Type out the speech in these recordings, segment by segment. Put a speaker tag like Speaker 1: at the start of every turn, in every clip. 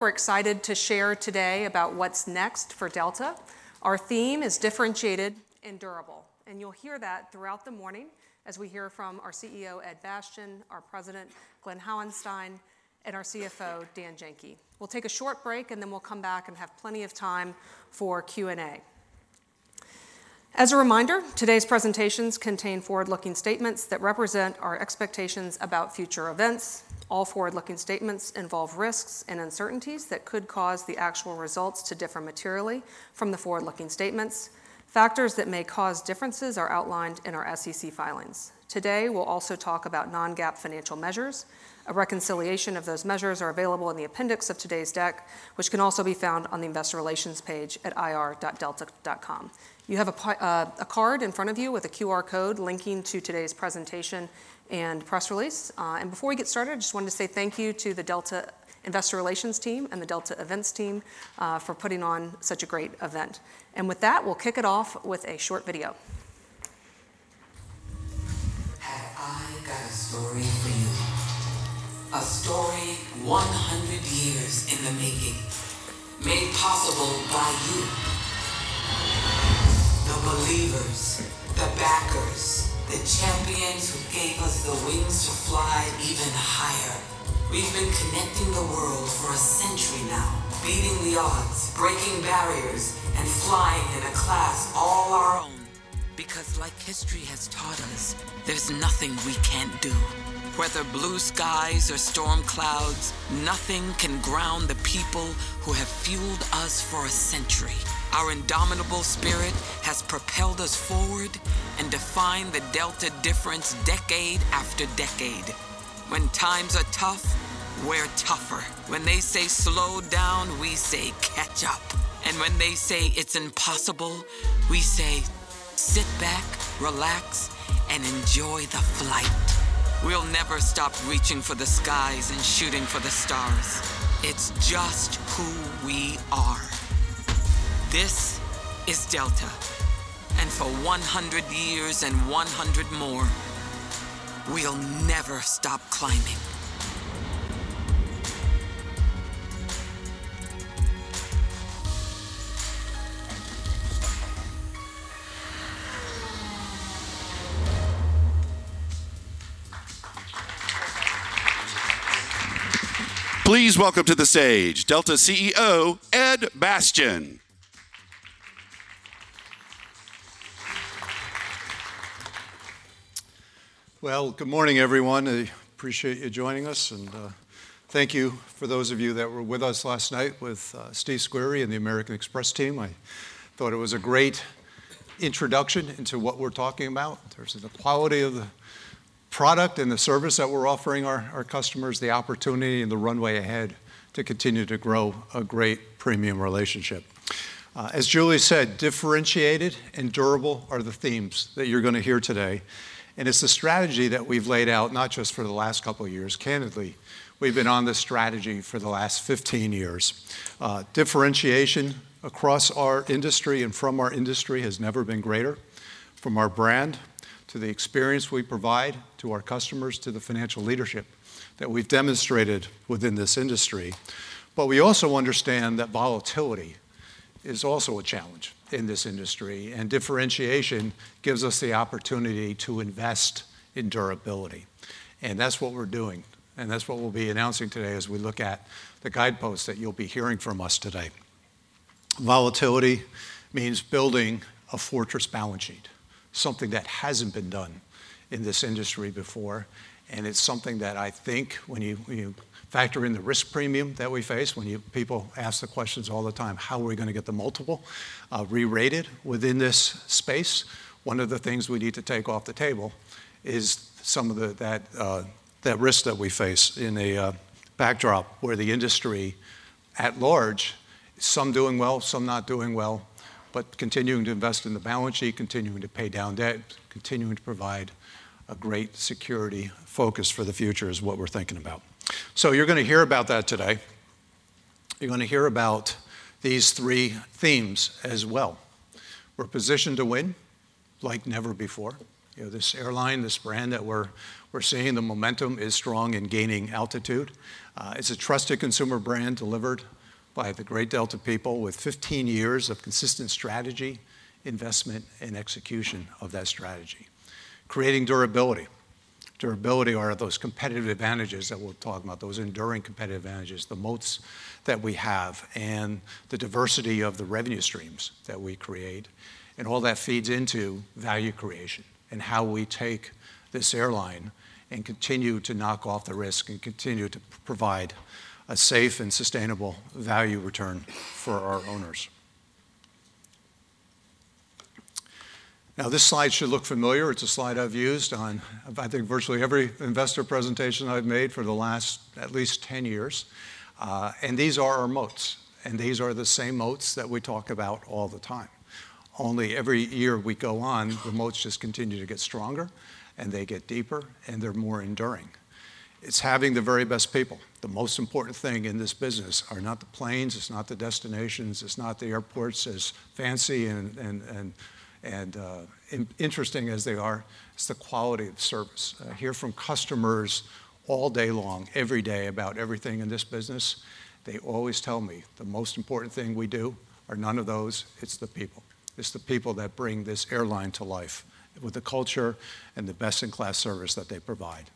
Speaker 1: We're excited to share today about what's next for Delta. Our theme is differentiated and durable, and you'll hear that throughout the morning as we hear from our CEO, Ed Bastian, our President, Glen Hauenstein, and our CFO, Dan Janki. We'll take a short break, and then we'll come back and have plenty of time for Q&A. As a reminder, today's presentations contain forward-looking statements that represent our expectations about future events. All forward-looking statements involve risks and uncertainties that could cause the actual results to differ materially from the forward-looking statements. Factors that may cause differences are outlined in our SEC filings. Today, we'll also talk about non-GAAP financial measures. A reconciliation of those measures is available in the appendix of today's deck, which can also be found on the Investor Relations page at ir.delta.com. You have a card in front of you with a QR code linking to today's presentation and press release, and before we get started, I just wanted to say thank you to the Delta Investor Relations team and the Delta Events team for putting on such a great event, and with that, we'll kick it off with a short video.
Speaker 2: Have I got a story for you? A story 100 years in the making, made possible by you. The believers, the backers, the champions who gave us the wings to fly even higher. We've been connecting the world for a century now, beating the odds, breaking barriers, and flying in a class all our own. Because like history has taught us, there's nothing we can't do. Whether blue skies or storm clouds, nothing can ground the people who have fueled us for a century. Our indomitable spirit has propelled us forward and defined the Delta Difference decade after decade. When times are tough, we're tougher. When they say slow down, we say catch up. And when they say it's impossible, we say sit back, relax, and enjoy the flight. We'll never stop reaching for the skies and shooting for the stars. It's just who we are. This is Delta, and for 100 years and 100 more, we'll never stop climbing.
Speaker 3: Please welcome to the stage Delta CEO, Ed Bastian.
Speaker 4: Good morning, everyone. I appreciate you joining us, and thank you for those of you that were with us last night with Steve Squeri and the American Express team. I thought it was a great introduction into what we're talking about in terms of the quality of the product and the service that we're offering our customers, the opportunity and the runway ahead to continue to grow a great premium relationship. As Julie said, differentiated and durable are the themes that you're going to hear today, and it's the strategy that we've laid out not just for the last couple of years. Candidly, we've been on this strategy for the last 15 years. Differentiation across our industry and from our industry has never been greater, from our brand to the experience we provide to our customers, to the financial leadership that we've demonstrated within this industry. But we also understand that volatility is also a challenge in this industry, and differentiation gives us the opportunity to invest in durability. And that's what we're doing, and that's what we'll be announcing today as we look at the guideposts that you'll be hearing from us today. Volatility means building a fortress balance sheet, something that hasn't been done in this industry before. And it's something that I think when you factor in the risk premium that we face, when people ask the questions all the time, how are we going to get the multiple re-rated within this space? One of the things we need to take off the table is some of that risk that we face in a backdrop where the industry at large, some doing well, some not doing well, but continuing to invest in the balance sheet, continuing to pay down debt, continuing to provide a great security focus for the future is what we're thinking about. So you're going to hear about that today. You're going to hear about these three themes as well. We're positioned to win like never before. This airline, this brand that we're seeing, the momentum is strong and gaining altitude. It's a trusted consumer brand delivered by the great Delta people with 15 years of consistent strategy, investment, and execution of that strategy. Creating durability. Durability are those competitive advantages that we're talking about, those enduring competitive advantages, the moats that we have and the diversity of the revenue streams that we create. All that feeds into value creation and how we take this airline and continue to knock off the risk and continue to provide a safe and sustainable value return for our owners. Now, this slide should look familiar. It's a slide I've used on, I think, virtually every investor presentation I've made for the last at least 10 years. These are our moats, and these are the same moats that we talk about all the time. Every year we go on, the moats just continue to get stronger and they get deeper and they're more enduring. It's having the very best people. The most important thing in this business are not the planes, it's not the destinations, it's not the airports as fancy and interesting as they are. It's the quality of service. I hear from customers all day long, every day about everything in this business. They always tell me the most important thing we do are none of those. It's the people. It's the people that bring this airline to life with the culture and the best-in-class service that they provide.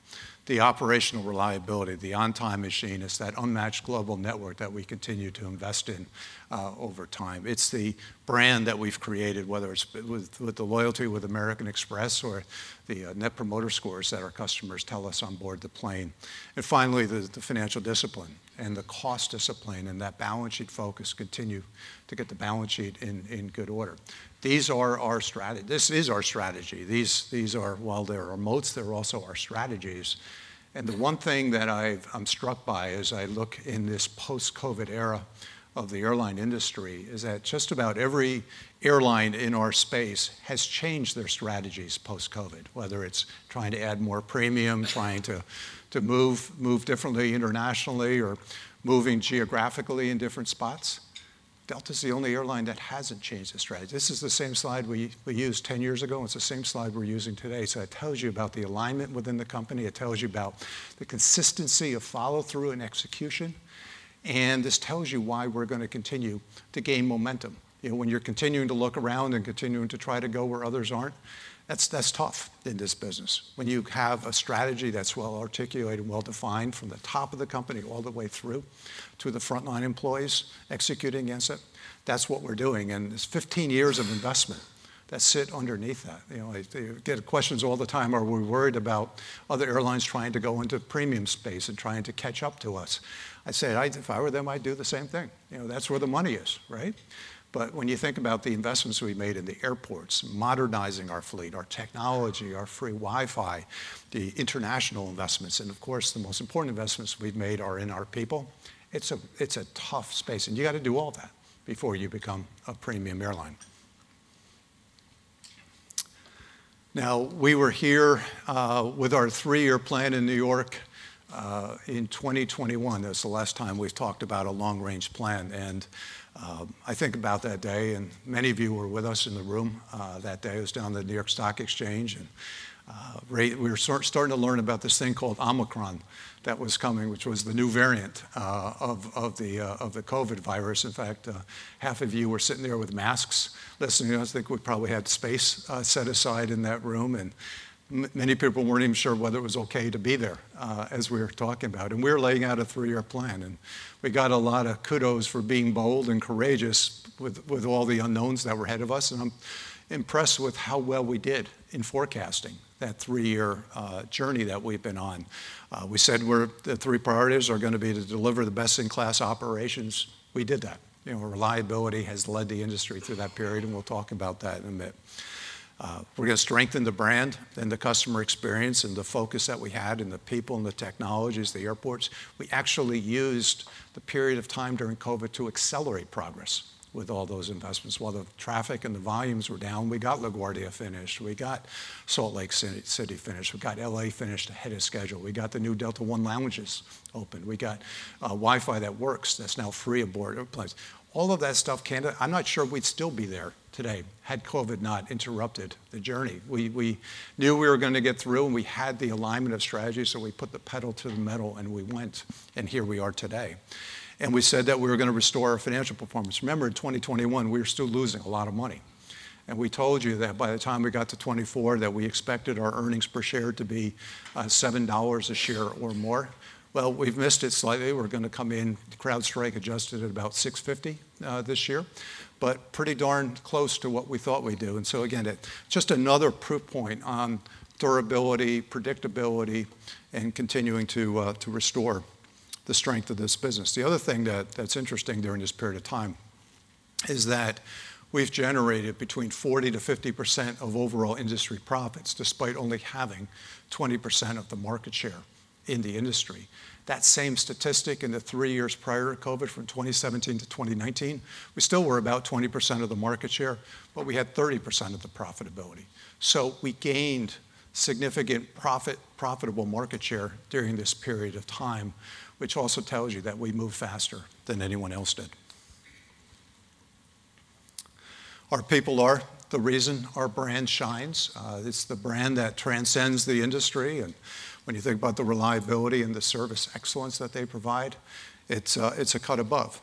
Speaker 4: The operational reliability, the on-time machine, it's that unmatched global network that we continue to invest in over time. It's the brand that we've created, whether it's with the loyalty with American Express or the Net Promoter Scores that our customers tell us on board the plane. And finally, the financial discipline and the cost discipline and that balance sheet focus continue to get the balance sheet in good order. These are our strategy. These are, while they're our moats, they're also our strategies. And the one thing that I'm struck by as I look in this post-COVID era of the airline industry is that just about every airline in our space has changed their strategies post-COVID, whether it's trying to add more premium, trying to move differently internationally, or moving geographically in different spots. Delta is the only airline that hasn't changed its strategy. This is the same slide we used 10 years ago, and it's the same slide we're using today. So it tells you about the alignment within the company. It tells you about the consistency of follow-through and execution. And this tells you why we're going to continue to gain momentum. When you're continuing to look around and continuing to try to go where others aren't, that's tough in this business. When you have a strategy that's well articulated, well defined from the top of the company all the way through to the frontline employees executing against it, that's what we're doing. And it's 15 years of investment that sit underneath that. You get questions all the time, are we worried about other airlines trying to go into premium space and trying to catch up to us? I say, if I were them, I'd do the same thing. That's where the money is, right? But when you think about the investments we've made in the airports, modernizing our fleet, our technology, our free Wi-Fi, the international investments, and of course, the most important investments we've made are in our people. It's a tough space, and you got to do all that before you become a premium airline. Now, we were here with our three-year plan in New York in 2021. That's the last time we've talked about a long-range plan. And I think about that day, and many of you were with us in the room that day. It was down at the New York Stock Exchange. And we were starting to learn about this thing called Omicron that was coming, which was the new variant of the COVID virus. In fact, half of you were sitting there with masks listening. I think we probably had space set aside in that room, and many people weren't even sure whether it was okay to be there as we were talking about. We were laying out a three-year plan, and we got a lot of kudos for being bold and courageous with all the unknowns that were ahead of us. I'm impressed with how well we did in forecasting that three-year journey that we've been on. We said the three priorities are going to be to deliver the best-in-class operations. We did that. Reliability has led the industry through that period, and we'll talk about that in a bit. We're going to strengthen the brand and the customer experience and the focus that we had and the people and the technologies, the airports. We actually used the period of time during COVID to accelerate progress with all those investments. While the traffic and the volumes were down, we got LaGuardia finished. We got Salt Lake City finished. We got LA finished ahead of schedule. We got the new Delta One Lounges open. We got Wi-Fi that works, that's now free aboard airplanes. All of that stuff, candidly, I'm not sure we'd still be there today had COVID not interrupted the journey. We knew we were going to get through, and we had the alignment of strategy, so we put the pedal to the metal and we went, and here we are today. And we said that we were going to restore our financial performance. Remember, in 2021, we were still losing a lot of money. And we told you that by the time we got to 2024, that we expected our earnings per share to be $7 a share or more. Well, we've missed it slightly. We're going to come in, CrowdStrike adjusted at about $6.50 this year, but pretty darn close to what we thought we'd do. And so again, just another proof point on durability, predictability, and continuing to restore the strength of this business. The other thing that's interesting during this period of time is that we've generated between 40%-50% of overall industry profits despite only having 20% of the market share in the industry. That same statistic in the three years prior to COVID from 2017 to 2019, we still were about 20% of the market share, but we had 30% of the profitability. So we gained significant profit, profitable market share during this period of time, which also tells you that we moved faster than anyone else did. Our people are the reason our brand shines. It's the brand that transcends the industry. And when you think about the reliability and the service excellence that they provide, it's a cut above.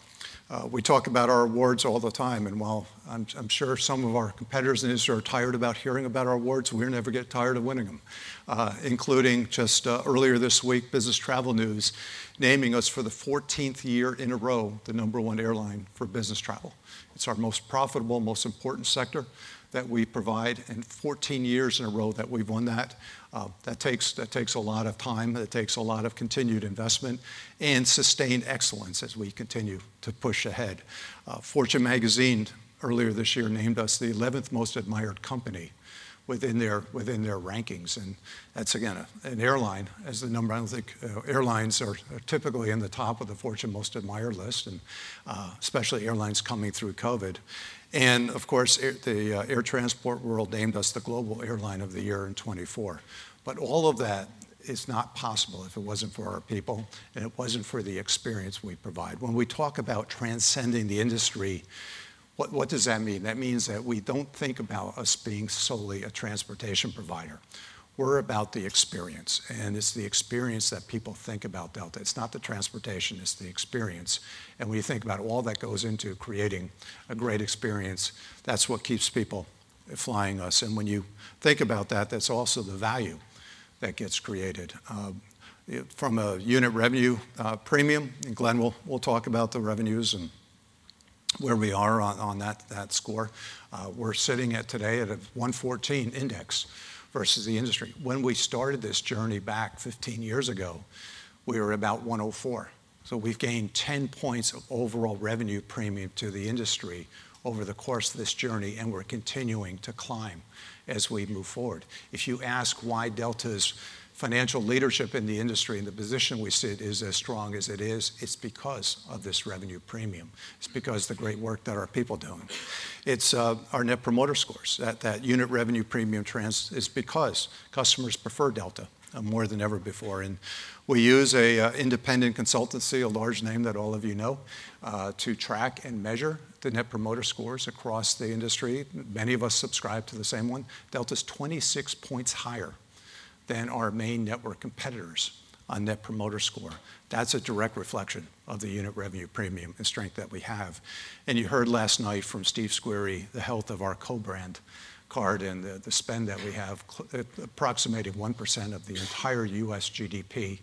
Speaker 4: We talk about our awards all the time. While I'm sure some of our competitors in the industry are tired about hearing about our awards, we never get tired of winning them, including just earlier this week, Business Travel News naming us for the 14th year in a row the number one airline for business travel. It's our most profitable, most important sector that we provide, and 14 years in a row that we've won that. That takes a lot of time. That takes a lot of continued investment and sustained excellence as we continue to push ahead. Fortune Magazine earlier this year named us the 11th most admired company within their rankings. That's, again, an airline as the number. I don't think airlines are typically in the top of the Fortune most admired list, and especially airlines coming through COVID. And of course, the Air Transport World named us the Global Airline of the Year in 2024. But all of that is not possible if it wasn't for our people and it wasn't for the experience we provide. When we talk about transcending the industry, what does that mean? That means that we don't think about us being solely a transportation provider. We're about the experience, and it's the experience that people think about Delta. It's not the transportation. It's the experience. And when you think about all that goes into creating a great experience, that's what keeps people flying us. And when you think about that, that's also the value that gets created. From a unit revenue premium, and Glen will talk about the revenues and where we are on that score. We're sitting today at a 114 index versus the industry. When we started this journey back 15 years ago, we were about 104. So we've gained 10 points of overall revenue premium to the industry over the course of this journey, and we're continuing to climb as we move forward. If you ask why Delta's financial leadership in the industry and the position we sit is as strong as it is, it's because of this revenue premium. It's because of the great work that our people are doing. It's our Net Promoter Scores. That unit revenue premium is because customers prefer Delta more than ever before, and we use an independent consultancy, a large name that all of you know, to track and measure the Net Promoter Scores across the industry. Many of us subscribe to the same one. Delta's 26 points higher than our main network competitors on Net Promoter Score. That's a direct reflection of the unit revenue premium and strength that we have. And you heard last night from Steve Squeri, the health of our co-brand card and the spend that we have, approximating 1% of the entire U.S. GDP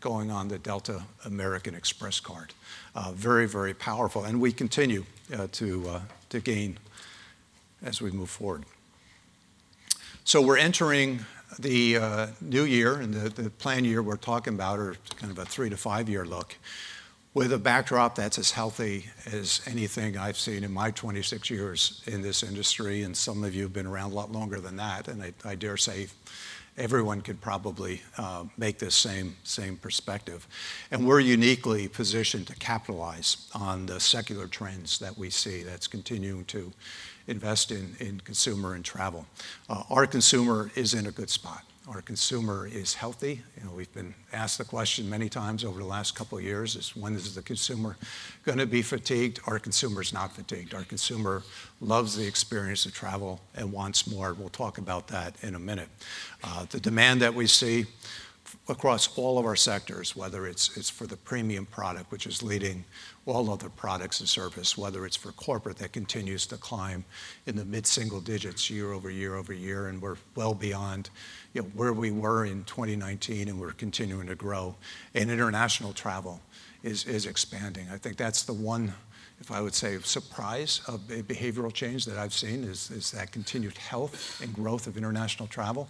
Speaker 4: going on the Delta American Express card. Very, very powerful. And we continue to gain as we move forward. So we're entering the new year and the planned year we're talking about or kind of a three to five-year look with a backdrop that's as healthy as anything I've seen in my 26 years in this industry. And some of you have been around a lot longer than that. And I dare say everyone could probably make this same perspective. And we're uniquely positioned to capitalize on the secular trends that we see that's continuing to invest in consumer and travel. Our consumer is in a good spot. Our consumer is healthy. We've been asked the question many times over the last couple of years: Is when is the consumer going to be fatigued? Our consumer is not fatigued. Our consumer loves the experience of travel and wants more. We'll talk about that in a minute. The demand that we see across all of our sectors, whether it's for the premium product, which is leading all other products and service, whether it's for corporate that continues to climb in the mid-single digits year over year over year, and we're well beyond where we were in 2019, and we're continuing to grow, and international travel is expanding. I think that's the one, if I would say, surprise of behavioral change that I've seen is that continued health and growth of international travel.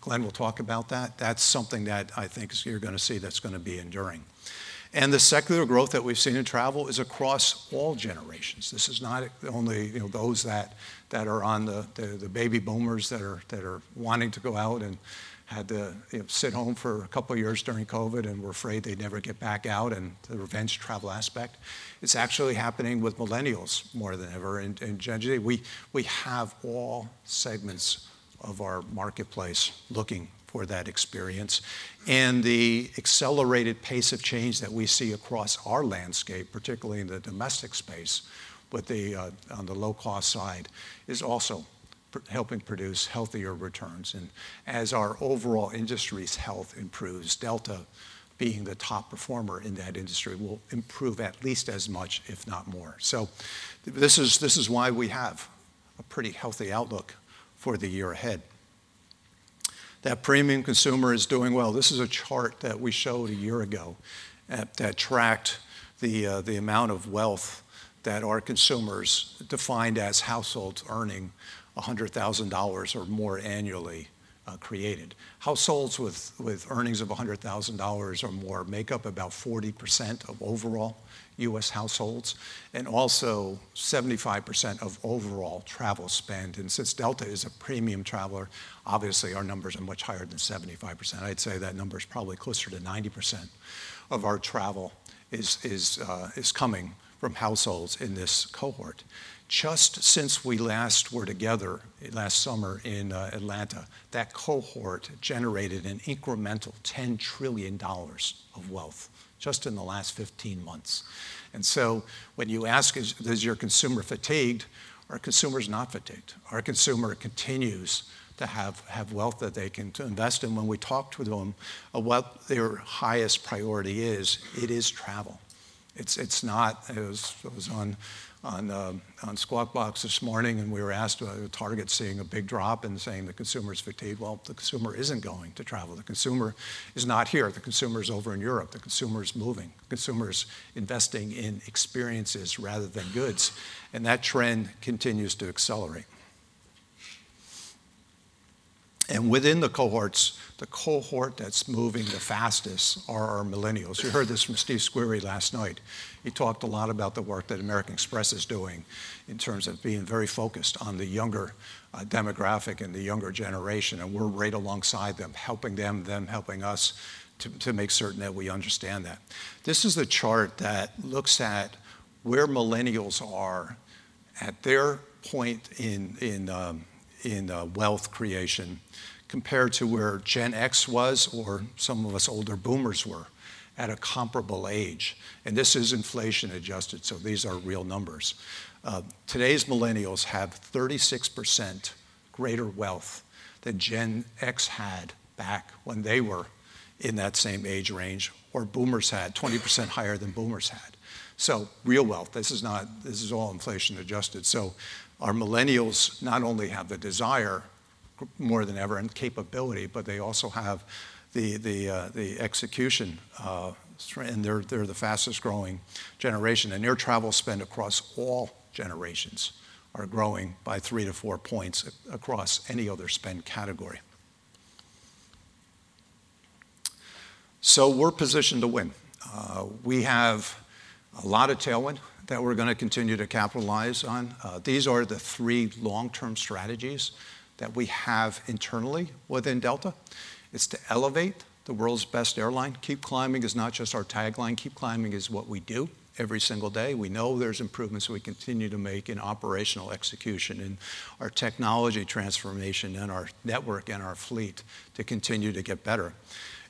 Speaker 4: Glen will talk about that. That's something that I think you're going to see that's going to be enduring. And the secular growth that we've seen in travel is across all generations. This is not only those that are on the baby boomers that are wanting to go out and had to sit home for a couple of years during COVID and were afraid they'd never get back out and the revenge travel aspect. It's actually happening with millennials more than ever. And generally, we have all segments of our marketplace looking for that experience. And the accelerated pace of change that we see across our landscape, particularly in the domestic space, on the low-cost side, is also helping produce healthier returns. And as our overall industry's health improves, Delta being the top performer in that industry will improve at least as much, if not more. So this is why we have a pretty healthy outlook for the year ahead. That premium consumer is doing well. This is a chart that we showed a year ago that tracked the amount of wealth that our consumers defined as households earning $100,000 or more annually created. Households with earnings of $100,000 or more make up about 40% of overall U.S. households and also 75% of overall travel spend. And since Delta is a premium traveler, obviously our numbers are much higher than 75%. I'd say that number is probably closer to 90% of our travel is coming from households in this cohort. Just since we last were together last summer in Atlanta, that cohort generated an incremental $10 trillion of wealth just in the last 15 months. And so when you ask, is your consumer fatigued? Our consumer is not fatigued. Our consumer continues to have wealth that they can invest in. When we talk to them, what their highest priority is, it is travel. It's not, as I was on Squawk Box this morning, and we were asked by Target seeing a big drop and saying the consumer is fatigued, well the consumer isn't going to travel. The consumer is not here. The consumer is over in Europe. The consumer is moving. The consumer is investing in experiences rather than goods. And that trend continues to accelerate. And within the cohorts, the cohort that's moving the fastest are our millennials. You heard this from Steve Squeri last night. He talked a lot about the work that American Express is doing in terms of being very focused on the younger demographic and the younger generation. And we're right alongside them, helping them, them helping us to make certain that we understand that. This is a chart that looks at where millennials are at their point in wealth creation compared to where Gen X was or some of us older boomers were at a comparable age. And this is inflation-adjusted. So these are real numbers. Today's millennials have 36% greater wealth than Gen X had back when they were in that same age range or boomers had, 20% higher than boomers had. So real wealth, this is all inflation-adjusted. So our millennials not only have the desire more than ever and capability, but they also have the execution. And they're the fastest-growing generation. And their travel spend across all generations are growing by three to four points across any other spend category. So we're positioned to win. We have a lot of tailwind that we're going to continue to capitalize on. These are the three long-term strategies that we have internally within Delta. It's to elevate the world's best airline. Keep Climbing is not just our tagline. Keep Climbing is what we do every single day. We know there's improvements we continue to make in operational execution and our technology transformation and our network and our fleet to continue to get better.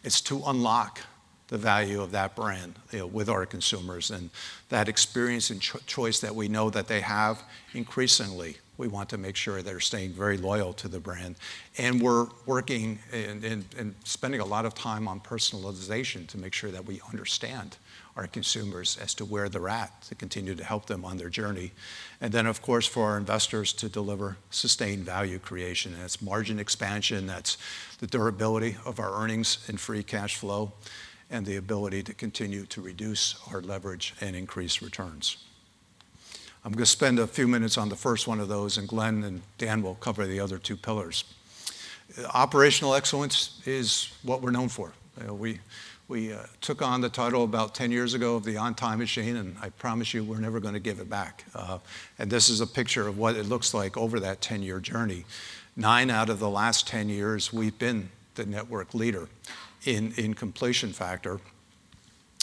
Speaker 4: It's to unlock the value of that brand with our consumers and that experience and choice that we know that they have increasingly. We want to make sure they're staying very loyal to the brand. And we're working and spending a lot of time on personalization to make sure that we understand our consumers as to where they're at to continue to help them on their journey. Then, of course, for our investors to deliver sustained value creation. That's margin expansion. That's the durability of our earnings and free cash flow and the ability to continue to reduce our leverage and increase returns. I'm going to spend a few minutes on the first one of those, and Glen and Dan will cover the other two pillars. Operational excellence is what we're known for. We took on the title about 10 years ago of the on-time machine, and I promise you we're never going to give it back. This is a picture of what it looks like over that 10-year journey. Nine out of the last 10 years, we've been the network leader in completion factor.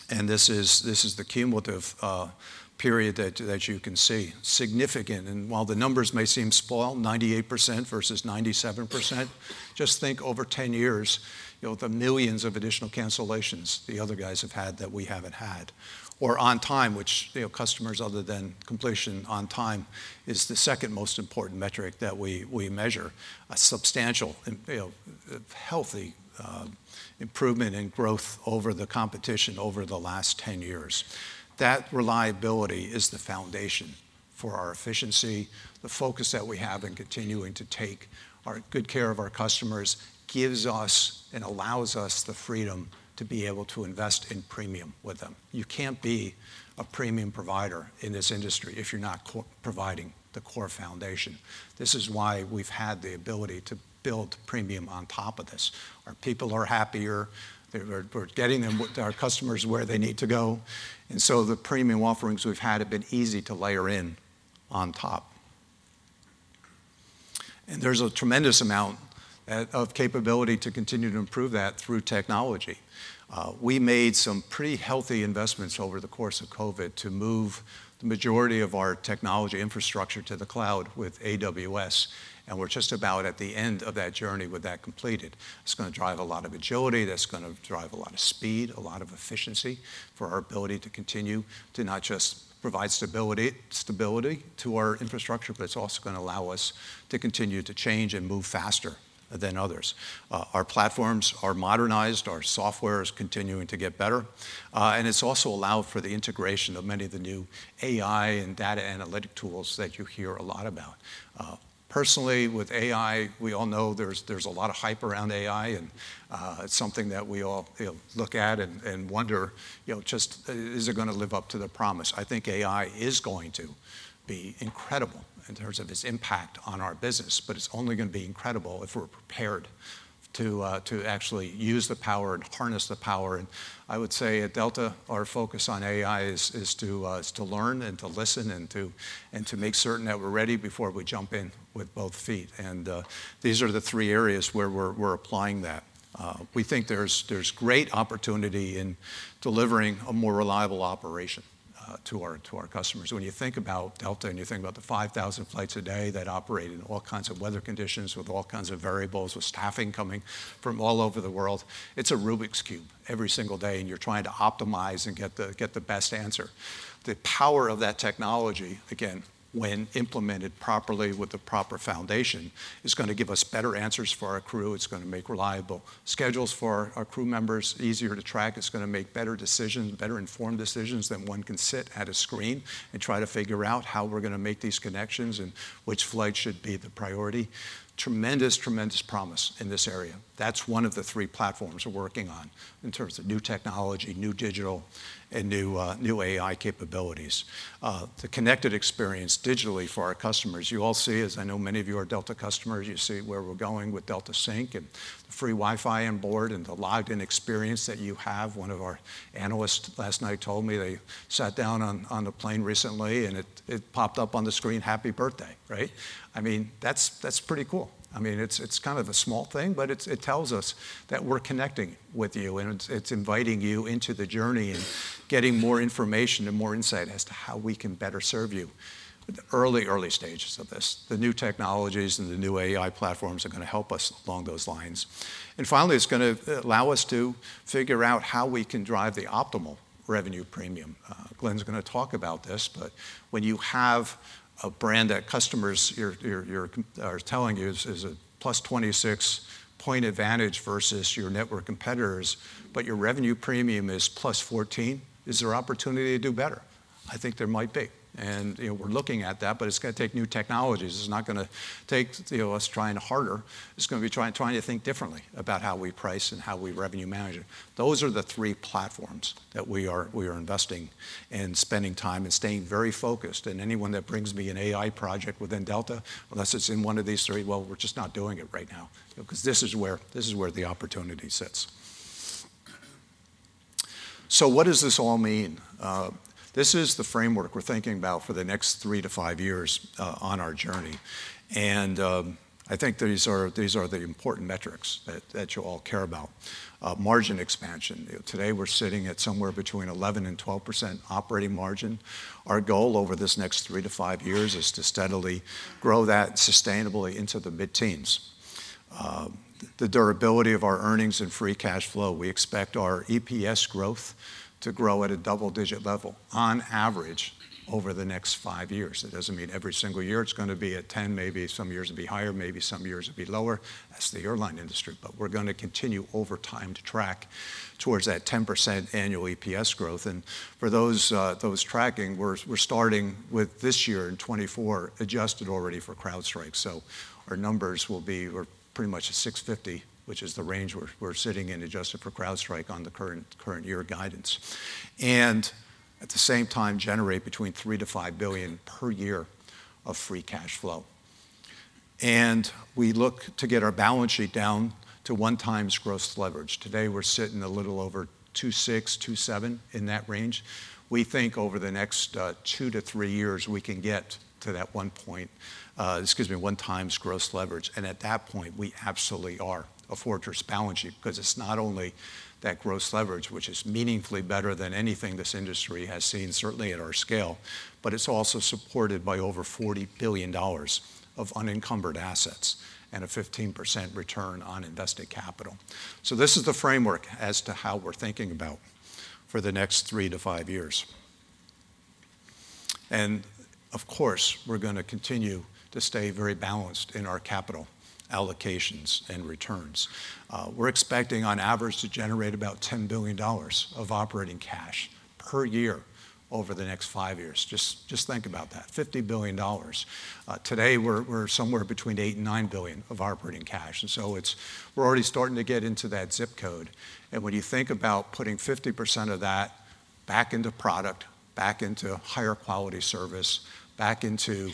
Speaker 4: This is the cumulative period that you can see. Significant. And while the numbers may seem spoiled, 98% versus 97%, just think over 10 years with the millions of additional cancellations the other guys have had that we haven't had. Or on time, which, customers other than completion, on time is the second most important metric that we measure. A substantial, healthy improvement in growth over the competition over the last 10 years. That reliability is the foundation for our efficiency. The focus that we have in continuing to take good care of our customers gives us and allows us the freedom to be able to invest in premium with them. You can't be a premium provider in this industry if you're not providing the core foundation. This is why we've had the ability to build premium on top of this. Our people are happier. We're getting our customers where they need to go. And so the premium offerings we've had have been easy to layer in on top. And there's a tremendous amount of capability to continue to improve that through technology. We made some pretty healthy investments over the course of COVID to move the majority of our technology infrastructure to the cloud with AWS. And we're just about at the end of that journey with that completed. It's going to drive a lot of agility. That's going to drive a lot of speed, a lot of efficiency for our ability to continue to not just provide stability to our infrastructure, but it's also going to allow us to continue to change and move faster than others. Our platforms are modernized. Our software is continuing to get better. And it's also allowed for the integration of many of the new AI and data analytic tools that you hear a lot about. Personally, with AI, we all know there's a lot of hype around AI, and it's something that we all look at and wonder, just is it going to live up to the promise? I think AI is going to be incredible in terms of its impact on our business, but it's only going to be incredible if we're prepared to actually use the power and harness the power. And I would say at Delta, our focus on AI is to learn and to listen and to make certain that we're ready before we jump in with both feet. And these are the three areas where we're applying that. We think there's great opportunity in delivering a more reliable operation to our customers. When you think about Delta and you think about the 5,000 flights a day that operate in all kinds of weather conditions with all kinds of variables, with staffing coming from all over the world, it's a Rubik's Cube every single day, and you're trying to optimize and get the best answer. The power of that technology, again, when implemented properly with the proper foundation, is going to give us better answers for our crew. It's going to make reliable schedules for our crew members easier to track. It's going to make better decisions, better informed decisions than one can sit at a screen and try to figure out how we're going to make these connections and which flight should be the priority. Tremendous, tremendous promise in this area. That's one of the three platforms we're working on in terms of new technology, new digital, and new AI capabilities. The connected experience digitally for our customers. You all see, as I know many of you are Delta customers, you see where we're going with Delta Sync and the free Wi-Fi on board and the logged-in experience that you have. One of our analysts last night told me they sat down on the plane recently, and it popped up on the screen, "Happy birthday," right? I mean, that's pretty cool. I mean, it's kind of a small thing, but it tells us that we're connecting with you, and it's inviting you into the journey and getting more information and more insight as to how we can better serve you. The early, early stages of this, the new technologies and the new AI platforms are going to help us along those lines. And finally, it's going to allow us to figure out how we can drive the optimal revenue premium. Glen's going to talk about this, but when you have a brand that customers are telling you is a +26 point advantage versus your network competitors, but your revenue premium is +14, is there opportunity to do better? I think there might be. And we're looking at that, but it's going to take new technologies. It's not going to take us trying harder. It's going to be trying to think differently about how we price and how we revenue manage it. Those are the three platforms that we are investing and spending time and staying very focused. And anyone that brings me an AI project within Delta, unless it's in one of these three, well, we're just not doing it right now because this is where the opportunity sits. So what does this all mean? This is the framework we're thinking about for the next three to five years on our journey. And I think these are the important metrics that you all care about. Margin expansion. Today, we're sitting at somewhere between 11%-12% operating margin. Our goal over this next three to five years is to steadily grow that sustainably into the mid-teens. The durability of our earnings and free cash flow. We expect our EPS growth to grow at a double-digit level on average over the next five years. That doesn't mean every single year it's going to be at 10, maybe some years it'll be higher, maybe some years it'll be lower. That's the airline industry. But we're going to continue over time to track towards that 10% annual EPS growth. And for those tracking, we're starting with this year in 2024 adjusted already for CrowdStrike. Our numbers will be pretty much at $6.50, which is the range we're sitting in adjusted for CrowdStrike on the current year guidance. At the same time, generate between $3 billion-$5 billion per year of free cash flow. We look to get our balance sheet down to one times gross leverage. Today, we're sitting a little over 2.6-2.7 in that range. We think over the next two to three years, we can get to that one point, excuse me, one times gross leverage. At that point, we absolutely are a fortress balance sheet because it's not only that gross leverage, which is meaningfully better than anything this industry has seen, certainly at our scale, but it's also supported by over $40 billion of unencumbered assets and a 15% return on invested capital. So this is the framework as to how we're thinking about for the next three to five years. And of course, we're going to continue to stay very balanced in our capital allocations and returns. We're expecting on average to generate about $10 billion of operating cash per year over the next five years. Just think about that. $50 billion. Today, we're somewhere between $8 billion and $9 billion of operating cash. And so we're already starting to get into that zip code. And when you think about putting 50% of that back into product, back into higher quality service, back into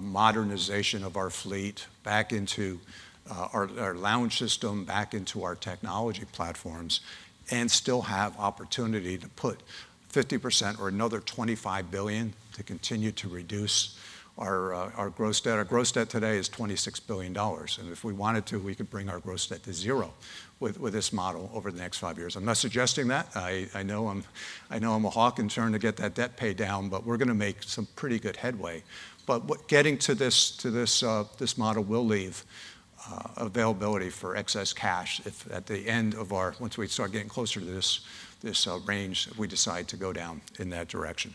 Speaker 4: modernization of our fleet, back into our lounge system, back into our technology platforms, and still have opportunity to put 50% or another $25 billion to continue to reduce our gross debt. Our gross debt today is $26 billion. If we wanted to, we could bring our gross debt to zero with this model over the next five years. I'm not suggesting that. I know I'm a hawk in trying to get that debt paid down, but we're going to make some pretty good headway. But getting to this model will leave availability for excess cash at the end of the year once we start getting closer to this range, we decide to go down in that direction.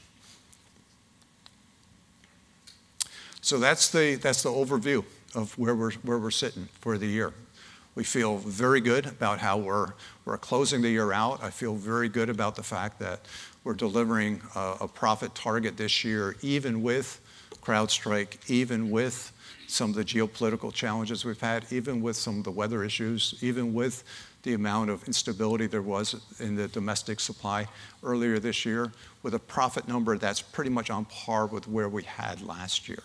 Speaker 4: That's the overview of where we're sitting for the year. We feel very good about how we're closing the year out. I feel very good about the fact that we're delivering a profit target this year, even with CrowdStrike, even with some of the geopolitical challenges we've had, even with some of the weather issues, even with the amount of instability there was in the domestic supply earlier this year, with a profit number that's pretty much on par with where we had last year.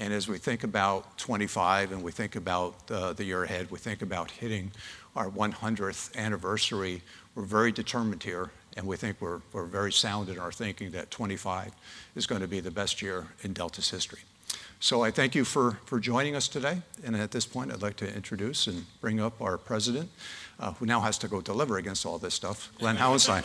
Speaker 4: And as we think about 2025 and we think about the year ahead, we think about hitting our 100th anniversary, we're very determined here, and we think we're very sound in our thinking that 2025 is going to be the best year in Delta's history. So I thank you for joining us today. And at this point, I'd like to introduce and bring up our President, who now has to go deliver against all this stuff. Glen, how was that?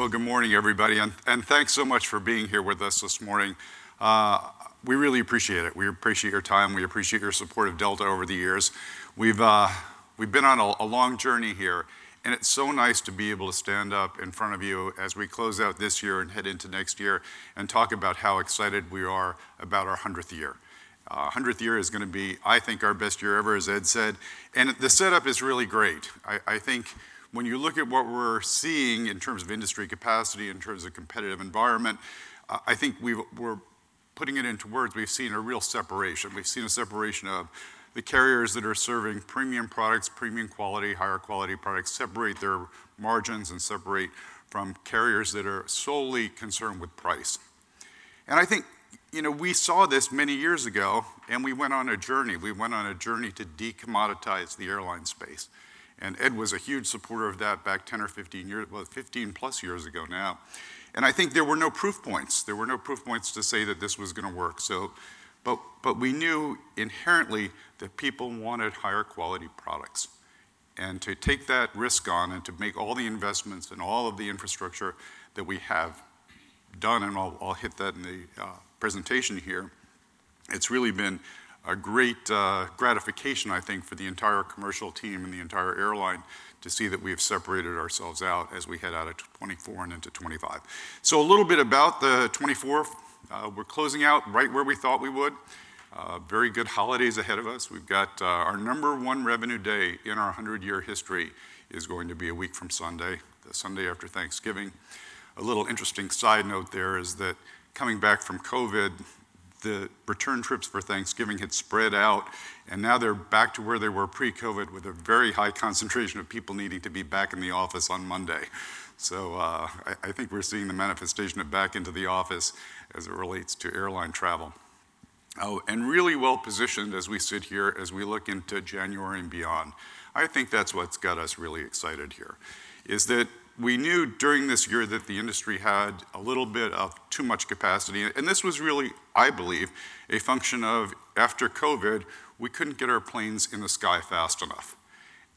Speaker 5: Well, good morning, everybody. Thanks so much for being here with us this morning. We really appreciate it. We appreciate your time. We appreciate your support of Delta over the years. We've been on a long journey here, and it's so nice to be able to stand up in front of you as we close out this year and head into next year and talk about how excited we are about our 100th year. 100th year is going to be, I think, our best year ever, as Ed said. The setup is really great. I think when you look at what we're seeing in terms of industry capacity, in terms of competitive environment, I think we're putting it into words. We've seen a real separation. We've seen a separation of the carriers that are serving premium products, premium quality, higher quality products separate their margins and separate from carriers that are solely concerned with price. And I think we saw this many years ago, and we went on a journey. We went on a journey to decommoditize the airline space. And Ed was a huge supporter of that back 10 or 15 years, well, 15+ years ago now. And I think there were no proof points. There were no proof points to say that this was going to work. But we knew inherently that people wanted higher quality products. And to take that risk on and to make all the investments and all of the infrastructure that we have done, and I'll hit that in the presentation here, it's really been a great gratification, I think, for the entire commercial team and the entire airline to see that we've separated ourselves out as we head out of 2024 and into 2025. So a little bit about 2024. We're closing out right where we thought we would. Very good holidays ahead of us. We've got our number one revenue day in our 100-year history is going to be a week from Sunday, Sunday after Thanksgiving. A little interesting side note there is that coming back from COVID, the return trips for Thanksgiving had spread out, and now they're back to where they were pre-COVID with a very high concentration of people needing to be back in the office on Monday. So I think we're seeing the manifestation of back into the office as it relates to airline travel. And really well positioned as we sit here as we look into January and beyond. I think that's what's got us really excited here, is that we knew during this year that the industry had a little bit of too much capacity. And this was really, I believe, a function of after COVID, we couldn't get our planes in the sky fast enough.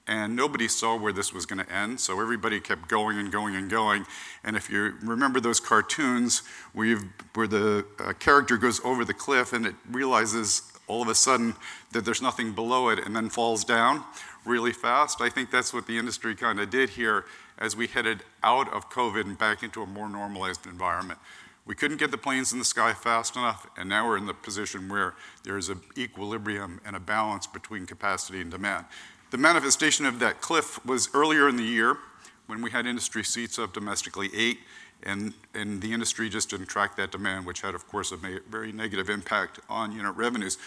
Speaker 5: And nobody saw where this was going to end, so everybody kept going and going and going. And if you remember those cartoons where the character goes over the cliff and it realizes all of a sudden that there's nothing below it and then falls down really fast, I think that's what the industry kind of did here as we headed out of COVID and back into a more normalized environment. We couldn't get the planes in the sky fast enough, and now we're in the position where there is an equilibrium and a balance between capacity and demand. The manifestation of that cliff was earlier in the year when we had industry seats up domestically eight, and the industry just didn't track that demand, which had, of course, a very negative impact on revenues.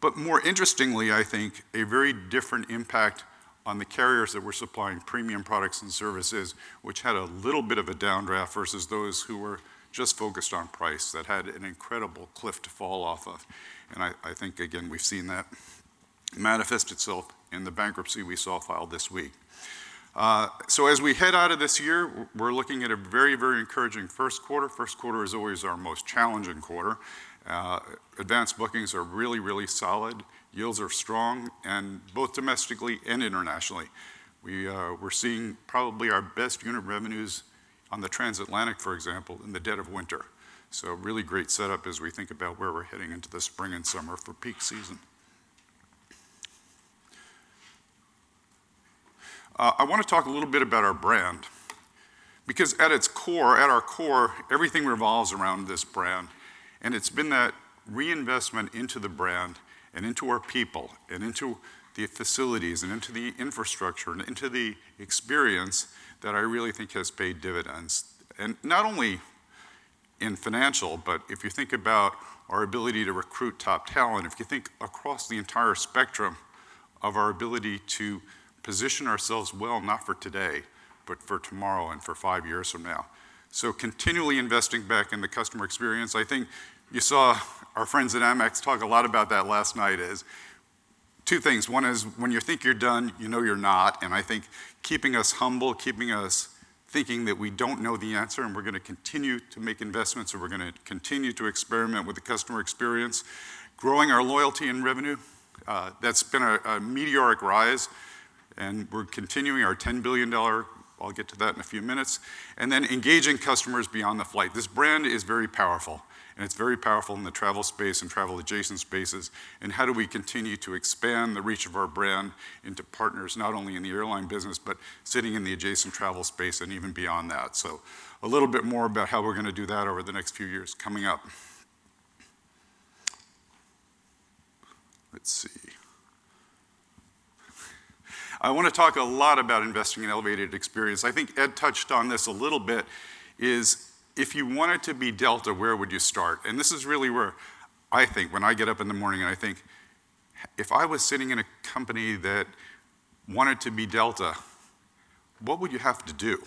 Speaker 5: But more interestingly, I think, a very different impact on the carriers that were supplying premium products and services, which had a little bit of a downdraft versus those who were just focused on price that had an incredible cliff to fall off of. And I think, again, we've seen that manifest itself in the bankruptcy we saw filed this week. So as we head out of this year, we're looking at a very, very encouraging first quarter. First quarter is always our most challenging quarter. Advanced bookings are really, really solid. Yields are strong and both domestically and internationally. We're seeing probably our best unit revenues on the transatlantic, for example, in the dead of winter. So really great setup as we think about where we're heading into the spring and summer for peak season. I want to talk a little bit about our brand because at our core, everything revolves around this brand. And it's been that reinvestment into the brand and into our people and into the facilities and into the infrastructure and into the experience that I really think has paid dividends. And not only in financial, but if you think about our ability to recruit top talent, if you think across the entire spectrum of our ability to position ourselves well, not for today, but for tomorrow and for five years from now. So continually investing back in the customer experience. I think you saw our friends at AMEX talk a lot about that last night as two things. One is when you think you're done, you know you're not. I think keeping us humble, keeping us thinking that we don't know the answer and we're going to continue to make investments and we're going to continue to experiment with the customer experience, growing our loyalty and revenue. That's been a meteoric rise. We're continuing our $10 billion. I'll get to that in a few minutes. Then engaging customers beyond the flight. This brand is very powerful, and it's very powerful in the travel space and travel adjacent spaces. How do we continue to expand the reach of our brand into partners not only in the airline business, but sitting in the adjacent travel space and even beyond that? A little bit more about how we're going to do that over the next few years coming up. Let's see. I want to talk a lot about investing in elevated experience. I think Ed touched on this a little bit: if you wanted to be Delta, where would you start? And this is really where I think when I get up in the morning and I think, if I was sitting in a company that wanted to be Delta, what would you have to do?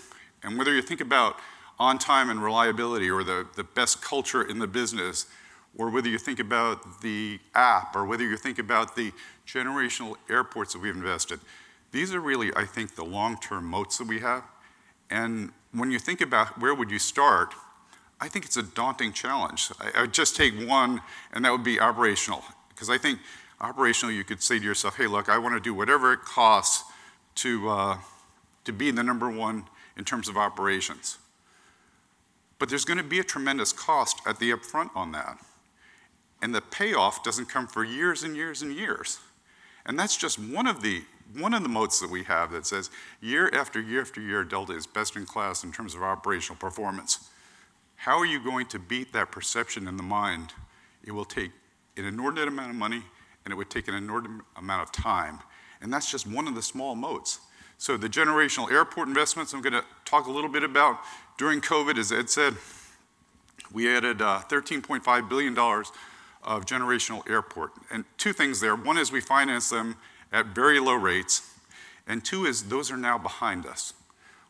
Speaker 5: And whether you think about on-time and reliability or the best culture in the business, or whether you think about the app or whether you think about the gateway airports that we've invested, these are really, I think, the long-term moats that we have. And when you think about where would you start, I think it's a daunting challenge. I would just take one, and that would be operational. Because I think operational, you could say to yourself, "Hey, look, I want to do whatever it costs to be the number one in terms of operations." But there's going to be a tremendous cost at the upfront on that. And the payoff doesn't come for years and years and years. And that's just one of the moats that we have that says year after year after year, Delta is best in class in terms of operational performance. How are you going to beat that perception in the mind? It will take an inordinate amount of money, and it would take an inordinate amount of time. And that's just one of the small moats. So the generational airport investments I'm going to talk a little bit about during COVID, as Ed said, we added $13.5 billion of generational airport. And two things there. One is we financed them at very low rates, and two is those are now behind us,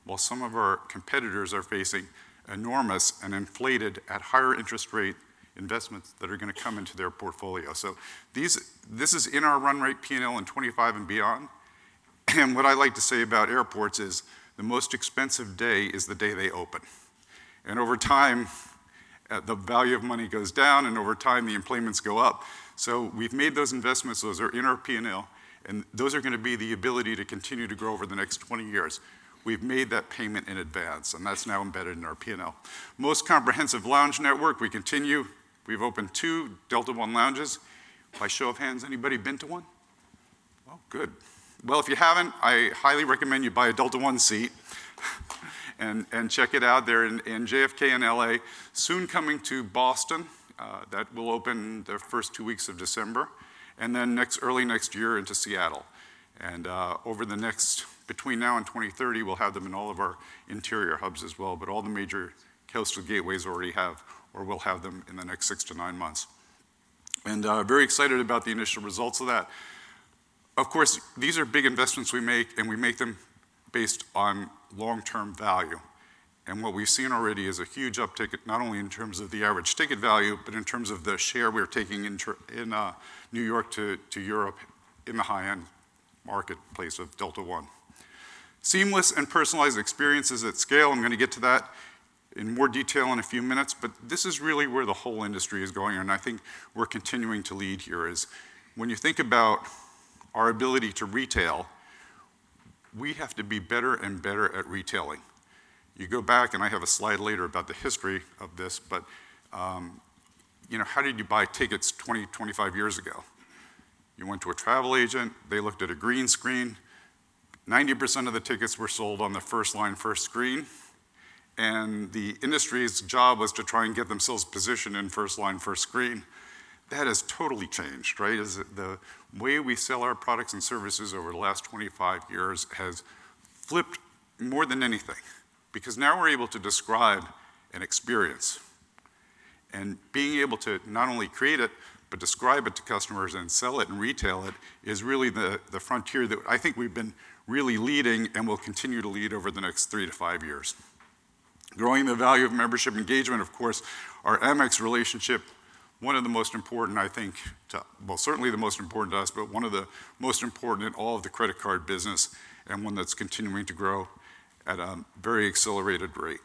Speaker 5: well, some of our competitors are facing enormous and inflated, at higher interest rate, investments that are going to come into their portfolio, so this is in our run rate P&L in 2025 and beyond, and what I like to say about airports is the most expensive day is the day they open, and over time, the value of money goes down, and over time, the enplanements go up, so we've made those investments. Those are in our P&L, and those are going to be the ability to continue to grow over the next 20 years. We've made that payment in advance, and that's now embedded in our P&L. Most comprehensive lounge network, we continue. We've opened two Delta One Lounges. By show of hands, anybody been to one? Oh, good. If you haven't, I highly recommend you buy a Delta One seat and check it out. They're in JFK in LA, soon coming to Boston that will open the first two weeks of December, and then early next year into Seattle. Over the next between now and 2030, we'll have them in all of our interior hubs as well, but all the major coastal gateways already have or will have them in the next six to nine months. Very excited about the initial results of that. Of course, these are big investments we make, and we make them based on long-term value. What we've seen already is a huge uptick, not only in terms of the average ticket value, but in terms of the share we're taking in New York to Europe in the high-end marketplace of Delta One. Seamless and personalized experiences at scale. I'm going to get to that in more detail in a few minutes, but this is really where the whole industry is going, and I think we're continuing to lead here is when you think about our ability to retail, we have to be better and better at retailing. You go back, and I have a slide later about the history of this, but how did you buy tickets 20, 25 years ago? You went to a travel agent. They looked at a green screen. 90% of the tickets were sold on the first line, first screen, and the industry's job was to try and get themselves positioned in first line, first screen. That has totally changed, right? The way we sell our products and services over the last 25 years has flipped more than anything because now we're able to describe an experience. And being able to not only create it, but describe it to customers and sell it and retail it is really the frontier that I think we've been really leading and will continue to lead over the next three to five years. Growing the value of membership engagement, of course, our AMEX relationship, one of the most important, I think, well, certainly the most important to us, but one of the most important in all of the credit card business and one that's continuing to grow at a very accelerated rate.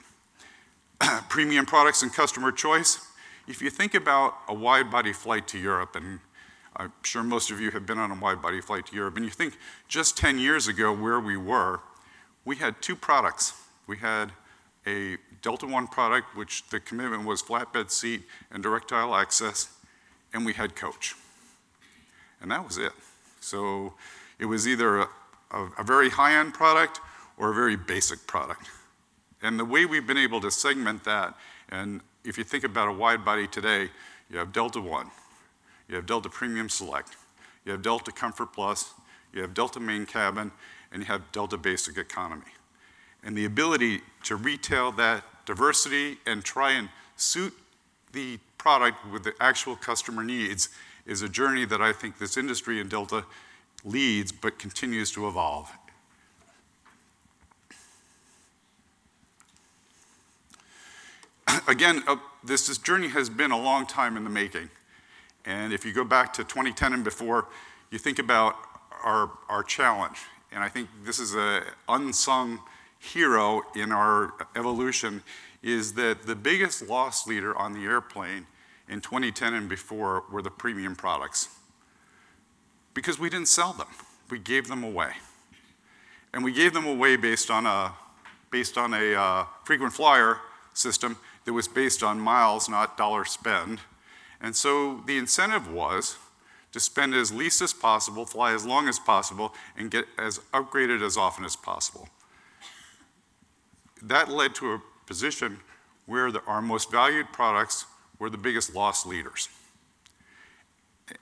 Speaker 5: Premium products and customer choice. If you think about a wide-body flight to Europe, and I'm sure most of you have been on a wide-body flight to Europe, and you think just 10 years ago where we were, we had two products. We had a Delta One product, which the commitment was flatbed seat and direct aisle access, and we had coach. And that was it, so it was either a very high-end product or a very basic product, and the way we've been able to segment that, and if you think about a wide-body today, you have Delta One, you have Delta Premium Select, you have Delta Comfort Plus, you have Delta Main Cabin, and you have Delta Basic Economy, and the ability to retail that diversity and try and suit the product with the actual customer needs is a journey that I think this industry in Delta leads but continues to evolve. Again, this journey has been a long time in the making, and if you go back to 2010 and before, you think about our challenge. And I think this is an unsung hero in our evolution, is that the biggest loss leader on the airplane in 2010 and before were the premium products because we didn't sell them. We gave them away. And we gave them away based on a frequent flyer system that was based on miles, not dollar spend. And so the incentive was to spend as little as possible, fly as long as possible, and get as upgraded as often as possible. That led to a position where our most valued products were the biggest loss leaders.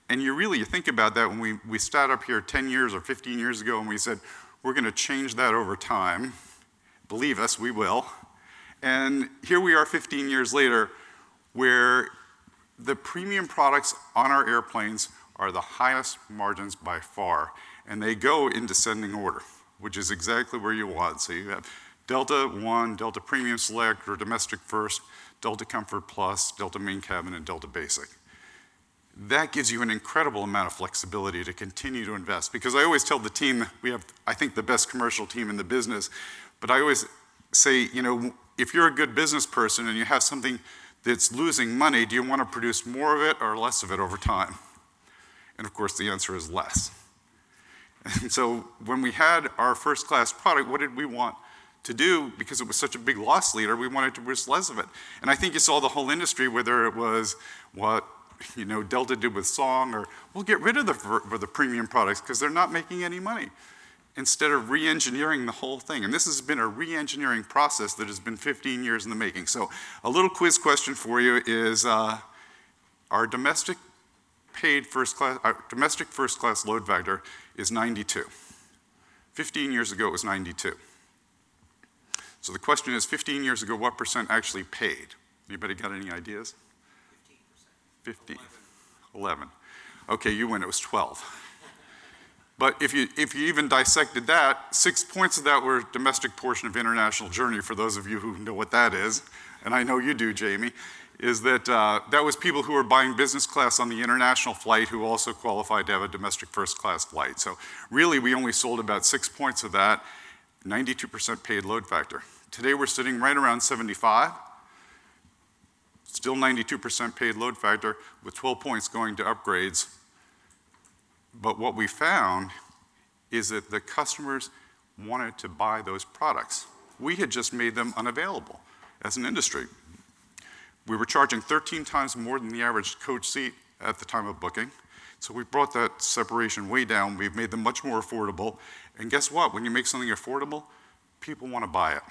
Speaker 5: And you really think about that when we start up here 10 years or 15 years ago and we said, "We're going to change that over time. Believe us, we will." And here we are 15 years later where the premium products on our airplanes are the highest margins by far. And they go in descending order, which is exactly where you want. So you have Delta One, Delta Premium Select or Domestic First, Delta Comfort Plus, Delta Main Cabin, and Delta Basic. That gives you an incredible amount of flexibility to continue to invest because I always tell the team, we have, I think, the best commercial team in the business, but I always say, "If you're a good business person and you have something that's losing money, do you want to produce more of it or less of it over time?" And of course, the answer is less. And so when we had our first-class product, what did we want to do? Because it was such a big loss leader, we wanted to produce less of it. I think you saw the whole industry, whether it was what Delta did with Song or, "We'll get rid of the premium products because they're not making any money," instead of re-engineering the whole thing. This has been a re-engineering process that has been 15 years in the making. A little quiz question for you is our domestic paid first-class load factor is 92%. 15 years ago, it was 92%. The question is, 15 years ago, what % actually paid? Anybody got any ideas?
Speaker 4: 15%. 15.
Speaker 5: 11. Okay, you win. It was 12. But if you even dissected that, six points of that were domestic portion of international journey for those of you who know what that is. And I know you do, Jamie. That was people who were buying business class on the international flight who also qualified to have a Domestic First Class flight. So really, we only sold about six points of that, 92% paid load factor. Today, we're sitting right around 75, still 92% paid load factor with 12 points going to upgrades. But what we found is that the customers wanted to buy those products. We had just made them unavailable as an industry. We were charging 13x more than the average coach seat at the time of booking. So we brought that separation way down. We've made them much more affordable. And guess what? When you make something affordable, people want to buy it.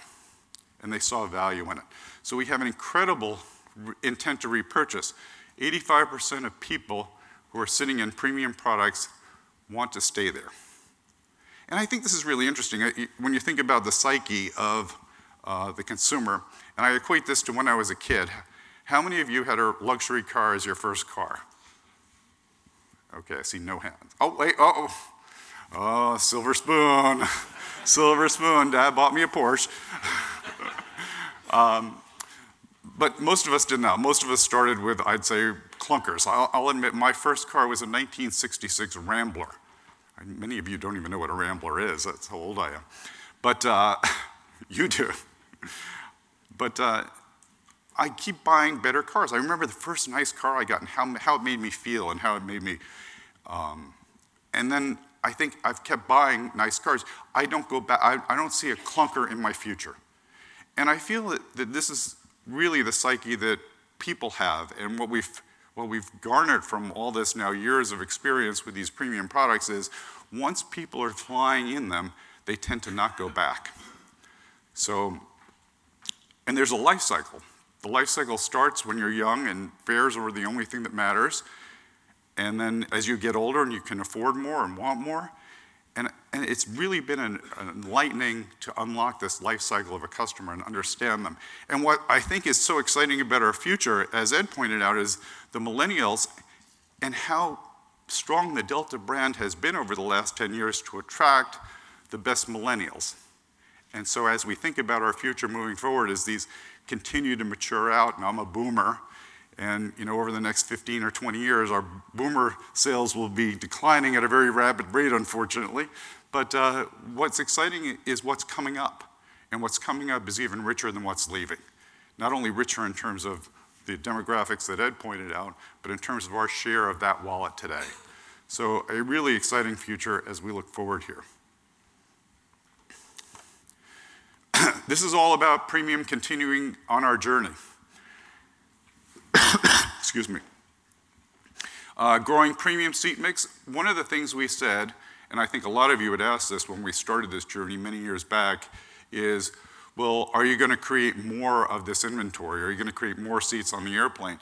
Speaker 5: And they saw value in it. So we have an incredible intent to repurchase. 85% of people who are sitting in premium products want to stay there. And I think this is really interesting. When you think about the psyche of the consumer, and I equate this to when I was a kid, how many of you had a luxury car as your first car? Okay, I see no hands. Oh, wait. Oh, silver spoon. Silver spoon. Dad bought me a Porsche. But most of us did not. Most of us started with, I'd say, clunkers. I'll admit my first car was a 1966 Rambler. Many of you don't even know what a Rambler is. That's how old I am. But you do. But I keep buying better cars. I remember the first nice car I got and how it made me feel and how it made me. And then I think I've kept buying nice cars. I don't see a clunker in my future. And I feel that this is really the psyche that people have. And what we've garnered from all this now, years of experience with these premium products is once people are flying in them, they tend to not go back. And there's a life cycle. The life cycle starts when you're young and fares are the only thing that matters. And then as you get older and you can afford more and want more, and it's really been enlightening to unlock this life cycle of a customer and understand them. What I think is so exciting about our future, as Ed pointed out, is the millennials and how strong the Delta brand has been over the last 10 years to attract the best millennials. As we think about our future moving forward, as these continue to mature out, and I'm a boomer, and over the next 15 or 20 years, our boomer sales will be declining at a very rapid rate, unfortunately. What's exciting is what's coming up. What's coming up is even richer than what's leaving. Not only richer in terms of the demographics that Ed pointed out, but in terms of our share of that wallet today. A really exciting future as we look forward here. This is all about premium continuing on our journey. Excuse me. Growing premium seat mix. One of the things we said, and I think a lot of you had asked this when we started this journey many years back, is, "Well, are you going to create more of this inventory? Are you going to create more seats on the airplane?"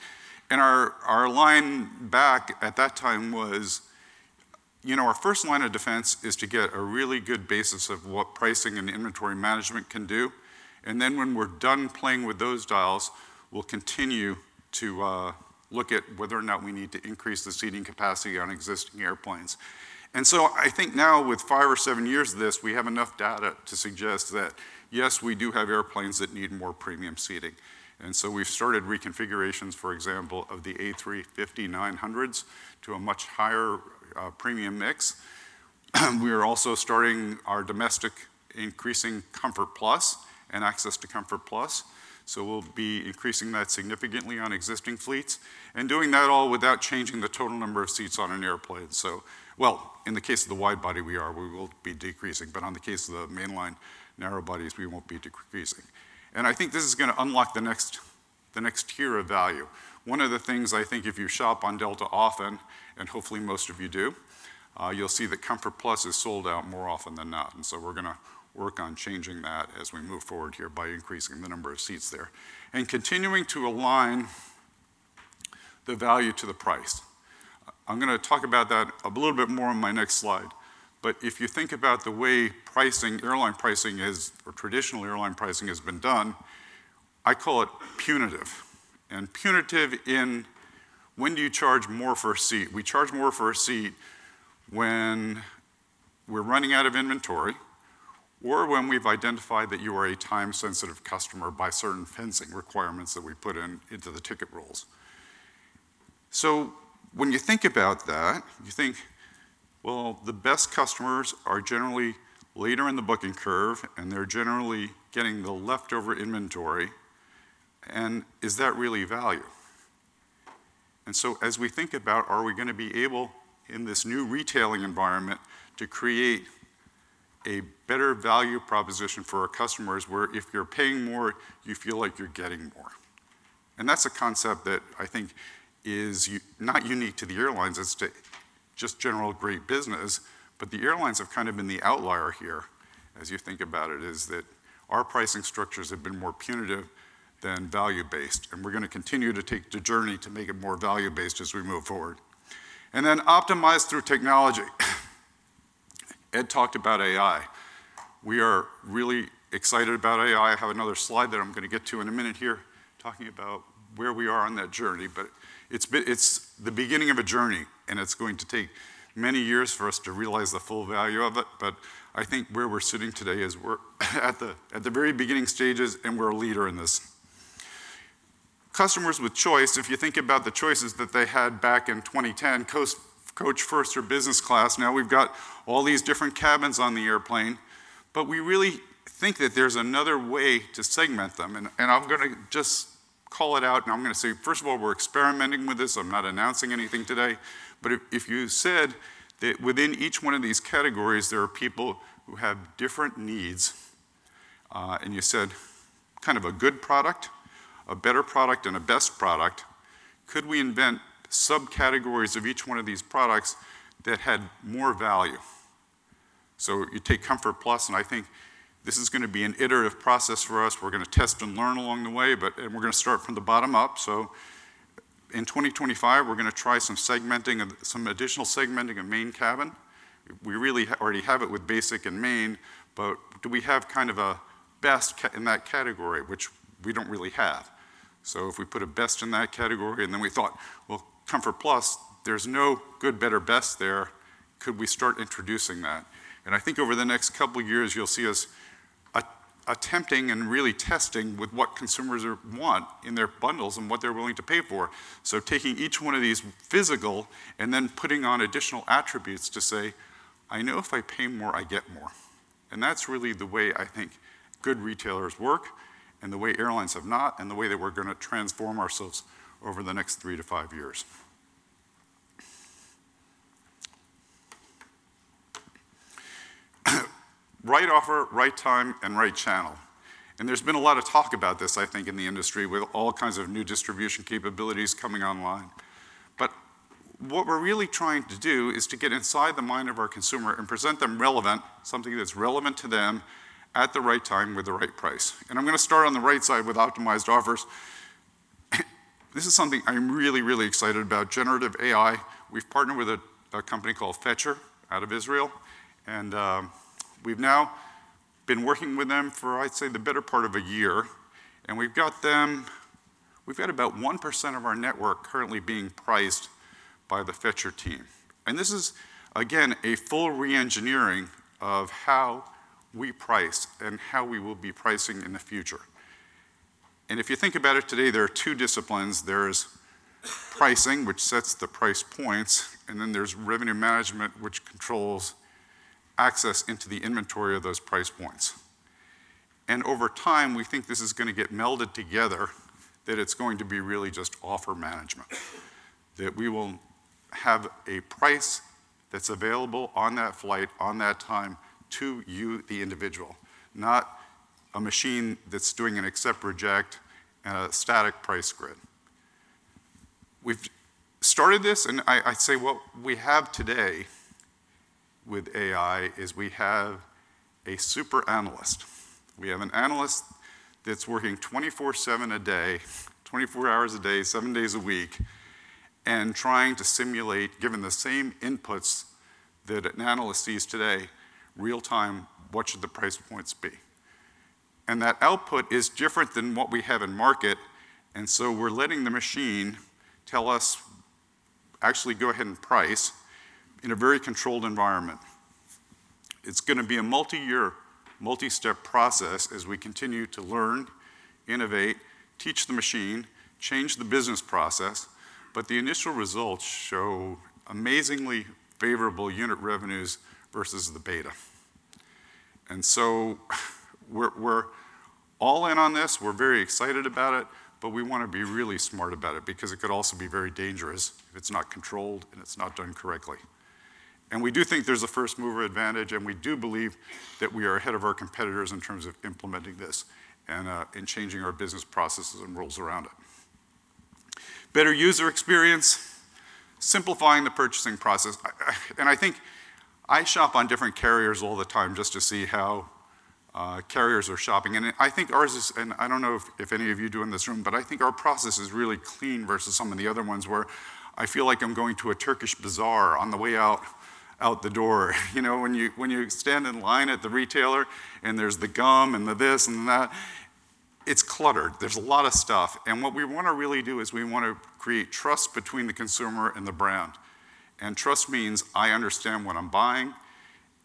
Speaker 5: Our line back at that time was our first line of defense is to get a really good basis of what pricing and inventory management can do. Then when we're done playing with those dials, we'll continue to look at whether or not we need to increase the seating capacity on existing airplanes. So I think now with five or seven years of this, we have enough data to suggest that, yes, we do have airplanes that need more premium seating. We've started reconfigurations, for example, of the A350-900s to a much higher premium mix. We are also starting our domestic increasing Comfort+ and access to Comfort+. We'll be increasing that significantly on existing fleets and doing that all without changing the total number of seats on an airplane. In the case of the wide-body, we are. We will be decreasing, but on the case of the mainline narrow-bodies, we won't be decreasing. I think this is going to unlock the next tier of value. One of the things I think, if you shop on Delta often, and hopefully most of you do, you'll see that Comfort+ is sold out more often than not. We're going to work on changing that as we move forward here by increasing the number of seats there and continuing to align the value to the price. I'm going to talk about that a little bit more on my next slide. But if you think about the way airline pricing has or traditional airline pricing has been done, I call it punitive. And punitive in when do you charge more for a seat? We charge more for a seat when we're running out of inventory or when we've identified that you are a time-sensitive customer by certain fencing requirements that we put into the ticket rules. So when you think about that, you think, "Well, the best customers are generally later in the booking curve, and they're generally getting the leftover inventory. And is that really value?" And so as we think about, are we going to be able in this new retailing environment to create a better value proposition for our customers where if you're paying more, you feel like you're getting more? And that's a concept that I think is not unique to the airlines. It's just general great business. But the airlines have kind of been the outlier here. As you think about it, it's that our pricing structures have been more punitive than value-based. And we're going to continue to take the journey to make it more value-based as we move forward. And then optimize through technology. Ed talked about AI. We are really excited about AI. I have another slide that I'm going to get to in a minute here talking about where we are on that journey. But it's the beginning of a journey, and it's going to take many years for us to realize the full value of it. But I think where we're sitting today is we're at the very beginning stages, and we're a leader in this. Customers with choice. If you think about the choices that they had back in 2010, coach, first, or business class, now we've got all these different cabins on the airplane. But we really think that there's another way to segment them. And I'm going to just call it out, and I'm going to say, first of all, we're experimenting with this. I'm not announcing anything today. But if you said that within each one of these categories, there are people who have different needs, and you said kind of a good product, a better product, and a best product, could we invent subcategories of each one of these products that had more value? So you take Comfort+, and I think this is going to be an iterative process for us. We're going to test and learn along the way, and we're going to start from the bottom up. So in 2025, we're going to try some additional segmenting of Main Cabin. We really already have it with Basic and Main, but do we have kind of a best in that category, which we don't really have? So if we put a best in that category, and then we thought, "Well, Comfort+, there's no good, better, best there. Could we start introducing that?" And I think over the next couple of years, you'll see us attempting and really testing with what consumers want in their bundles and what they're willing to pay for. So, taking each one of these physical and then putting on additional attributes to say, "I know if I pay more, I get more." And that's really the way I think good retailers work and the way airlines have not and the way that we're going to transform ourselves over the next three to five years. Right offer, right time, and right channel. And there's been a lot of talk about this, I think, in the industry with all kinds of new distribution capabilities coming online. But what we're really trying to do is to get inside the mind of our consumer and present them relevant, something that's relevant to them at the right time with the right price. And I'm going to start on the right side with optimized offers. This is something I'm really, really excited about, generative AI. We've partnered with a company called Fetcherr out of Israel, and we've now been working with them for, I'd say, the better part of a year. And we've got about 1% of our network currently being priced by the Fetcherr team. And this is, again, a full re-engineering of how we price and how we will be pricing in the future. And if you think about it today, there are two disciplines. There's pricing, which sets the price points, and then there's revenue management, which controls access into the inventory of those price points. And over time, we think this is going to get melded together, that it's going to be really just offer management, that we will have a price that's available on that flight, on that time to you, the individual, not a machine that's doing an accept-reject and a static price grid. We've started this, and I'd say what we have today with AI is we have a super analyst. We have an analyst that's working 24/7 a day, 24 hours a day, seven days a week, and trying to simulate, given the same inputs that an analyst sees today, real-time, what should the price points be. And that output is different than what we have in market. And so we're letting the machine tell us, "Actually, go ahead and price in a very controlled environment." It's going to be a multi-year, multi-step process as we continue to learn, innovate, teach the machine, change the business process. But the initial results show amazingly favorable unit revenues versus the beta. And so we're all in on this. We're very excited about it, but we want to be really smart about it because it could also be very dangerous if it's not controlled and it's not done correctly. And we do think there's a first-mover advantage, and we do believe that we are ahead of our competitors in terms of implementing this and changing our business processes and rules around it. Better user experience, simplifying the purchasing process. And I think I shop on different carriers all the time just to see how carriers are shopping. And I think ours is, and I don't know if any of you do in this room, but I think our process is really clean versus some of the other ones where I feel like I'm going to a Turkish bazaar on the way out the door. When you stand in line at the retailer and there's the gum and the this and the that, it's cluttered. There's a lot of stuff, and what we want to really do is we want to create trust between the consumer and the brand, and trust means I understand what I'm buying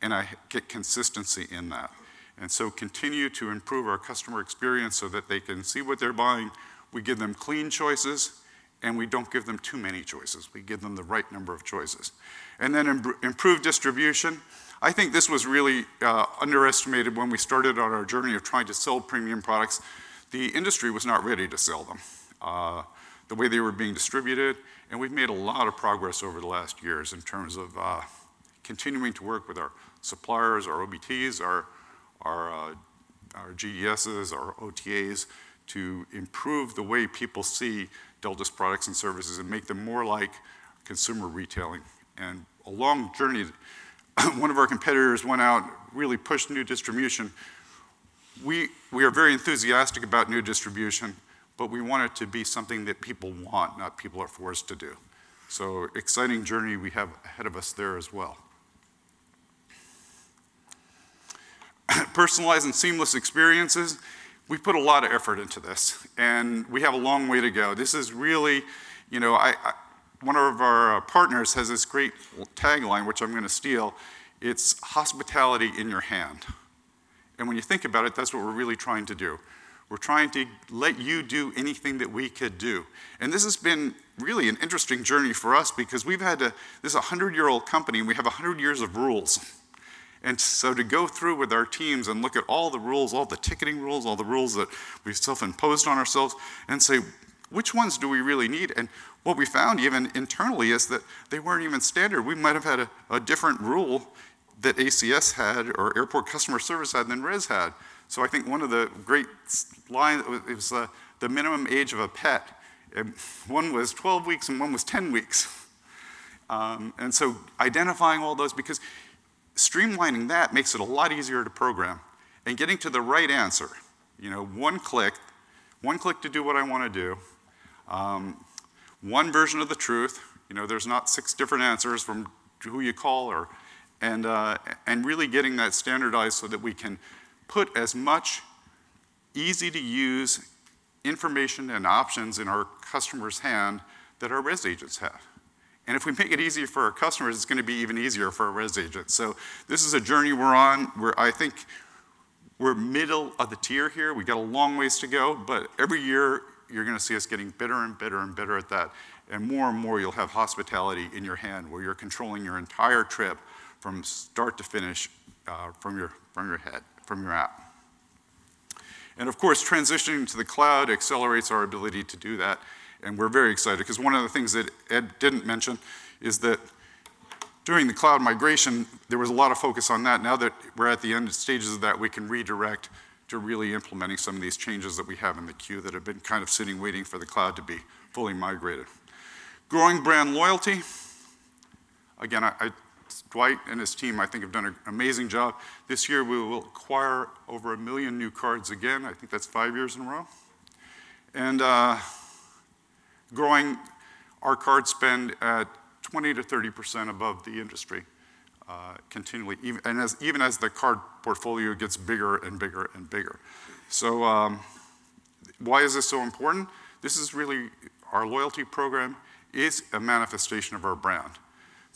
Speaker 5: and I get consistency in that, and so continue to improve our customer experience so that they can see what they're buying. We give them clean choices, and we don't give them too many choices. We give them the right number of choices, and then improve distribution. I think this was really underestimated when we started on our journey of trying to sell premium products. The industry was not ready to sell them the way they were being distributed. And we've made a lot of progress over the last years in terms of continuing to work with our suppliers, our OBTs, our GDSs, our OTAs to improve the way people see Delta's products and services and make them more like consumer retailing. And along the journey, one of our competitors went out, really pushed new distribution. We are very enthusiastic about new distribution, but we want it to be something that people want, not people are forced to do. So exciting journey we have ahead of us there as well. Personalized and seamless experiences. We've put a lot of effort into this, and we have a long way to go. This is really one of our partners has this great tagline, which I'm going to steal. It's hospitality in your hand. And when you think about it, that's what we're really trying to do. We're trying to let you do anything that we could do. And this has been really an interesting journey for us because we've had to, this is a 100-year-old company, and we have 100 years of rules. And so to go through with our teams and look at all the rules, all the ticketing rules, all the rules that we self-imposed on ourselves, and say, "Which ones do we really need?" And what we found even internally is that they weren't even standard. We might have had a different rule that ACS had or Airport Customer Service had than Res had. So I think one of the great lines is the minimum age of a pet. One was 12 weeks, and one was 10 weeks. And so identifying all those because streamlining that makes it a lot easier to program and getting to the right answer. One click, one click to do what I want to do, one version of the truth. There's not six different answers from who you call. And really getting that standardized so that we can put as much easy-to-use information and options in our customer's hand that our Res agents have. And if we make it easy for our customers, it's going to be even easier for our Res agents. So this is a journey we're on where I think we're middle of the tier here. We've got a long ways to go, but every year you're going to see us getting better and better and better at that. And more and more you'll have hospitality in your hand where you're controlling your entire trip from start to finish from your hand, from your app. And of course, transitioning to the cloud accelerates our ability to do that. We're very excited because one of the things that Ed didn't mention is that during the cloud migration, there was a lot of focus on that. Now that we're at the end stages of that, we can redirect to really implementing some of these changes that we have in the queue that have been kind of sitting waiting for the cloud to be fully migrated. Growing brand loyalty. Again, Dwight and his team, I think, have done an amazing job. This year, we will acquire over a million new cards again. I think that's five years in a row. Growing our card spend at 20%-30% above the industry continually, even as the card portfolio gets bigger and bigger and bigger. Why is this so important? This is really our loyalty program is a manifestation of our brand.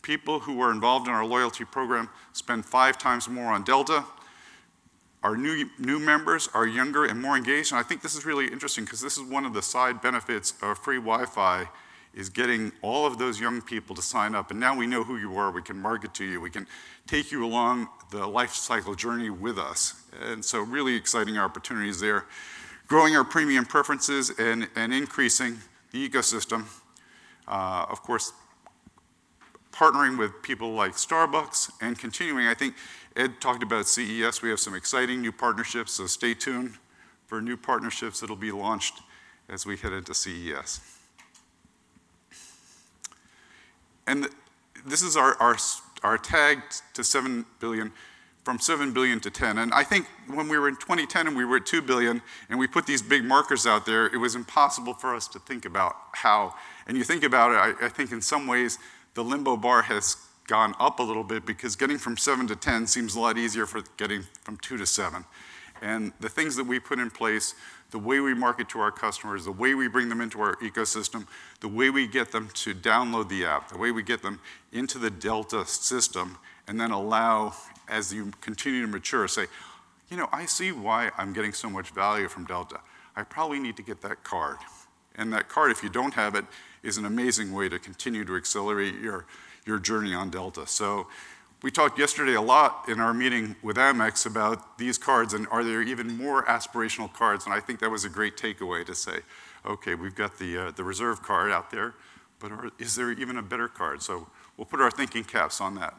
Speaker 5: People who are involved in our Loyalty Program spend five times more on Delta. Our new members are younger and more engaged. And I think this is really interesting because this is one of the side benefits of free Wi-Fi is getting all of those young people to sign up. And now we know who you are. We can market to you. We can take you along the life cycle journey with us. And so really exciting opportunities there. Growing our premium preferences and increasing the ecosystem. Of course, partnering with people like Starbucks and continuing. I think Ed talked about CES. We have some exciting new partnerships. So stay tuned for new partnerships that will be launched as we head into CES. And this is our path to $7 billion from $7 billion to $10 billion. I think when we were in 2010 and we were at $2 billion and we put these big markers out there, it was impossible for us to think about how. You think about it. I think in some ways, the limbo bar has gone up a little bit because getting from $7 billion to $10 billion seems a lot easier than getting from $2 billion to $7 billion. The things that we put in place, the way we market to our customers, the way we bring them into our ecosystem, the way we get them to download the app, the way we get them into the Delta system, and then allow, as you continue to mature, to say, "I see why I'm getting so much value from Delta. I probably need to get that card." And that card, if you don't have it, is an amazing way to continue to accelerate your journey on Delta. So we talked yesterday a lot in our meeting with Amex about these cards and are there even more aspirational cards. And I think that was a great takeaway to say, "Okay, we've got the Reserve Card out there, but is there even a better card?" So we'll put our thinking caps on that.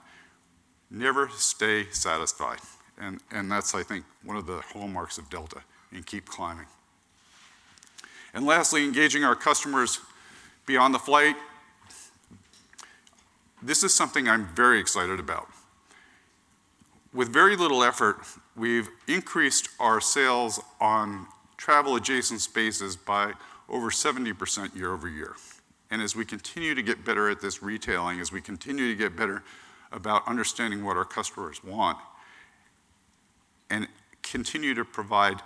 Speaker 5: Never stay satisfied. And that's, I think, one of the hallmarks of Delta and Keep Climbing. And lastly, engaging our customers beyond the flight. This is something I'm very excited about. With very little effort, we've increased our sales on travel-adjacent spaces by over 70% year-over-year. As we continue to get better at this retailing, as we continue to get better about understanding what our customers want and continue to provide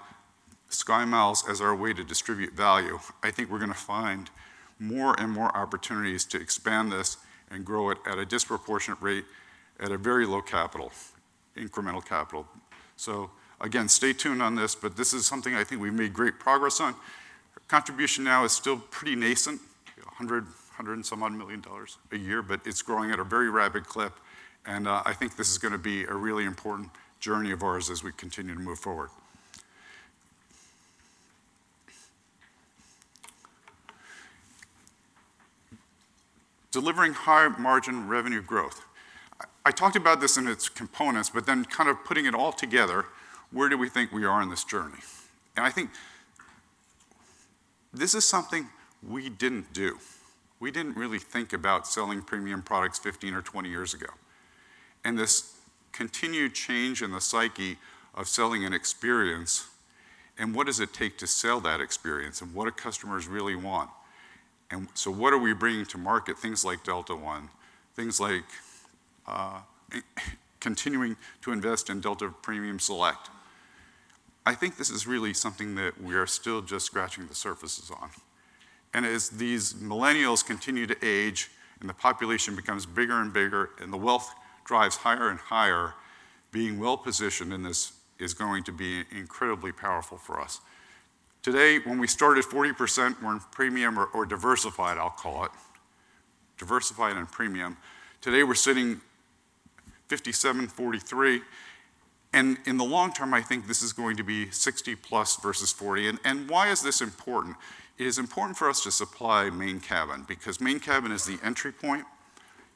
Speaker 5: SkyMiles as our way to distribute value, I think we're going to find more and more opportunities to expand this and grow it at a disproportionate rate at a very low capital, incremental capital. So again, stay tuned on this, but this is something I think we've made great progress on. Contribution now is still pretty nascent, $100 and some odd million a year, but it's growing at a very rapid clip. I think this is going to be a really important journey of ours as we continue to move forward. Delivering high margin revenue growth. I talked about this and its components, but then kind of putting it all together, where do we think we are in this journey? I think this is something we didn't do. We didn't really think about selling premium products 15 or 20 years ago. This continued change in the psyche of selling an experience and what does it take to sell that experience and what do customers really want? So what are we bringing to market? Things like Delta One, things like continuing to invest in Delta Premium Select. I think this is really something that we are still just scratching the surface on. As these millennials continue to age and the population becomes bigger and bigger and the wealth drives higher and higher, being well-positioned in this is going to be incredibly powerful for us. Today, when we started 40%, we're in premium or diversified, I'll call it, diversified and premium. Today, we're sitting 57%, 43%. In the long term, I think this is going to be 60+ versus 40. Why is this important? It is important for us to supply Main Cabin because Main Cabin is the entry point.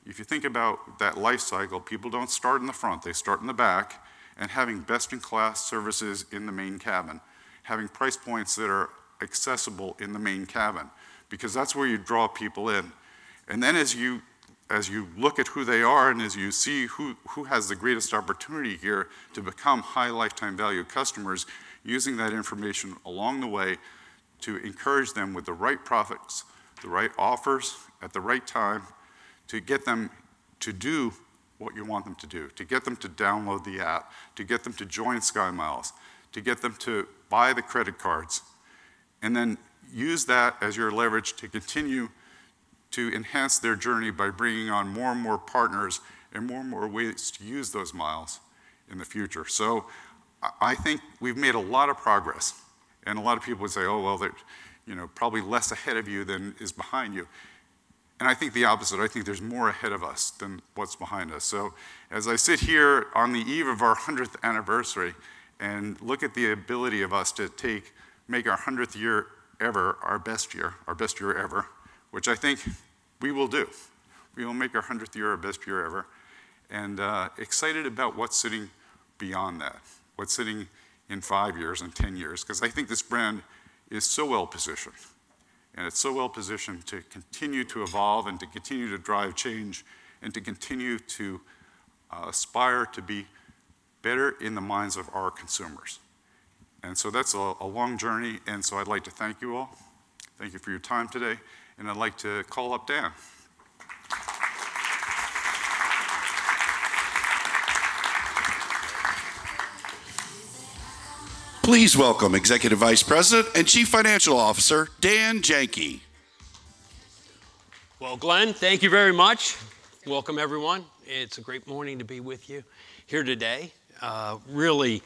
Speaker 5: If you think about that life cycle, people don't start in the front. They start in the back, and having best-in-class services in the Main Cabin, having price points that are accessible in the Main Cabin because that's where you draw people in. And then as you look at who they are and as you see who has the greatest opportunity here to become high lifetime value customers, using that information along the way to encourage them with the right profits, the right offers at the right time to get them to do what you want them to do, to get them to download the app, to get them to join SkyMiles, to get them to buy the credit cards, and then use that as your leverage to continue to enhance their journey by bringing on more and more partners and more and more ways to use those miles in the future. So I think we've made a lot of progress. And a lot of people would say, "Oh, well, they're probably less ahead of you than is behind you." And I think the opposite. I think there's more ahead of us than what's behind us. So as I sit here on the eve of our 100th anniversary and look at the ability of us to make our 100th year ever our best year, our best year ever, which I think we will do. We will make our 100th year our best year ever. And excited about what's sitting beyond that, what's sitting in five years and 10 years because I think this brand is so well-positioned. And it's so well-positioned to continue to evolve and to continue to drive change and to continue to aspire to be better in the minds of our consumers. And so that's a long journey. And so I'd like to thank you all. Thank you for your time today. And I'd like to call up Dan.
Speaker 3: Please welcome Executive Vice President and Chief Financial Officer, Dan Janki.
Speaker 6: Well, Glen, thank you very much. Welcome, everyone. It's a great morning to be with you here today. Really,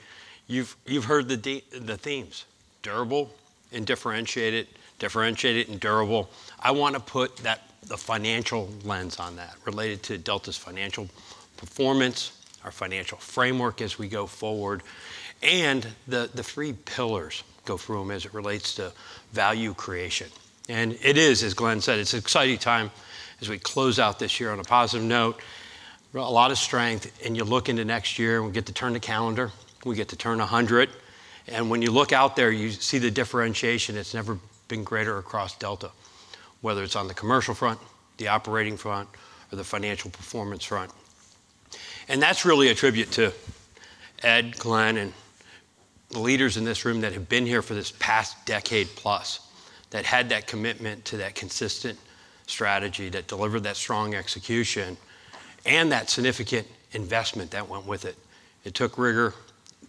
Speaker 6: you've heard the themes: durable, differentiated, differentiated, and durable. I want to put the financial lens on that related to Delta's financial performance, our financial framework as we go forward, and the three pillars go through them as it relates to value creation. And it is, as Glen said, it's an exciting time as we close out this year on a positive note. A lot of strength. And you look into next year and we get to turn the calendar. We get to turn 100. And when you look out there, you see the differentiation. It's never been greater across Delta, whether it's on the commercial front, the operating front, or the financial performance front. And that's really a tribute to Ed, Glen, and the leaders in this room that have been here for this past decade plus that had that commitment to that consistent strategy that delivered that strong execution and that significant investment that went with it. It took rigor,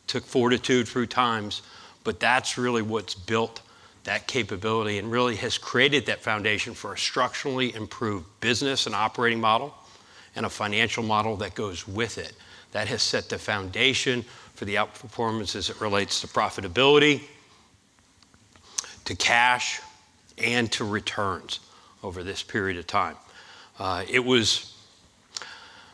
Speaker 6: took fortitude through times, but that's really what's built that capability and really has created that foundation for a structurally improved business and operating model and a financial model that goes with it that has set the foundation for the outperformance as it relates to profitability, to cash, and to returns over this period of time.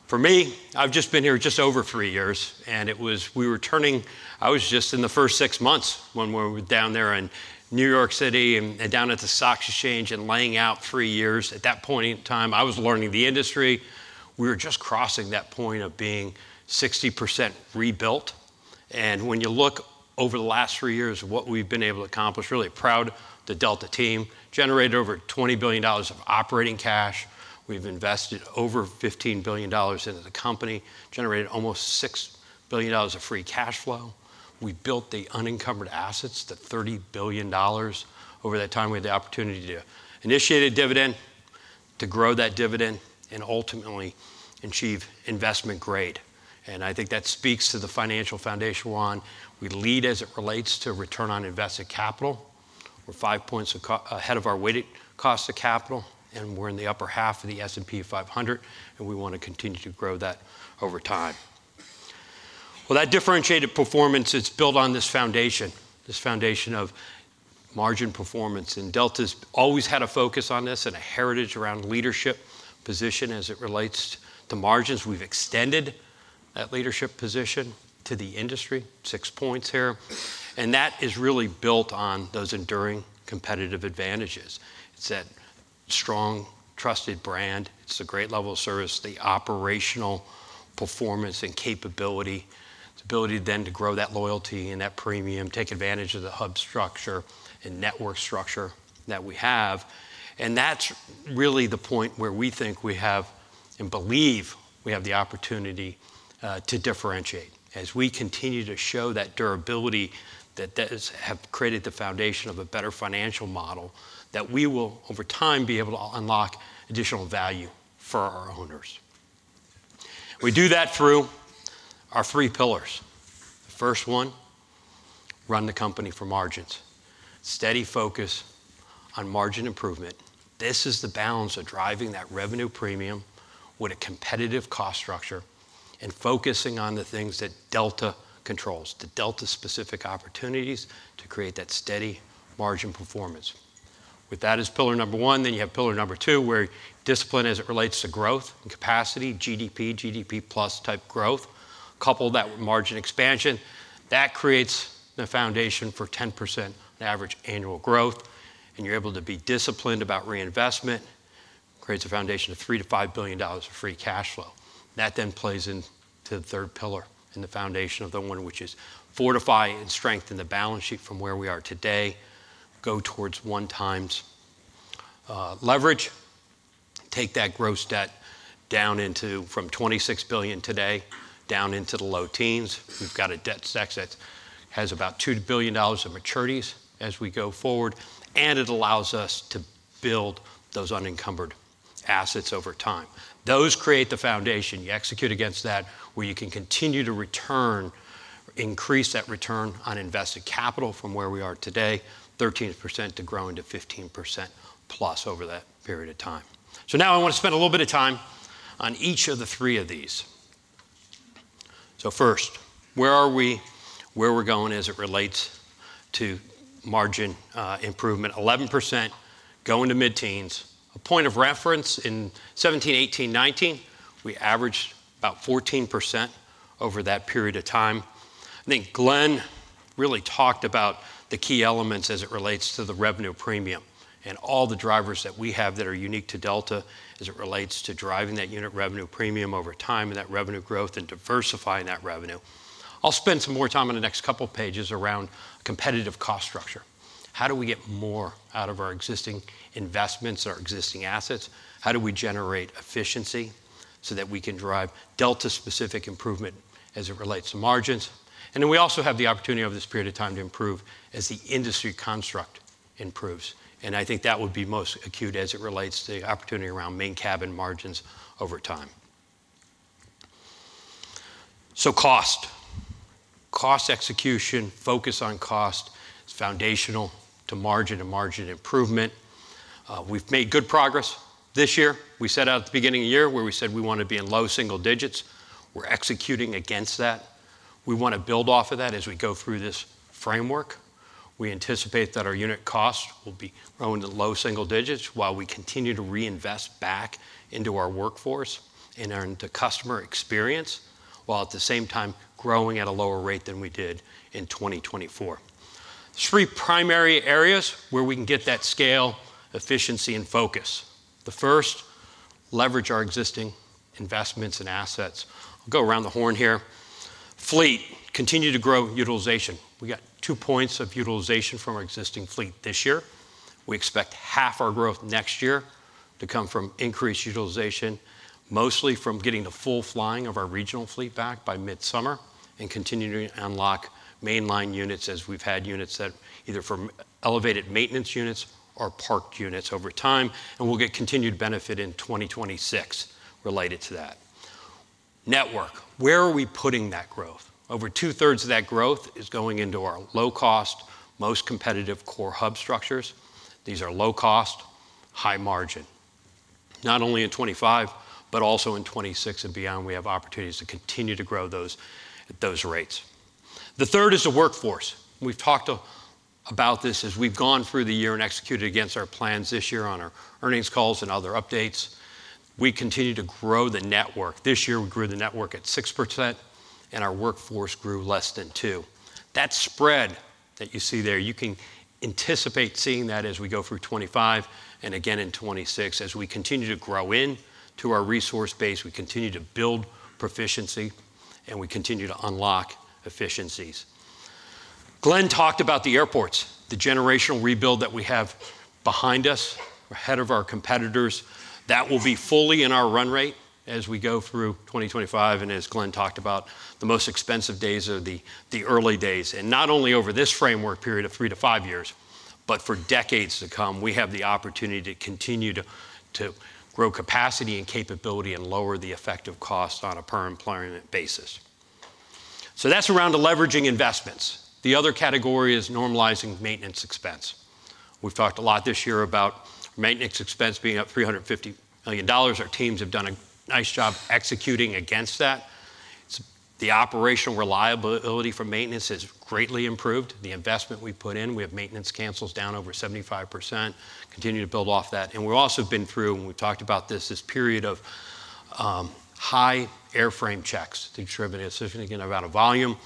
Speaker 6: For me, I've just been here just over three years. And we were turning. I was just in the first six months when we were down there in New York City and down at the stock exchange and laying out three years. At that point in time, I was learning the industry. We were just crossing that point of being 60% rebuilt. And when you look over the last three years, what we've been able to accomplish, really proud of the Delta team, generated over $20 billion of operating cash. We've invested over $15 billion into the company, generated almost $6 billion of free cash flow. We built the unencumbered assets, the $30 billion over that time we had the opportunity to initiate a dividend, to grow that dividend, and ultimately achieve investment grade, and I think that speaks to the financial foundation we're on. We lead as it relates to return on invested capital. We're five points ahead of our weighted cost of capital, and we're in the upper half of the S&P 500, and we want to continue to grow that over time. That differentiated performance is built on this foundation, this foundation of margin performance. Delta's always had a focus on this and a heritage around leadership position as it relates to margins. We've extended that leadership position to the industry, six points here. That is really built on those enduring competitive advantages. It's that strong, trusted brand. It's the great level of service, the operational performance and capability, the ability then to grow that loyalty and that premium, take advantage of the hub structure and network structure that we have. That's really the point where we think we have and believe we have the opportunity to differentiate as we continue to show that durability that have created the foundation of a better financial model that we will, over time, be able to unlock additional value for our owners. We do that through our three pillars. The first one, run the company for margins. Steady focus on margin improvement. This is the balance of driving that revenue premium with a competitive cost structure and focusing on the things that Delta controls, the Delta-specific opportunities to create that steady margin performance. With that as pillar number one, then you have pillar number two where discipline as it relates to growth and capacity, GDP, GDP plus type growth, couple that with margin expansion. That creates the foundation for 10% average annual growth. And you're able to be disciplined about reinvestment, creates a foundation of $3 billion-$5 billion of free cash flow. That then plays into the third pillar and the foundation of the one, which is fortify and strengthen the balance sheet from where we are today, go towards one-times leverage, take that gross debt down into from $26 billion today down into the low teens. We've got a debt stack that has about $2 billion of maturities as we go forward, and it allows us to build those unencumbered assets over time. Those create the foundation. You execute against that where you can continue to return, increase that return on invested capital from where we are today, 13% to grow into 15%+ over that period of time, so now I want to spend a little bit of time on each of the three of these. First, where are we? Where we're going as it relates to margin improvement, 11% going to mid-teens. A point of reference in 2017, 2018, 2019, we averaged about 14% over that period of time. I think Glen really talked about the key elements as it relates to the revenue premium and all the drivers that we have that are unique to Delta as it relates to driving that unit revenue premium over time and that revenue growth and diversifying that revenue. I'll spend some more time on the next couple of pages around competitive cost structure. How do we get more out of our existing investments, our existing assets? How do we generate efficiency so that we can drive Delta-specific improvement as it relates to margins? And then we also have the opportunity over this period of time to improve as the industry construct improves. And I think that would be most acute as it relates to the opportunity around Main Cabin margins over time. So cost, cost execution, focus on cost, it's foundational to margin and margin improvement. We've made good progress this year. We set out at the beginning of the year where we said we want to be in low single digits. We're executing against that. We want to build off of that as we go through this framework. We anticipate that our unit cost will be growing to low single digits while we continue to reinvest back into our workforce and into customer experience while at the same time growing at a lower rate than we did in 2024. There are three primary areas where we can get that scale, efficiency, and focus. The first, leverage our existing investments and assets. I'll go around the horn here. Fleet, continue to grow utilization. We got two points of utilization from our existing fleet this year. We expect half our growth next year to come from increased utilization, mostly from getting the full flying of our regional fleet back by mid-summer and continuing to unlock mainline units as we've had units that either from elevated maintenance units or parked units over time, and we'll get continued benefit in 2026 related to that. Network, where are we putting that growth? Over 2/3 of that growth is going into our low-cost, most competitive core hub structures. These are low-cost, high margin. Not only in 2025, but also in 2026 and beyond, we have opportunities to continue to grow those rates. The third is the workforce. We've talked about this as we've gone through the year and executed against our plans this year on our earnings calls and other updates. We continue to grow the network. This year, we grew the network at 6%, and our workforce grew less than 2%. That spread that you see there, you can anticipate seeing that as we go through 2025 and again in 2026 as we continue to grow into our resource base, we continue to build proficiency, and we continue to unlock efficiencies. Glen talked about the airports, the generational rebuild that we have behind us, ahead of our competitors. That will be fully in our run rate as we go through 2025 and as Glen talked about, the most expensive days are the early days. And not only over this framework period of three to five years, but for decades to come, we have the opportunity to continue to grow capacity and capability and lower the effective cost on a per-enplanement basis. So that's around the leveraging investments. The other category is normalizing maintenance expense. We've talked a lot this year about maintenance expense being up $350 million. Our teams have done a nice job executing against that. The operational reliability for maintenance has greatly improved. The investment we put in, we have maintenance cancels down over 75%, continue to build off that. And we've also been through, and we've talked about this, this period of high airframe checks to determine a significant amount of volume.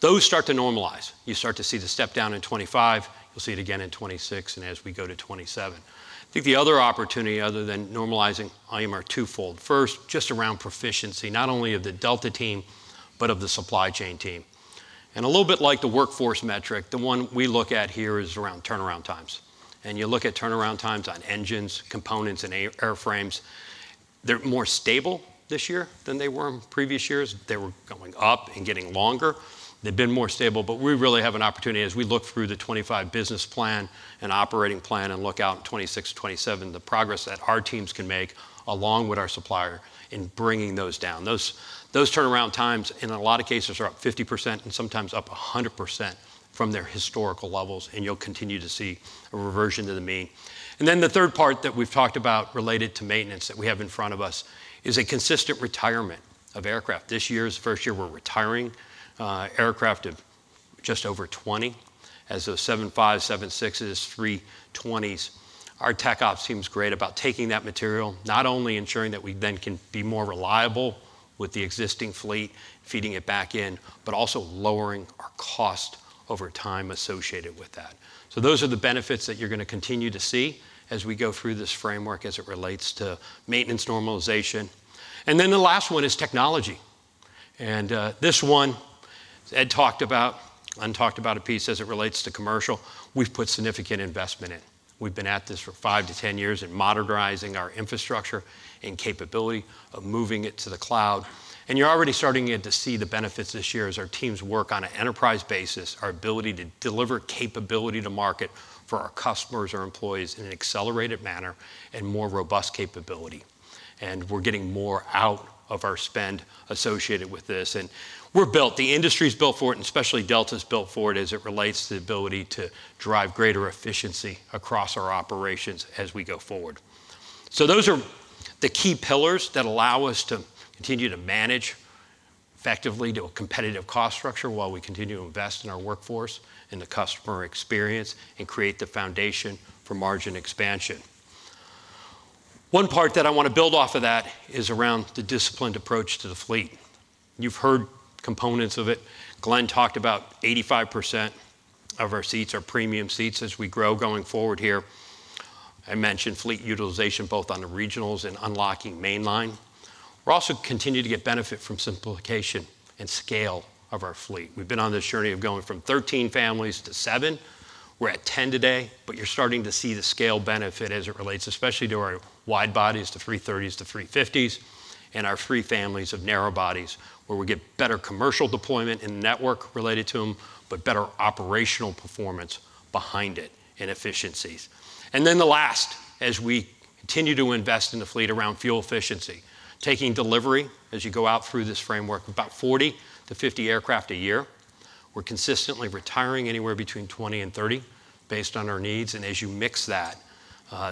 Speaker 6: Those start to normalize. You start to see the step down in 2025. You'll see it again in 2026 and as we go to 2027. I think the other opportunity other than normalizing volume are twofold. First, just around proficiency, not only of the Delta team, but of the supply chain team. And a little bit like the workforce metric, the one we look at here is around turnaround times. You look at turnaround times on engines, components, and airframes. They're more stable this year than they were in previous years. They were going up and getting longer. They've been more stable, but we really have an opportunity as we look through the 2025 business plan and operating plan and look out in 2026, 2027, the progress that our teams can make along with our supplier in bringing those down. Those turnaround times in a lot of cases are up 50% and sometimes up 100% from their historical levels, and you'll continue to see a reversion to the mean. Then the third part that we've talked about related to maintenance that we have in front of us is a consistent retirement of aircraft. This year is the first year we're retiring aircraft of just over 20 as those 75, 76, and those 320s. Our TechOps seems great about taking that material, not only ensuring that we then can be more reliable with the existing fleet, feeding it back in, but also lowering our cost over time associated with that. So those are the benefits that you're going to continue to see as we go through this framework as it relates to maintenance normalization. And then the last one is technology. And this one, Ed talked about. I talked about a piece as it relates to commercial. We've put significant investment in. We've been at this for five to 10 years in modernizing our infrastructure and capability of moving it to the cloud. And you're already starting to see the benefits this year as our teams work on an enterprise basis, our ability to deliver capability to market for our customers or employees in an accelerated manner and more robust capability. We're getting more out of our spend associated with this. We're built, the industry's built for it, and especially Delta's built for it as it relates to the ability to drive greater efficiency across our operations as we go forward. Those are the key pillars that allow us to continue to manage effectively to a competitive cost structure while we continue to invest in our workforce, in the customer experience, and create the foundation for margin expansion. One part that I want to build off of that is around the disciplined approach to the fleet. You've heard components of it. Glen talked about 85% of our seats are premium seats as we grow going forward here. I mentioned fleet utilization both on the regionals and unlocking mainline. We're also continuing to get benefit from simplification and scale of our fleet. We've been on this journey of going from 13 families to seven. We're at 10 today, but you're starting to see the scale benefit as it relates, especially to our wide bodies to 330s to 350s and our three families of narrow bodies where we get better commercial deployment in the network related to them, but better operational performance behind it and efficiencies. Then lastly, as we continue to invest in the fleet around fuel efficiency, taking delivery as you go out through this framework of about 40-50 aircraft a year. We're consistently retiring anywhere between 20-30 based on our needs. And as you mix that,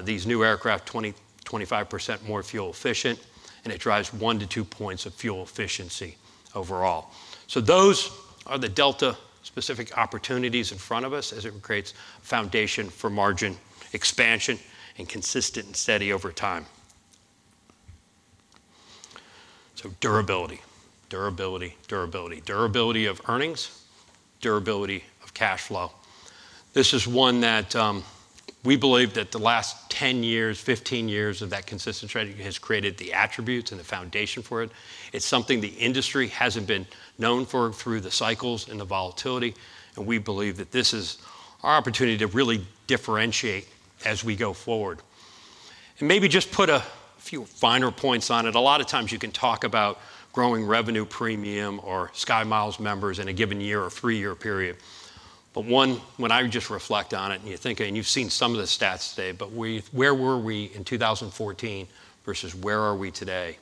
Speaker 6: these new aircraft, 20%-25% more fuel efficient, and it drives one to two points of fuel efficiency overall. So those are the Delta-specific opportunities in front of us as it creates a foundation for margin expansion and consistent and steady over time. So durability, durability, durability, durability of earnings, durability of cash flow. This is one that we believe that the last 10 years, 15 years of that consistent strategy has created the attributes and the foundation for it. It's something the industry hasn't been known for through the cycles and the volatility. And we believe that this is our opportunity to really differentiate as we go forward. And maybe just put a few finer points on it. A lot of times you can talk about growing revenue premium or SkyMiles members in a given year or three-year period. But one, when I just reflect on it and you're thinking, and you've seen some of the stats today, but where were we in 2014 versus where are we today?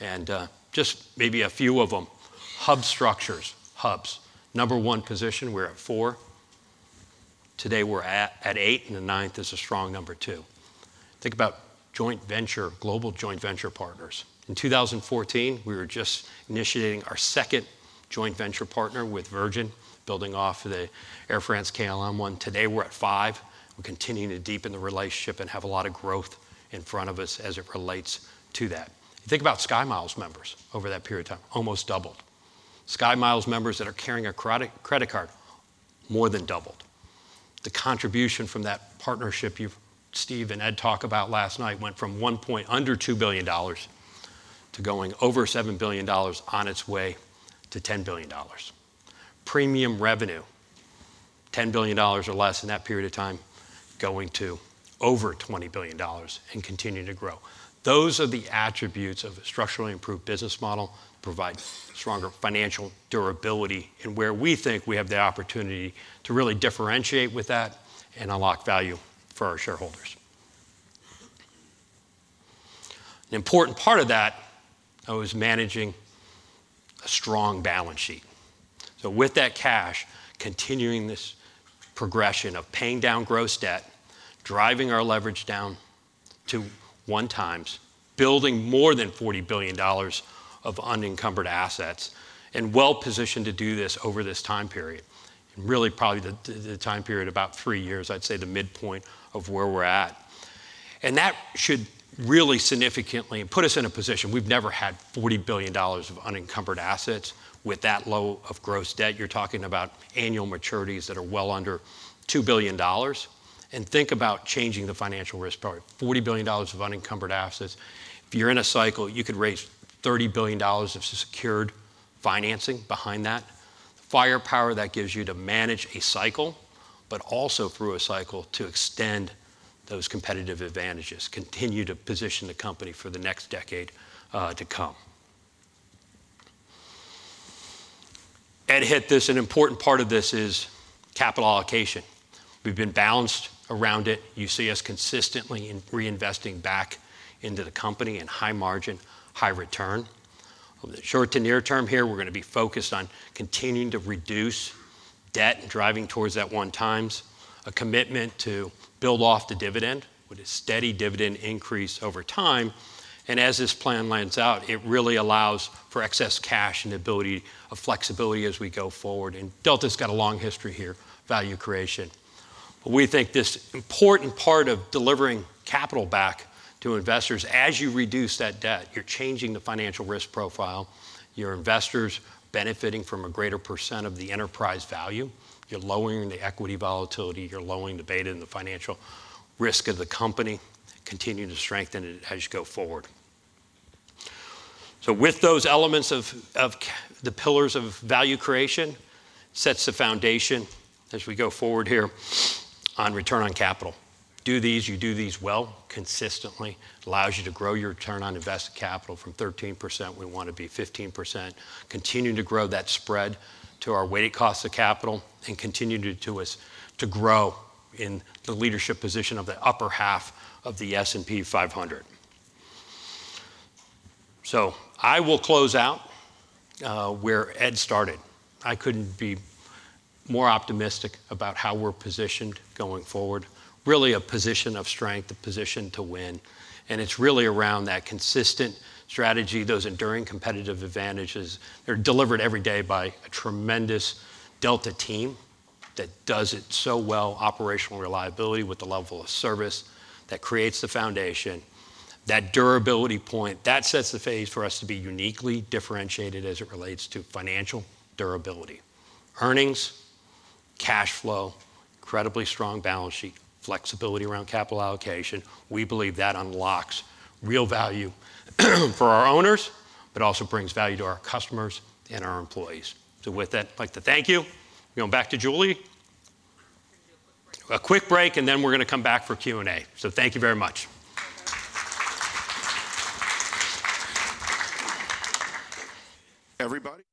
Speaker 6: And just maybe a few of them, hub structures, hubs. Number one position, we're at four. Today we're at eight, and the ninth is a strong number two. Think about joint venture, global joint venture partners. In 2014, we were just initiating our second joint venture partner with Virgin, building off of the Air France-KLM one. Today we're at five. We're continuing to deepen the relationship and have a lot of growth in front of us as it relates to that. Think about SkyMiles members over that period of time, almost doubled. SkyMiles members that are carrying a credit card, more than doubled. The contribution from that partnership that Steve and Ed talked about last night went from one point under $2 billion to going over $7 billion on its way to $10 billion. Premium revenue, $10 billion or less in that period of time, going to over $20 billion and continuing to grow. Those are the attributes of a structurally improved business model that provides stronger financial durability and where we think we have the opportunity to really differentiate with that and unlock value for our shareholders. An important part of that was managing a strong balance sheet. So with that cash, continuing this progression of paying down gross debt, driving our leverage down to one times, building more than $40 billion of unencumbered assets, and well-positioned to do this over this time period, and really probably the time period, about three years, I'd say the midpoint of where we're at. And that should really significantly put us in a position. We've never had $40 billion of unencumbered assets with that low of gross debt. You're talking about annual maturities that are well under $2 billion. And think about changing the financial risk, probably $40 billion of unencumbered assets. If you're in a cycle, you could raise $30 billion of secured financing behind that. Firepower that gives you to manage a cycle, but also through a cycle to extend those competitive advantages, continue to position the company for the next decade to come. Ed hit this. An important part of this is capital allocation. We've been balanced around it. You see us consistently in reinvesting back into the company and high margin, high return. Over the short to near term here, we're going to be focused on continuing to reduce debt and driving towards that one times. A commitment to build off the dividend with a steady dividend increase over time. And as this plan lands out, it really allows for excess cash and the ability of flexibility as we go forward. And Delta's got a long history here, value creation. But we think this important part of delivering capital back to investors, as you reduce that debt, you're changing the financial risk profile. Your investors benefiting from a greater percent of the enterprise value. You're lowering the equity volatility. You're lowering the beta and the financial risk of the company, continuing to strengthen it as we go forward. So with those elements of the pillars of value creation, it sets the foundation as we go forward here on return on capital. Do these, you do these well, consistently. It allows you to grow your return on invested capital from 13%. We want to be 15%, continuing to grow that spread to our weighted cost of capital and continuing to grow in the leadership position of the upper half of the S&P 500, so I will close out where Ed started. I couldn't be more optimistic about how we're positioned going forward. Really a position of strength, a position to win, and it's really around that consistent strategy, those enduring competitive advantages. They're delivered every day by a tremendous Delta team that does it so well, operational reliability with the level of service that creates the foundation, that durability point that sets the pace for us to be uniquely differentiated as it relates to financial durability. Earnings, cash flow, incredibly strong balance sheet, flexibility around capital allocation. We believe that unlocks real value for our owners, but also brings value to our customers and our employees. So with that, I'd like to thank you. We're going back to Julie. A quick break. A quick break, and then we're going to come back for Q&A. So thank you very much.
Speaker 2: Everybody.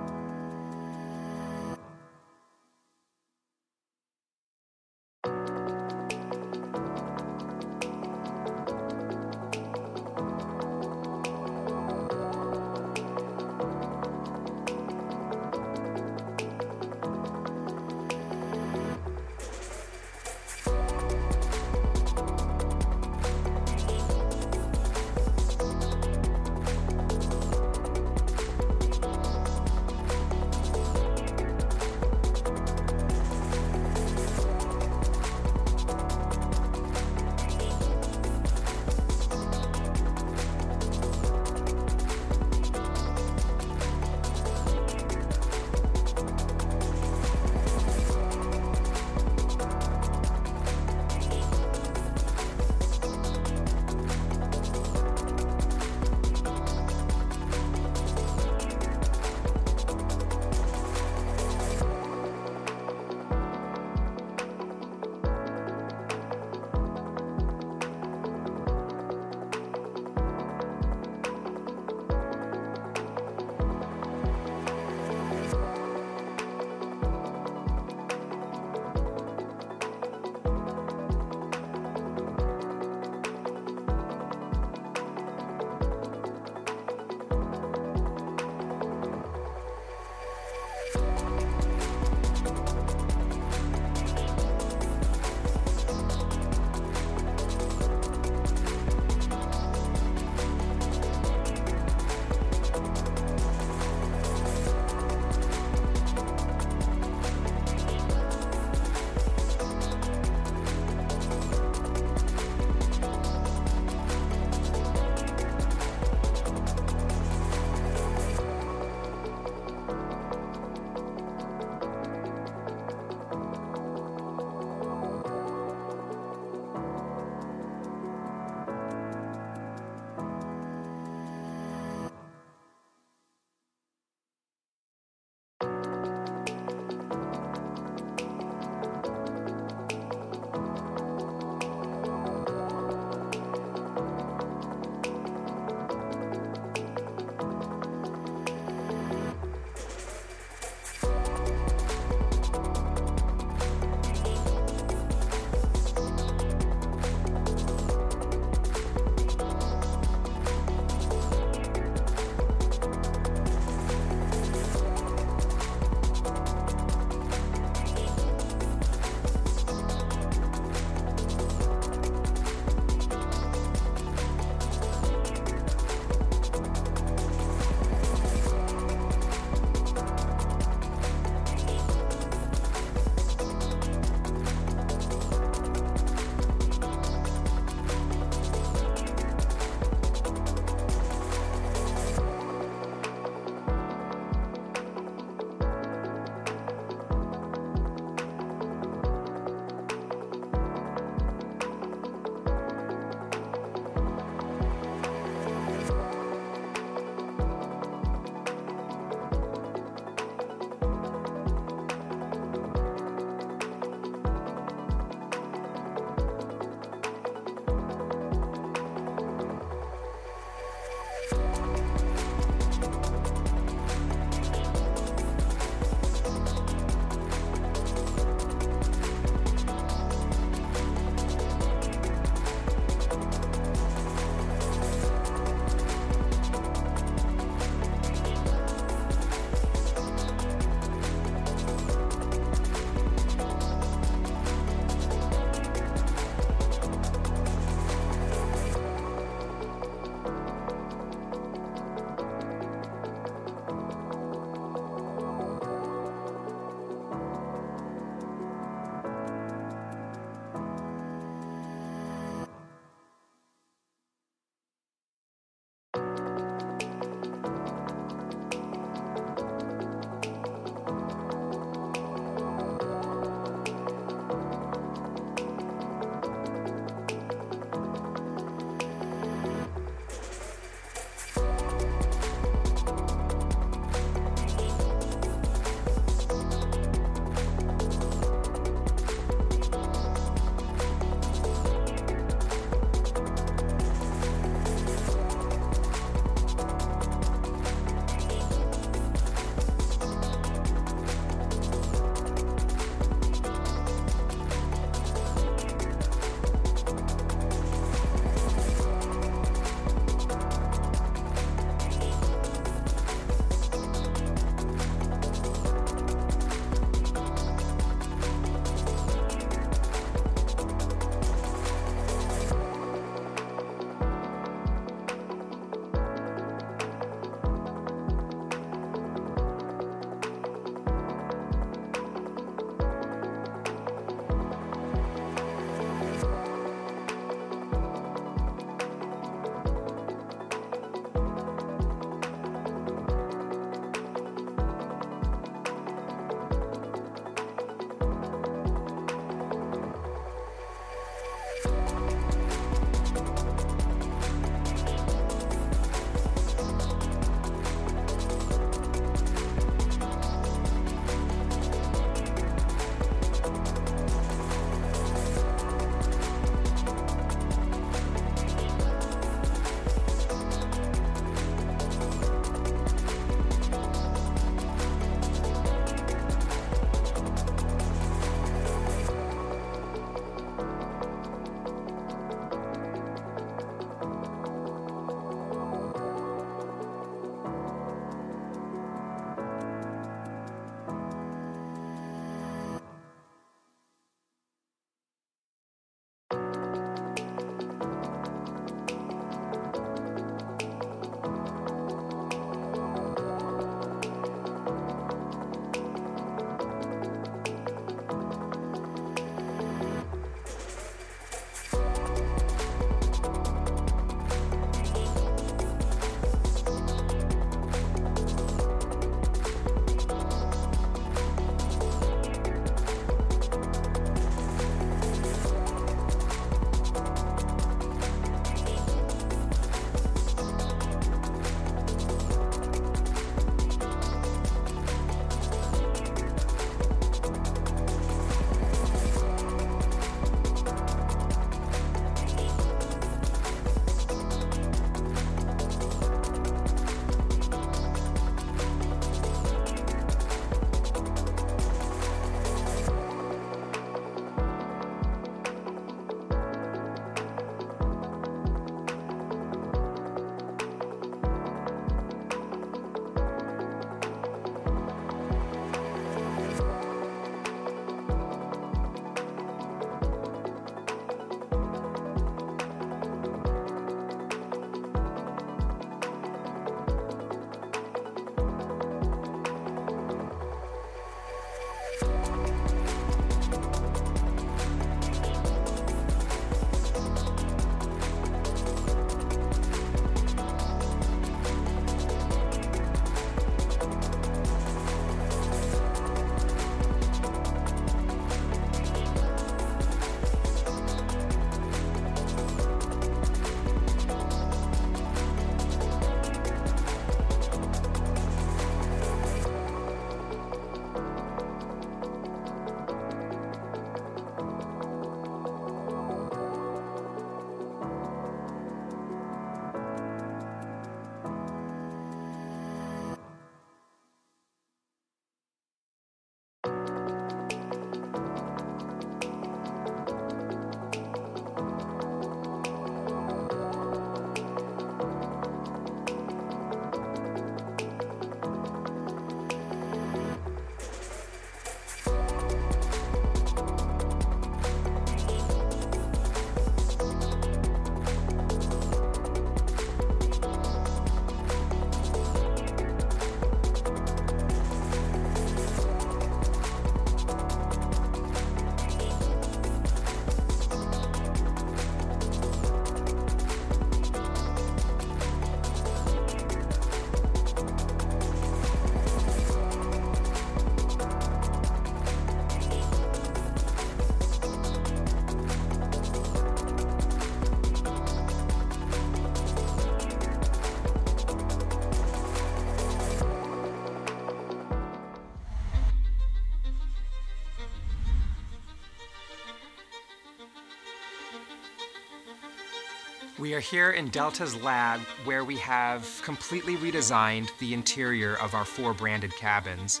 Speaker 2: We are here in Delta's lab, where we have completely redesigned the interior of our four branded cabins.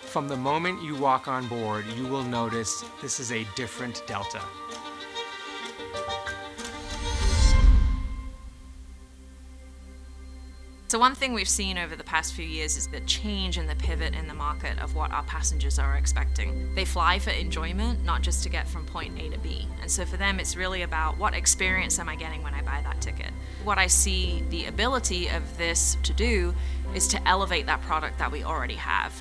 Speaker 2: From the moment you walk on board, you will notice this is a different Delta. So one thing we've seen over the past few years is the change and the pivot in the market of what our passengers are expecting. They fly for enjoyment, not just to get from point A to B. And so for them, it's really about what experience am I getting when I buy that ticket. What I see the ability of this to do is to elevate that product that we already have.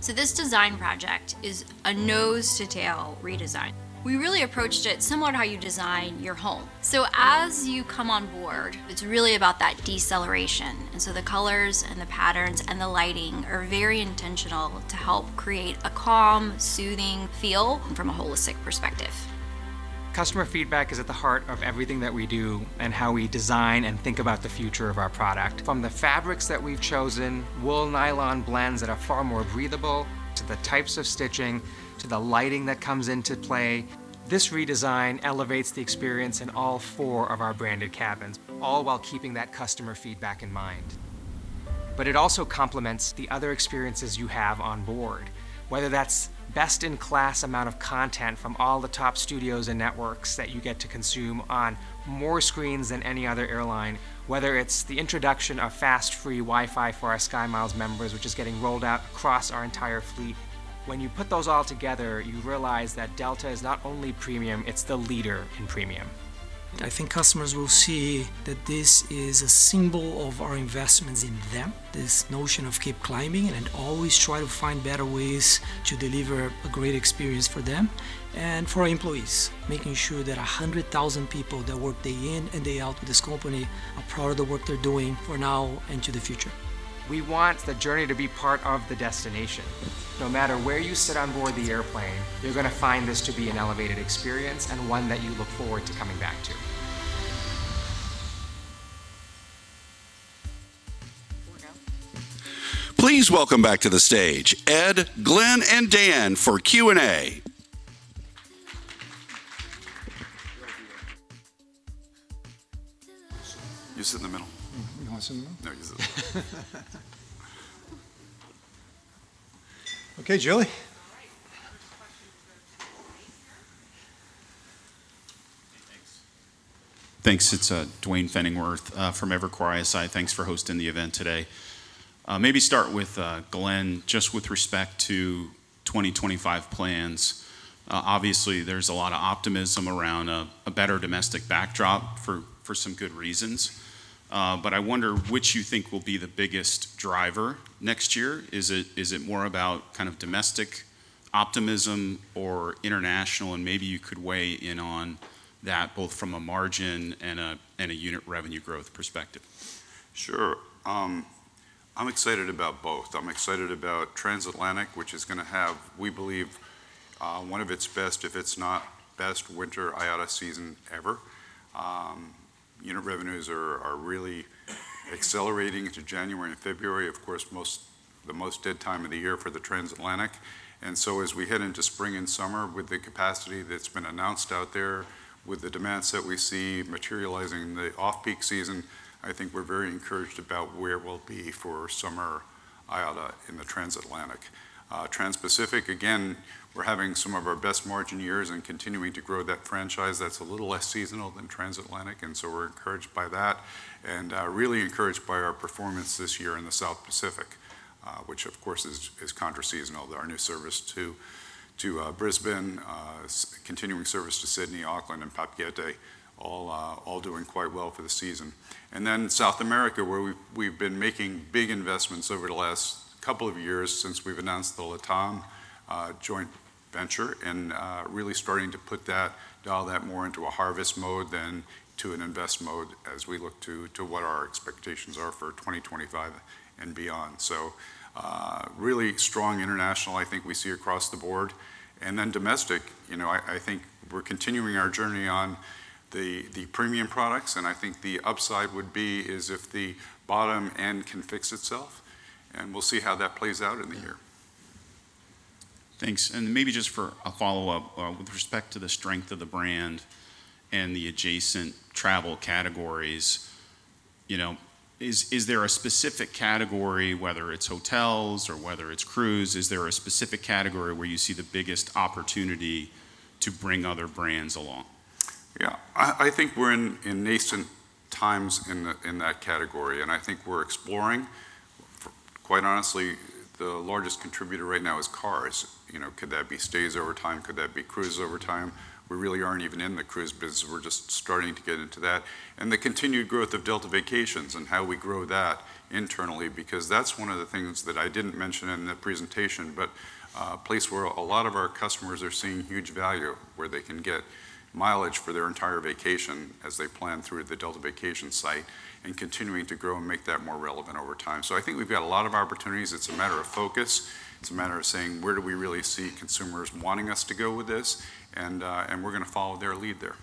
Speaker 2: So this design project is a nose-to-tail redesign. We really approached it similar to how you design your home. So as you come on board, it's really about that deceleration. And so the colors and the patterns and the lighting are very intentional to help create a calm, soothing feel from a holistic perspective. Customer feedback is at the heart of everything that we do and how we design and think about the future of our product. From the fabrics that we've chosen, wool, nylon blends that are far more breathable, to the types of stitching, to the lighting that comes into play. This redesign elevates the experience in all four of our branded cabins, all while keeping that customer feedback in mind. But it also complements the other experiences you have on board, whether that's best-in-class amount of content from all the top studios and networks that you get to consume on more screens than any other airline, whether it's the introduction of fast free Wi-Fi for our SkyMiles members, which is getting rolled out across our entire fleet. When you put those all together, you realize that Delta is not only premium, it's the leader in premium. I think customers will see that this is a symbol of our investments in them, this notion of keep climbing and always try to find better ways to deliver a great experience for them and for our employees, making sure that 100,000 people that work day in and day out with this company are proud of the work they're doing for now and to the future. We want the journey to be part of the destination. No matter where you sit on board the airplane, you're going to find this to be an elevated experience and one that you look forward to coming back to.
Speaker 3: Please welcome back to the stage Ed, Glen, and Dan for Q&A.
Speaker 4: You sit in the middle. You want to sit in the middle?
Speaker 5: No, you sit in the middle. OK, Julie.
Speaker 1: All right. First question for the two guys here.
Speaker 7: Hey, thanks. Thanks. It's Duane Pfennigwerth from Evercore ISI. Thanks for hosting the event today. Maybe start with Glen, just with respect to 2025 plans. Obviously, there's a lot of optimism around a better domestic backdrop for some good reasons. But I wonder which you think will be the biggest driver next year. Is it more about kind of domestic optimism or international? And maybe you could weigh in on that, both from a margin and a unit revenue growth perspective.
Speaker 5: Sure. I'm excited about both. I'm excited about Transatlantic, which is going to have, we believe, one of its best, if it's not best winter IATA season ever. Unit revenues are really accelerating to January and February, of course, the most dead time of the year for the Transatlantic. And so as we head into spring and summer, with the capacity that's been announced out there, with the demands that we see materializing in the off-peak season, I think we're very encouraged about where we'll be for summer IATA in the Transatlantic. Trans-Pacific, again, we're having some of our best margin years and continuing to grow that franchise that's a little less seasonal than Transatlantic. And so we're encouraged by that and really encouraged by our performance this year in the South Pacific, which, of course, is contra-seasonal. Our new service to Brisbane, continuing service to Sydney, Auckland, and Papeete, all doing quite well for the season. And then South America, where we've been making big investments over the last couple of years since we've announced the LATAM joint venture and really starting to put that, dial that more into a harvest mode than to an invest mode as we look to what our expectations are for 2025 and beyond. So really strong international, I think we see across the board. And then domestic, you know, I think we're continuing our journey on the premium products. And I think the upside would be if the bottom end can fix itself. And we'll see how that plays out in the year.
Speaker 7: Thanks. And maybe just for a follow-up, with respect to the strength of the brand and the adjacent travel categories, you know, is there a specific category, whether it's hotels or whether it's cruise, is there a specific category where you see the biggest opportunity to bring other brands along?
Speaker 5: Yeah, I think we're in nascent times in that category. And I think we're exploring. Quite honestly, the largest contributor right now is cars. You know, could that be stays over time? Could that be cruises over time? We really aren't even in the cruise business. We're just starting to get into that. And the continued growth of Delta Vacations and how we grow that internally, because that's one of the things that I didn't mention in the presentation, but a place where a lot of our customers are seeing huge value, where they can get mileage for their entire vacation as they plan through the Delta Vacations site and continuing to grow and make that more relevant over time. So I think we've got a lot of opportunities. It's a matter of focus. It's a matter of saying, where do we really see consumers wanting us to go with this? And we're going to follow their lead there.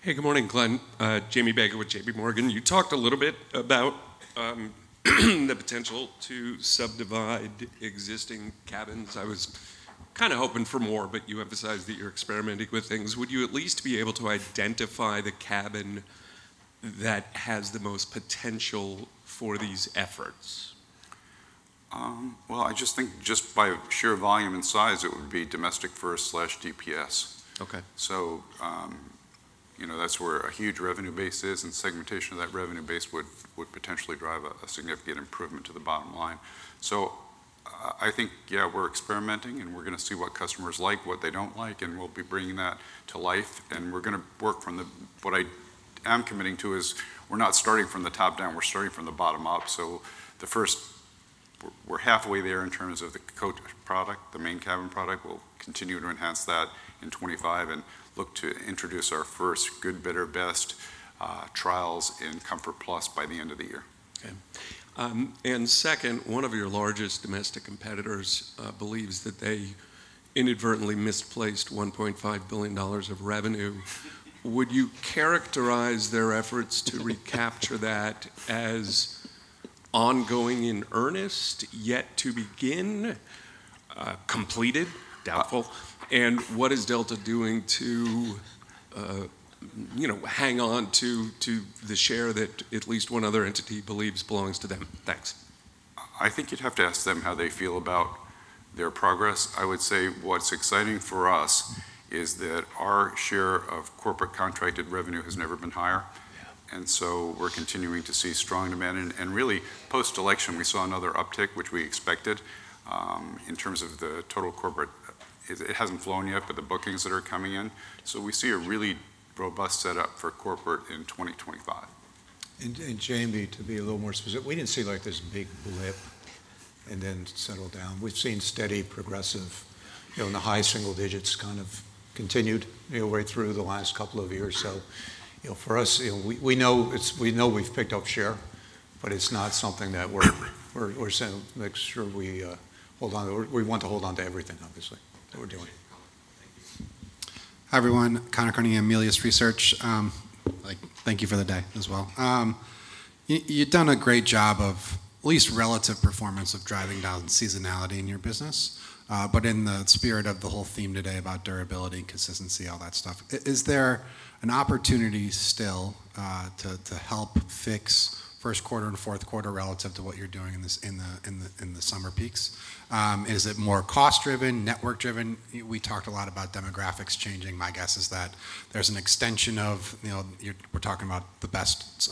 Speaker 8: Hey, good morning, Glen. Jamie Baker with JPMorgan. You talked a little bit about the potential to subdivide existing cabins. I was kind of hoping for more, but you emphasized that you're experimenting with things. Would you at least be able to identify the cabin that has the most potential for these efforts?
Speaker 5: Well, I just think just by pure volume and size, it would be Domestic First slash DPS.
Speaker 8: OK.
Speaker 5: So, you know, that's where a huge revenue base is, and segmentation of that revenue base would potentially drive a significant improvement to the bottom line. So I think, yeah, we're experimenting, and we're going to see what customers like, what they don't like, and we'll be bringing that to life. And we're going to work from the what I am committing to is we're not starting from the top down. We're starting from the bottom up. So the first, we're halfway there in terms of the coach product, the Main Cabin product. We'll continue to enhance that in 2025 and look to introduce our first good, better, best trials in Comfort+ by the end of the year.
Speaker 8: OK. And second, one of your largest domestic competitors believes that they inadvertently misplaced $1.5 billion of revenue. Would you characterize their efforts to recapture that as ongoing and earnest, yet to begin, completed, doubtful? And what is Delta doing to, you know, hang on to the share that at least one other entity believes belongs to them? Thanks.
Speaker 5: I think you'd have to ask them how they feel about their progress. I would say what's exciting for us is that our share of corporate contracted revenue has never been higher. And so we're continuing to see strong demand. And really, post-election, we saw another uptick, which we expected in terms of the total corporate. It hasn't flown yet, but the bookings that are coming in. So we see a really robust setup for corporate in 2025.
Speaker 4: And Jamie, to be a little more specific, we didn't see like this big blip and then settle down. We've seen steady, progressive, you know, in the high single digits kind of continued, you know, right through the last couple of years. So, you know, for us, you know, we know we've picked up share, but it's not something that we're saying make sure we hold on to. We want to hold on to everything, obviously, that we're doing.
Speaker 9: Hi, everyone. Conor Cunningham, Melius Research. Thank you for the day as well. You've done a great job of at least relative performance of driving down seasonality in your business. But in the spirit of the whole theme today about durability and consistency, all that stuff, is there an opportunity still to help fix first quarter and fourth quarter relative to what you're doing in the summer peaks? Is it more cost-driven, network-driven? We talked a lot about demographics changing. My guess is that there's an extension of, you know, we're talking about the best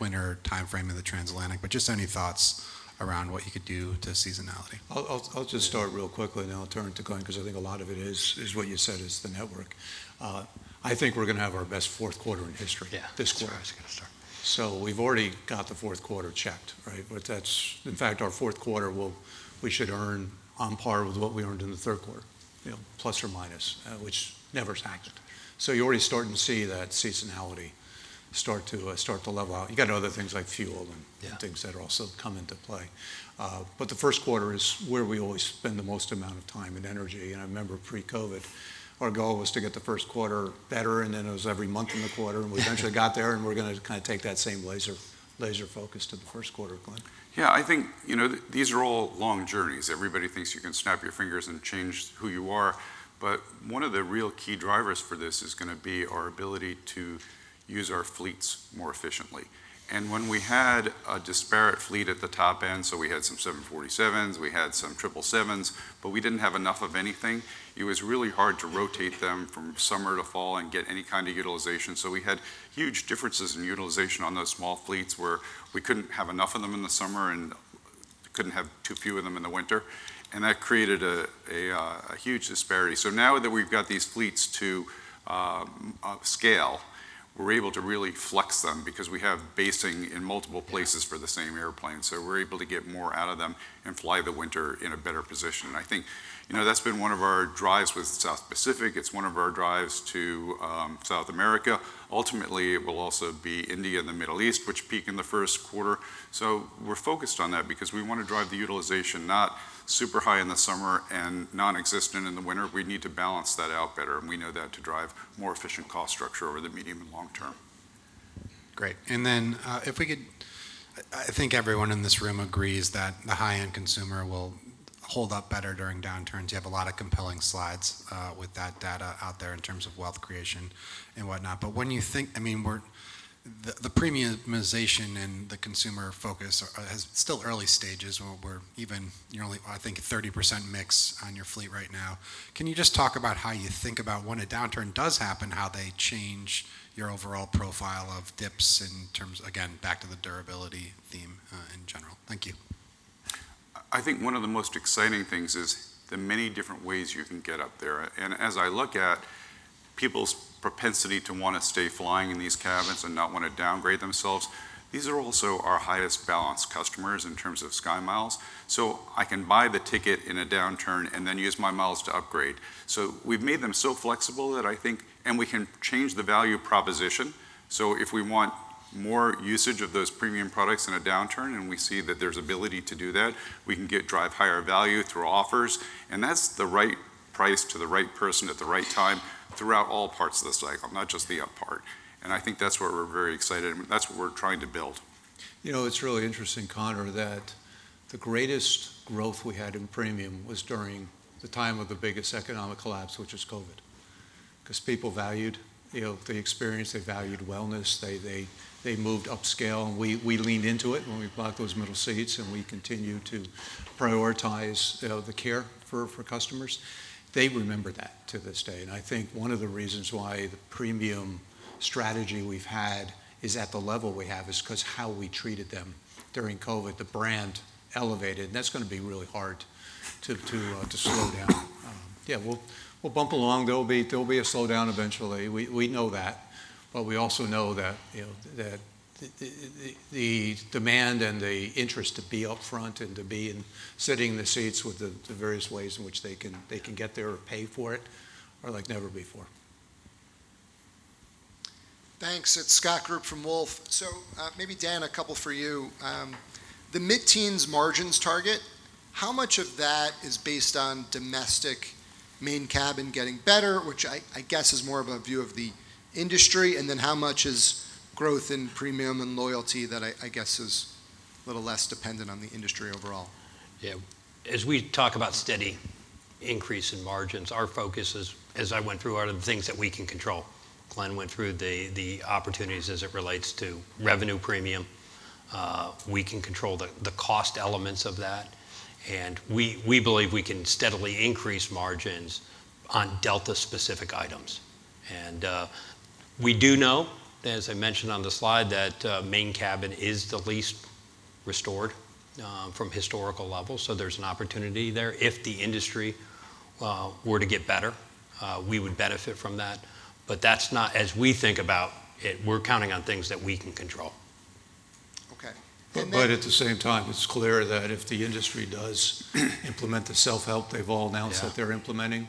Speaker 9: winter time frame in the transatlantic. But just any thoughts around what you could do to seasonality?
Speaker 4: I'll just start real quickly, and then I'll turn to Glen, because I think a lot of it is what you said is the network. I think we're going to have our best fourth quarter in history this quarter. So we've already got the fourth quarter checked, right? But that's, in fact, our fourth quarter. We should earn on par with what we earned in the third quarter, you know, plus or minus, which never has happened. So you're already starting to see that seasonality start to level out. You've got other things like fuel and things that also come into play. But the first quarter is where we always spend the most amount of time and energy. And I remember pre-COVID, our goal was to get the first quarter better, and then it was every month in the quarter. And we eventually got there, and we're going to kind of take that same laser focus to the first quarter, Glen.
Speaker 5: Yeah, I think, you know, these are all long journeys. Everybody thinks you can snap your fingers and change who you are. But one of the real key drivers for this is going to be our ability to use our fleets more efficiently. And when we had a disparate fleet at the top end, so we had some 747s, we had some 777s, but we didn't have enough of anything. It was really hard to rotate them from summer to fall and get any kind of utilization. So we had huge differences in utilization on those small fleets where we couldn't have enough of them in the summer and couldn't have too few of them in the winter. And that created a huge disparity. So now that we've got these fleets to scale, we're able to really flex them because we have basing in multiple places for the same airplane. So we're able to get more out of them and fly the winter in a better position. And I think, you know, that's been one of our drives with South Pacific. It's one of our drives to South America. Ultimately, it will also be India and the Middle East, which peak in the first quarter. So we're focused on that because we want to drive the utilization not super high in the summer and non-existent in the winter. We need to balance that out better. And we know that to drive more efficient cost structure over the medium and long term. Great. And then if we could, I think everyone in this room agrees that the high-end consumer will hold up better during downturns. You have a lot of compelling slides with that data out there in terms of wealth creation and whatnot. But when you think, I mean, the premiumization and the consumer focus is still early stages. We're even, you know, I think 30% mix on your fleet right now. Can you just talk about how you think about when a downturn does happen, how they change your overall profile of dips in terms of, again, back to the durability theme in general? Thank you. I think one of the most exciting things is the many different ways you can get up there. And as I look at people's propensity to want to stay flying in these cabins and not want to downgrade themselves, these are also our highest balance customers in terms of SkyMiles. So I can buy the ticket in a downturn and then use my miles to upgrade. So we've made them so flexible that I think, and we can change the value proposition. So if we want more usage of those premium products in a downturn and we see that there's ability to do that, we can drive higher value through offers. And that's the right price to the right person at the right time throughout all parts of the cycle, not just the up part. And I think that's what we're very excited. That's what we're trying to build.
Speaker 4: You know, it's really interesting, Conor, that the greatest growth we had in premium was during the time of the biggest economic collapse, which was COVID, because people valued, you know, the experience. They valued wellness. They moved upscale. And we leaned into it when we bought those middle seats. And we continue to prioritize the care for customers. They remember that to this day. And I think one of the reasons why the premium strategy we've had is at the level we have is because how we treated them during COVID, the brand elevated. And that's going to be really hard to slow down. Yeah, we'll bump along. There'll be a slowdown eventually. We know that. But we also know that the demand and the interest to be upfront and to be in sitting in the seats with the various ways in which they can get there or pay for it are like never before.
Speaker 10: Thanks. It's Scott Group from Wolfe. So maybe, Dan, a couple for you. The mid-teens margins target, how much of that is based on domestic Main Cabin getting better, which I guess is more of a view of the industry? And then how much is growth in premium and loyalty that I guess is a little less dependent on the industry overall?
Speaker 6: Yeah, as we talk about steady increase in margins, our focus, as I went through, are the things that we can control. Glen went through the opportunities as it relates to revenue premium. We can control the cost elements of that. And we believe we can steadily increase margins on Delta-specific items. And we do know, as I mentioned on the slide, that Main Cabin is the least restored from historical levels. So there's an opportunity there. If the industry were to get better, we would benefit from that. But that's not, as we think about it, we're counting on things that we can control.
Speaker 10: OK.
Speaker 5: But at the same time, it's clear that if the industry does implement the self-help they've all announced that they're implementing,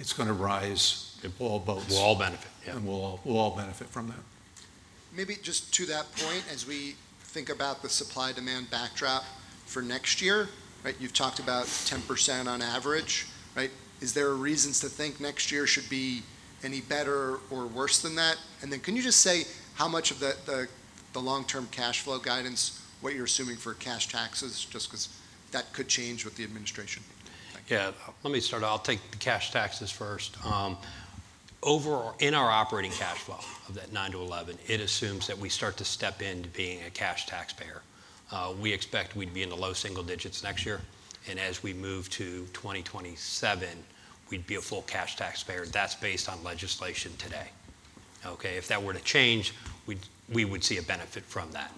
Speaker 5: it's going to rise in all boats. We'll all benefit. Yeah, we'll all benefit from that.
Speaker 10: Maybe just to that point, as we think about the supply-demand backdrop for next year, right, you've talked about 10% on average, right? Is there a reason to think next year should be any better or worse than that? And then can you just say how much of the long-term cash flow guidance, what you're assuming for cash taxes, just because that could change with the administration?
Speaker 6: Yeah, let me start. I'll take the cash taxes first. Over in our operating cash flow of that 9-11, it assumes that we start to step into being a cash taxpayer. We expect we'd be in the low single digits next year. And as we move to 2027, we'd be a full cash taxpayer. That's based on legislation today. OK, if that were to change, we would see a benefit from that.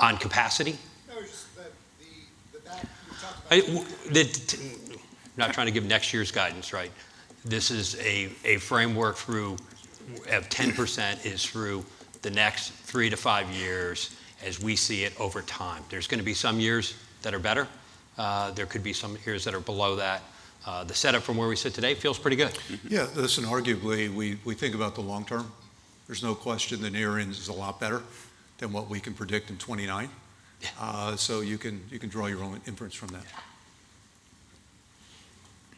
Speaker 6: On capacity? No, just the back you're talking about. I'm not trying to give next year's guidance, right? This is a framework through of 10% is through the next three to five years as we see it over time. There's going to be some years that are better. There could be some years that are below that. The setup from where we sit today feels pretty good.
Speaker 4: Yeah, listen, arguably, we think about the long term. There's no question the near end is a lot better than what we can predict in 2029. So you can draw your own inference from that.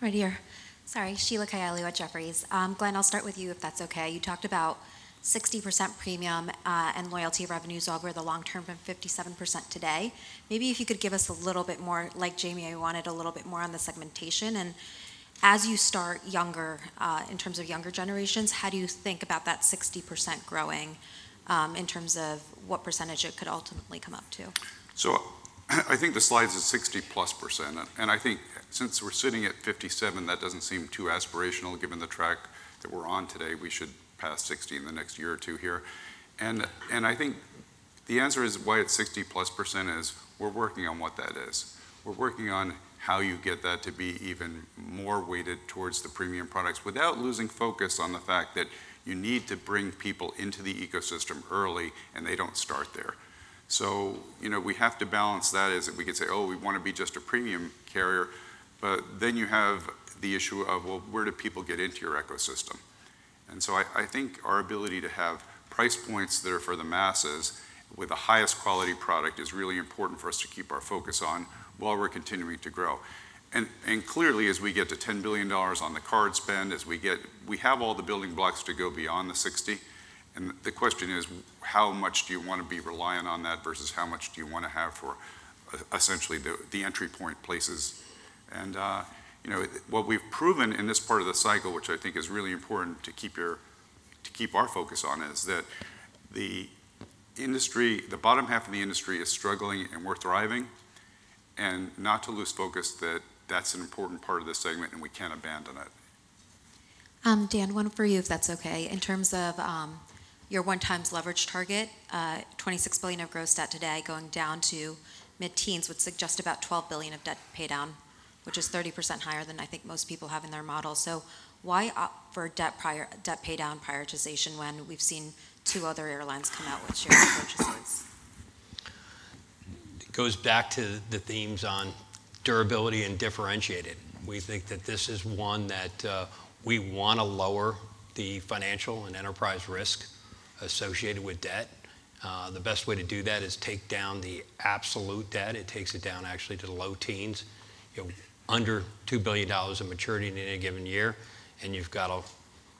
Speaker 11: Right here. Sorry, Sheila Kahyaoglu at Jefferies. Glen, I'll start with you if that's OK. You talked about 60% premium and loyalty revenues over the long term from 57% today. Maybe if you could give us a little bit more, like Jamie. I wanted a little bit more on the segmentation. And as you start younger, in terms of younger generations, how do you think about that 60% growing in terms of what percentage it could ultimately come up to?
Speaker 5: So I think the slide is 60%+. And I think since we're sitting at 57%, that doesn't seem too aspirational. Given the track that we're on today, we should pass 60% in the next year or two here. And I think the answer is why it's 60%+ is we're working on what that is. We're working on how you get that to be even more weighted towards the premium products without losing focus on the fact that you need to bring people into the ecosystem early and they don't start there. So, you know, we have to balance that as we can say, oh, we want to be just a premium carrier. But then you have the issue of, well, where do people get into your ecosystem? And so I think our ability to have price points that are for the masses with the highest quality product is really important for us to keep our focus on while we're continuing to grow. And clearly, as we get to $10 billion on the card spend, as we get, we have all the building blocks to go beyond the 60. And the question is, how much do you want to be reliant on that versus how much do you want to have for essentially the entry point places? And, you know, what we've proven in this part of the cycle, which I think is really important to keep our focus on, is that the industry, the bottom half of the industry is struggling and we're thriving. And not to lose focus that that's an important part of the segment and we can't abandon it.
Speaker 11: Dan, one for you if that's OK. In terms of your 1x leverage target, $26 billion of gross debt today going down to mid-teens would suggest about $12 billion of debt pay down, which is 30% higher than I think most people have in their model. So why offer debt pay down prioritization when we've seen two other airlines come out with share purchases?
Speaker 6: It goes back to the themes on durability and differentiated. We think that this is one that we want to lower the financial and enterprise risk associated with debt. The best way to do that is take down the absolute debt. It takes it down actually to the low teens, you know, under $2 billion in maturity in any given year. And you've got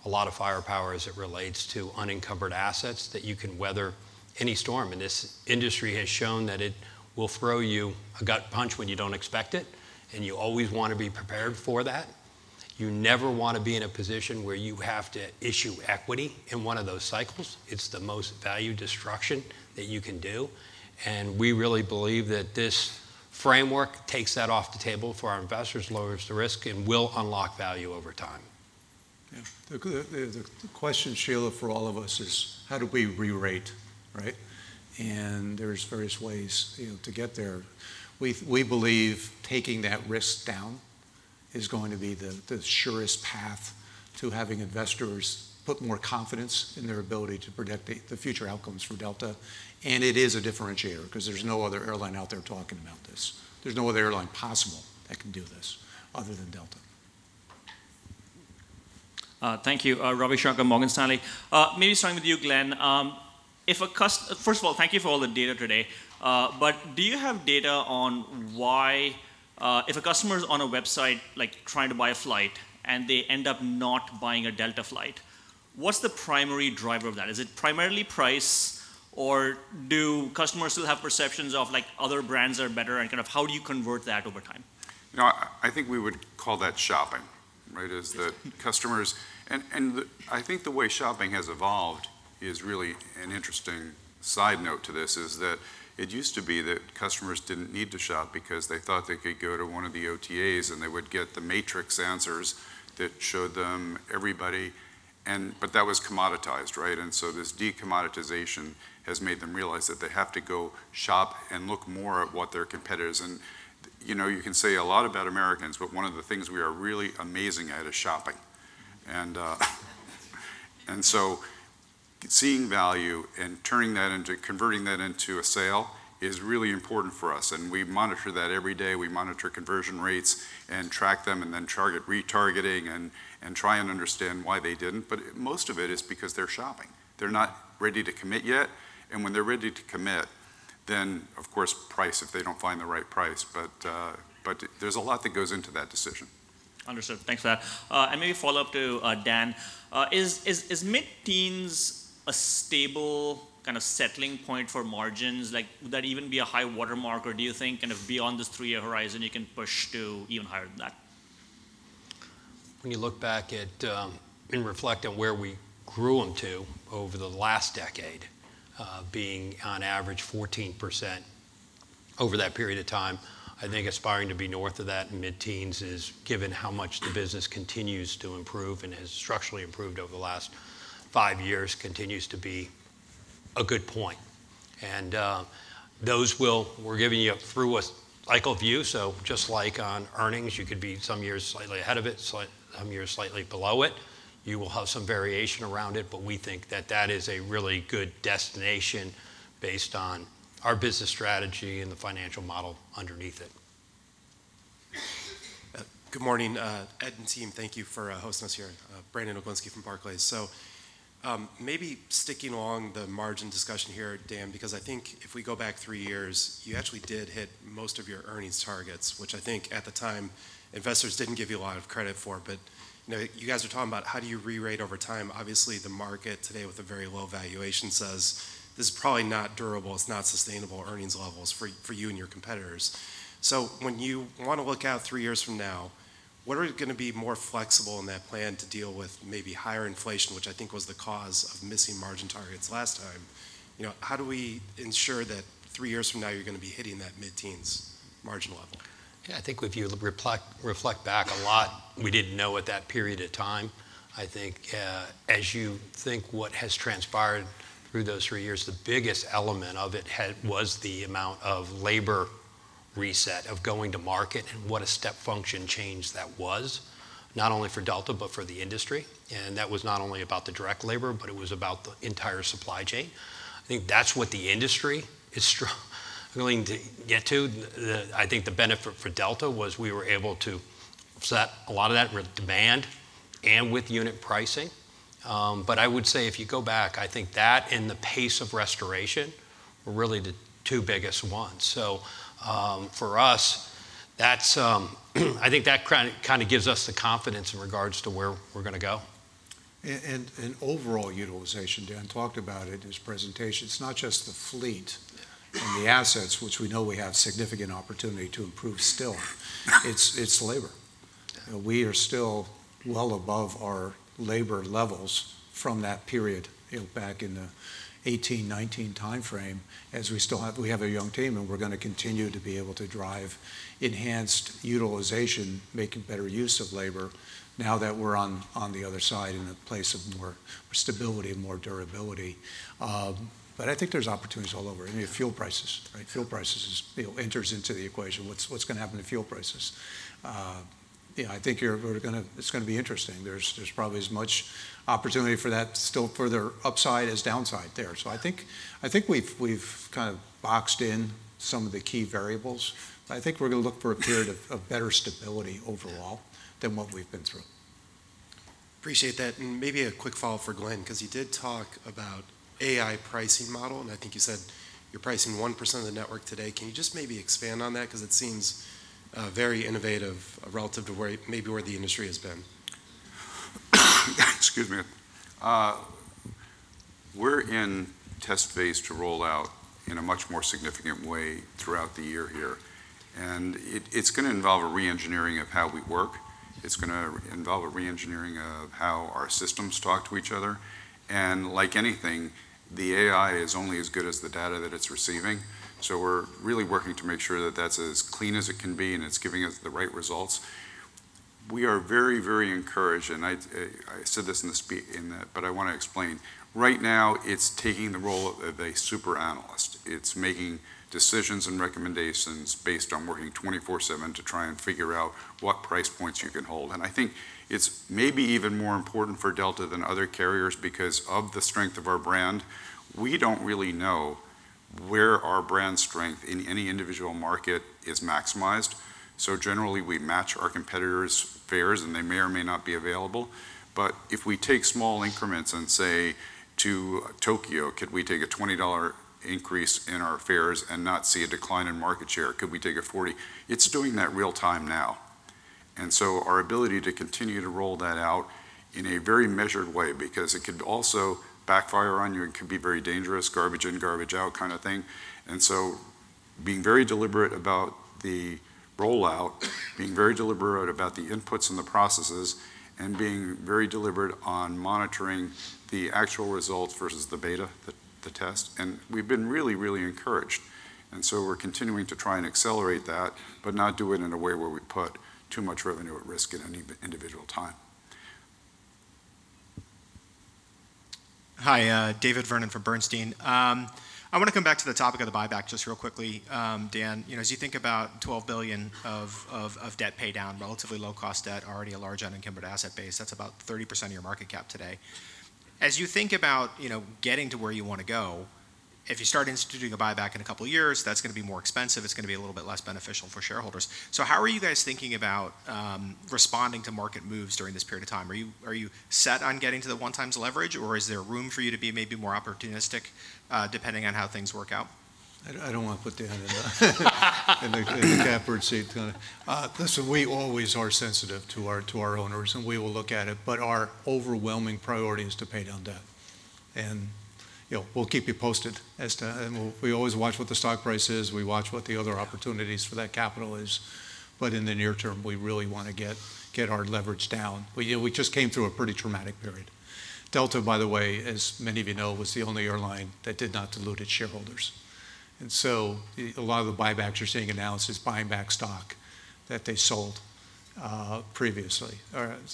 Speaker 6: a lot of firepower as it relates to unencumbered assets that you can weather any storm. And this industry has shown that it will throw you a gut punch when you don't expect it. And you always want to be prepared for that. You never want to be in a position where you have to issue equity in one of those cycles. It's the most value destruction that you can do. And we really believe that this framework takes that off the table for our investors, lowers the risk, and will unlock value over time.
Speaker 4: Yeah, the question, Sheila, for all of us is, how do we re-rate, right? And there's various ways to get there. We believe taking that risk down is going to be the surest path to having investors put more confidence in their ability to predict the future outcomes for Delta. And it is a differentiator because there's no other airline out there talking about this. There's no other airline possible that can do this other than Delta.
Speaker 12: Thank you, Ravi Shanker, Morgan Stanley. Maybe starting with you, Glen. First of all, thank you for all the data today. But do you have data on why if a customer is on a website like trying to buy a flight and they end up not buying a Delta flight, what's the primary driver of that? Is it primarily price or do customers still have perceptions of like other brands are better and kind of how do you convert that over time?
Speaker 5: You know, I think we would call that shopping, right? Is that customers? And I think the way shopping has evolved is really an interesting side note to this is that it used to be that customers didn't need to shop because they thought they could go to one of the OTAs and they would get the matrix answers that showed them everybody. And but that was commoditized, right? And so this decommoditization has made them realize that they have to go shop and look more at what their competitors. And you know, you can say a lot about Americans, but one of the things we are really amazing at is shopping. And so seeing value and turning that into converting that into a sale is really important for us. And we monitor that every day. We monitor conversion rates and track them and then target retargeting and try and understand why they didn't. But most of it is because they're shopping. They're not ready to commit yet. And when they're ready to commit, then of course price if they don't find the right price. But there's a lot that goes into that decision.
Speaker 12: Understood. Thanks for that. And maybe follow up to Dan. Is mid-teens a stable kind of settling point for margins? Like would that even be a high watermark or do you think kind of beyond this three-year horizon you can push to even higher than that?
Speaker 6: When you look back at and reflect on where we grew them to over the last decade, being on average 14% over that period of time, I think aspiring to be north of that in mid-teens is, given how much the business continues to improve and has structurally improved over the last five years, continues to be a good point. And those will. We're giving you a through-the-cycle view. So just like on earnings, you could be some years slightly ahead of it, some years slightly below it. You will have some variation around it. But we think that that is a really good destination based on our business strategy and the financial model underneath it.
Speaker 13: Good morning, Ed and team. Thank you for hosting us here. Brandon Oglenski from Barclays. So maybe sticking along the margin discussion here, Dan, because I think if we go back three years, you actually did hit most of your earnings targets, which I think at the time investors didn't give you a lot of credit for. But you know, you guys are talking about how do you re-rate over time. Obviously, the market today with a very low valuation says this is probably not durable. It's not sustainable earnings levels for you and your competitors. So when you want to look out three years from now, what are you going to be more flexible in that plan to deal with maybe higher inflation, which I think was the cause of missing margin targets last time? You know, how do we ensure that three years from now you're going to be hitting that mid-teens margin level?
Speaker 6: Yeah, I think if you reflect back a lot, we didn't know at that period of time. I think as you think what has transpired through those three years, the biggest element of it was the amount of labor reset of going to market and what a step function change that was not only for Delta but for the industry, and that was not only about the direct labor, but it was about the entire supply chain. I think that's what the industry is going to get to. I think the benefit for Delta was we were able to set a lot of that with demand and with unit pricing. But I would say if you go back, I think that and the pace of restoration were really the two biggest ones. So for us, that's, I think that kind of gives us the confidence in regards to where we're going to go.
Speaker 4: And overall utilization, Dan talked about it in his presentation. It's not just the fleet and the assets, which we know we have significant opportunity to improve still. It's labor. We are still well above our labor levels from that period back in the 2018, 2019 time frame as we still have, we have a young team and we're going to continue to be able to drive enhanced utilization, making better use of labor now that we're on the other side in a place of more stability and more durability. But I think there's opportunities all over. I mean, fuel prices, right? Fuel prices enters into the equation. What's going to happen to fuel prices? Yeah, I think you're going to, it's going to be interesting. There's probably as much opportunity for that still further upside as downside there. So I think we've kind of boxed in some of the key variables. But I think we're going to look for a period of better stability overall than what we've been through.
Speaker 13: Appreciate that. And maybe a quick follow-up for Glen because he did talk about AI pricing model. And I think you said you're pricing 1% of the network today. Can you just maybe expand on that because it seems very innovative relative to maybe where the industry has been?
Speaker 5: Excuse me. We're in test phase to roll out in a much more significant way throughout the year here. And it's going to involve a re-engineering of how we work. It's going to involve a re-engineering of how our systems talk to each other, and like anything, the AI is only as good as the data that it's receiving, so we're really working to make sure that that's as clean as it can be and it's giving us the right results. We are very, very encouraged, and I said this in the speech, but I want to explain. Right now, it's taking the role of a super analyst. It's making decisions and recommendations based on working 24/7 to try and figure out what price points you can hold, and I think it's maybe even more important for Delta than other carriers because of the strength of our brand. We don't really know where our brand strength in any individual market is maximized, so generally, we match our competitors' fares and they may or may not be available. But if we take small increments and say to Tokyo, could we take a $20 increase in our fares and not see a decline in market share? Could we take a $40? It's doing that real time now. And so our ability to continue to roll that out in a very measured way because it could also backfire on you and could be very dangerous, garbage in, garbage out kind of thing. And so being very deliberate about the rollout, being very deliberate about the inputs and the processes and being very deliberate on monitoring the actual results versus the beta, the test. And we've been really, really encouraged. And so we're continuing to try and accelerate that, but not do it in a way where we put too much revenue at risk at any individual time.
Speaker 14: Hi, David Vernon from Bernstein. I want to come back to the topic of the buyback just real quickly, Dan. You know, as you think about $12 billion of debt pay down, relatively low-cost debt, already a large unencumbered asset base, that's about 30% of your market cap today. As you think about, you know, getting to where you want to go, if you start instituting a buyback in a couple of years, that's going to be more expensive. It's going to be a little bit less beneficial for shareholders. So how are you guys thinking about responding to market moves during this period of time? Are you set on getting to the one-time leverage or is there room for you to be maybe more opportunistic depending on how things work out?
Speaker 4: I don't want to put Dan in the catbird seat. Listen, we always are sensitive to our owners and we will look at it. But our overwhelming priority is to pay down debt. And you know, we'll keep you posted as to, and we always watch what the stock price is. We watch what the other opportunities for that capital is. But in the near term, we really want to get our leverage down. We just came through a pretty traumatic period. Delta, by the way, as many of you know, was the only airline that did not dilute its shareholders. And so a lot of the buybacks you're seeing in airlines buying back stock that they sold previously or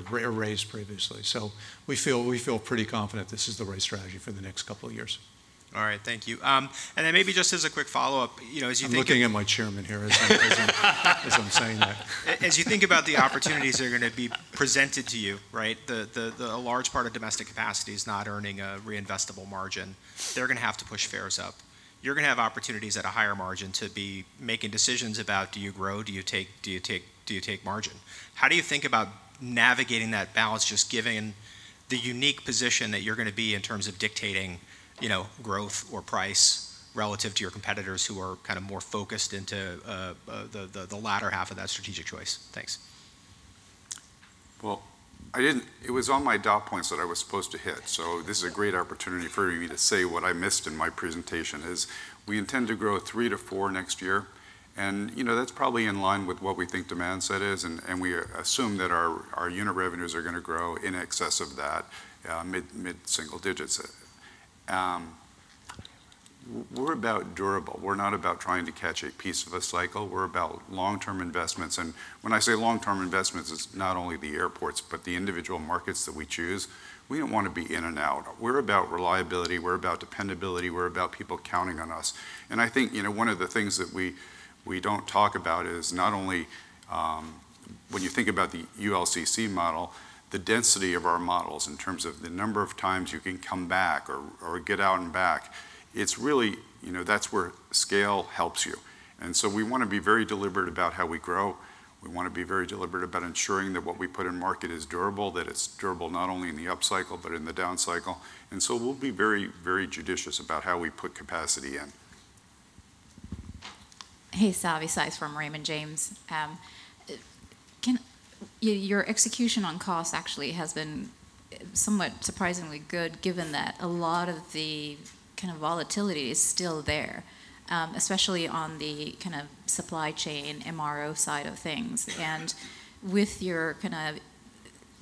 Speaker 4: raised previously. So we feel pretty confident this is the right strategy for the next couple of years.
Speaker 14: All right, thank you. And then maybe just as a quick follow-up, you know, as you think.
Speaker 4: I'm looking at my chairman here as I'm saying that.
Speaker 14: As you think about the opportunities that are going to be presented to you, right? A large part of domestic capacity is not earning a reinvestable margin. They're going to have to push fares up. You're going to have opportunities at a higher margin to be making decisions about do you grow, do you take margin. How do you think about navigating that balance, just given the unique position that you're going to be in terms of dictating, you know, growth or price relative to your competitors who are kind of more focused into the latter half of that strategic choice? Thanks.
Speaker 5: Well, I didn't. It was on my dot points that I was supposed to hit. This is a great opportunity for me to say what I missed in my presentation is we intend to grow three to four next year. And you know, that's probably in line with what we think demand set is. And we assume that our unit revenues are going to grow in excess of that, mid-single digits. We're about durable. We're not about trying to catch a piece of a cycle. We're about long-term investments. And when I say long-term investments, it's not only the airports, but the individual markets that we choose. We don't want to be in and out. We're about reliability. We're about dependability. We're about people counting on us. I think, you know, one of the things that we don't talk about is not only when you think about the ULCC model, the density of our models in terms of the number of times you can come back or get out and back. It's really, you know, that's where scale helps you. We want to be very deliberate about how we grow. We want to be very deliberate about ensuring that what we put in market is durable, that it's durable not only in the upcycle, but in the downcycle. We'll be very, very judicious about how we put capacity in.
Speaker 15: Hey, Savanthi Syth from Raymond James. Your execution on costs actually has been somewhat surprisingly good given that a lot of the kind of volatility is still there, especially on the kind of supply chain MRO side of things. I was kind of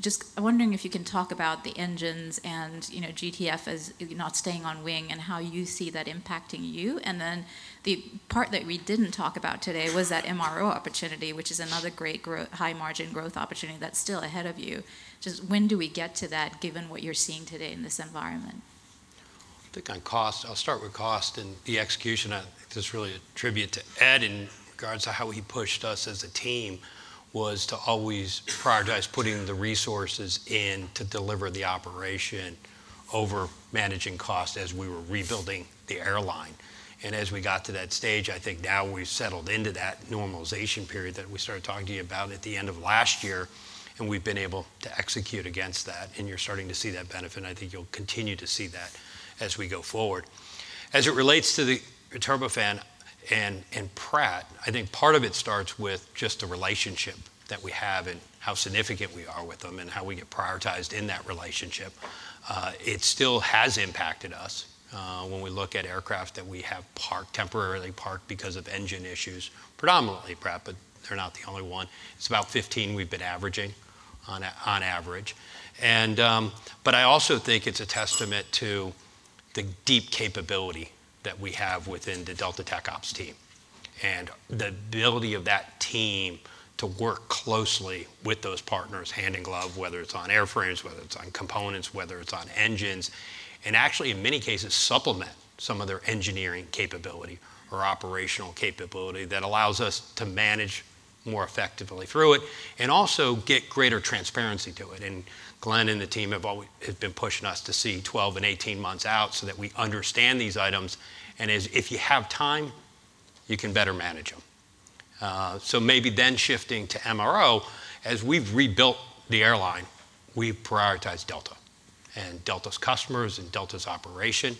Speaker 15: just wondering if you can talk about the engines and, you know, GTF as not staying on wing and how you see that impacting you. And then the part that we didn't talk about today was that MRO opportunity, which is another great high-margin growth opportunity that's still ahead of you. Just when do we get to that given what you're seeing today in this environment?
Speaker 6: I think on cost, I'll start with cost and the execution. This is really a tribute to Ed in regards to how he pushed us as a team was to always prioritize putting the resources in to deliver the operation over managing costs as we were rebuilding the airline. And as we got to that stage, I think now we've settled into that normalization period that we started talking to you about at the end of last year. And we've been able to execute against that. And you're starting to see that benefit. And I think you'll continue to see that as we go forward. As it relates to the turbofan and Pratt, I think part of it starts with just the relationship that we have and how significant we are with them and how we get prioritized in that relationship. It still has impacted us when we look at aircraft that we have temporarily parked because of engine issues, predominantly Pratt, but they're not the only one. It's about 15 we've been averaging on average. I also think it's a testament to the deep capability that we have within the Delta TechOps team and the ability of that team to work closely with those partners hand in glove, whether it's on airframes, whether it's on components, whether it's on engines, and actually in many cases supplement some of their engineering capability or operational capability that allows us to manage more effectively through it and also get greater transparency to it. Glen and the team have been pushing us to see 12 and 18 months out so that we understand these items. If you have time, you can better manage them. Maybe then, shifting to MRO, as we've rebuilt the airline, we've prioritized Delta and Delta's customers and Delta's operation.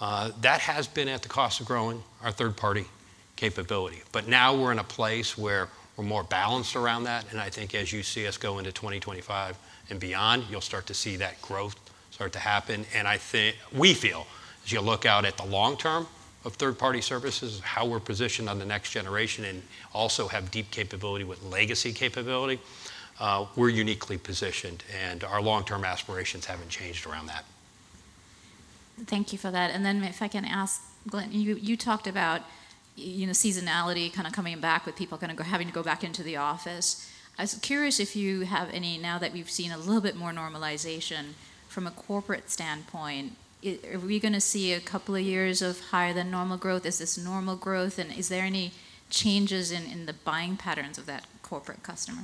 Speaker 6: That has been at the cost of growing our third-party capability. But now we're in a place where we're more balanced around that. And I think as you see us go into 2025 and beyond, you'll start to see that growth start to happen. And I think we feel as you look out at the long term of third-party services, how we're positioned on the next generation and also have deep capability with legacy capability, we're uniquely positioned. And our long-term aspirations haven't changed around that.
Speaker 15: Thank you for that. And then if I can ask Glen, you talked about, you know, seasonality kind of coming back with people kind of having to go back into the office. I was curious if you have any now that we've seen a little bit more normalization from a corporate standpoint, are we going to see a couple of years of higher than normal growth? Is this normal growth? Is there any changes in the buying patterns of that corporate customer?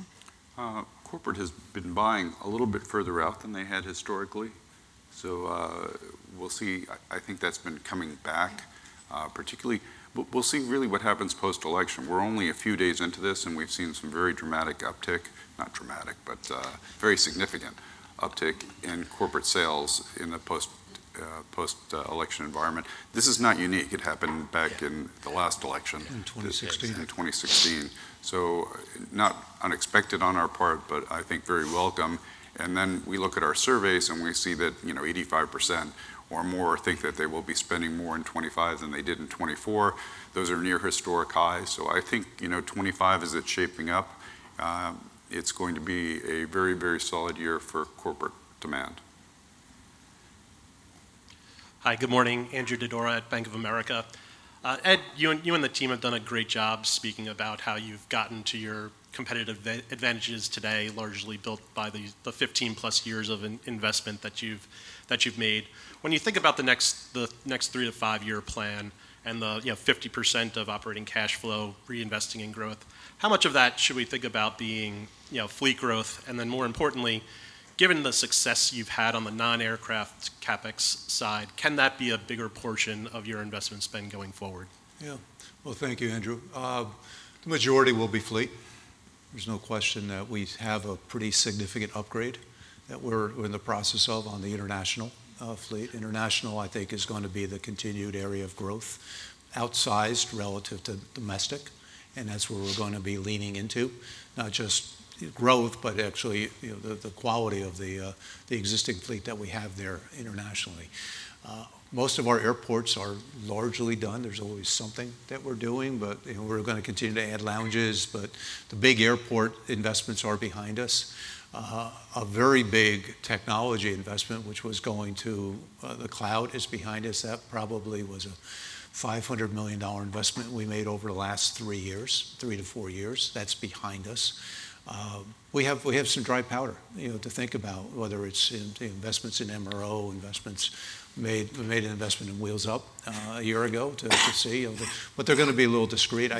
Speaker 5: Corporate has been buying a little bit further out than they had historically. We'll see. I think that's been coming back, particularly. We'll see really what happens post-election. We're only a few days into this and we've seen some very dramatic uptick, not dramatic, but very significant uptick in corporate sales in the post-election environment. This is not unique. It happened back in the last election. In 2016. Not unexpected on our part, but I think very welcome. Then we look at our surveys and we see that, you know, 85% or more think that they will be spending more in 2025 than they did in 2024. Those are near historic highs. I think, you know, 2025 is shaping up. It's going to be a very, very solid year for corporate demand.
Speaker 16: Hi, good morning. Andrew Didora at Bank of America. Ed, you and the team have done a great job speaking about how you've gotten to your competitive advantages today, largely built by the 15+ years of investment that you've made. When you think about the next three- to five-year plan and the 50% of operating cash flow reinvesting in growth, how much of that should we think about being, you know, fleet growth? And then more importantly, given the success you've had on the non-aircraft CapEx side, can that be a bigger portion of your investment spend going forward?
Speaker 4: Yeah. Well, thank you, Andrew. The majority will be fleet. There's no question that we have a pretty significant upgrade that we're in the process of on the international fleet. International, I think, is going to be the continued area of growth, outsized relative to domestic. And that's where we're going to be leaning into, not just growth, but actually, you know, the quality of the existing fleet that we have there internationally. Most of our airports are largely done. There's always something that we're doing, but, you know, we're going to continue to add lounges, but the big airport investments are behind us. A very big technology investment, which was going to the cloud, is behind us. That probably was a $500 million investment we made over the last three years, three to four years. That's behind us. We have some dry powder, you know, to think about, whether it's in investments in MRO, investments made an investment in Wheels Up a year ago to see. But they're going to be a little discreet.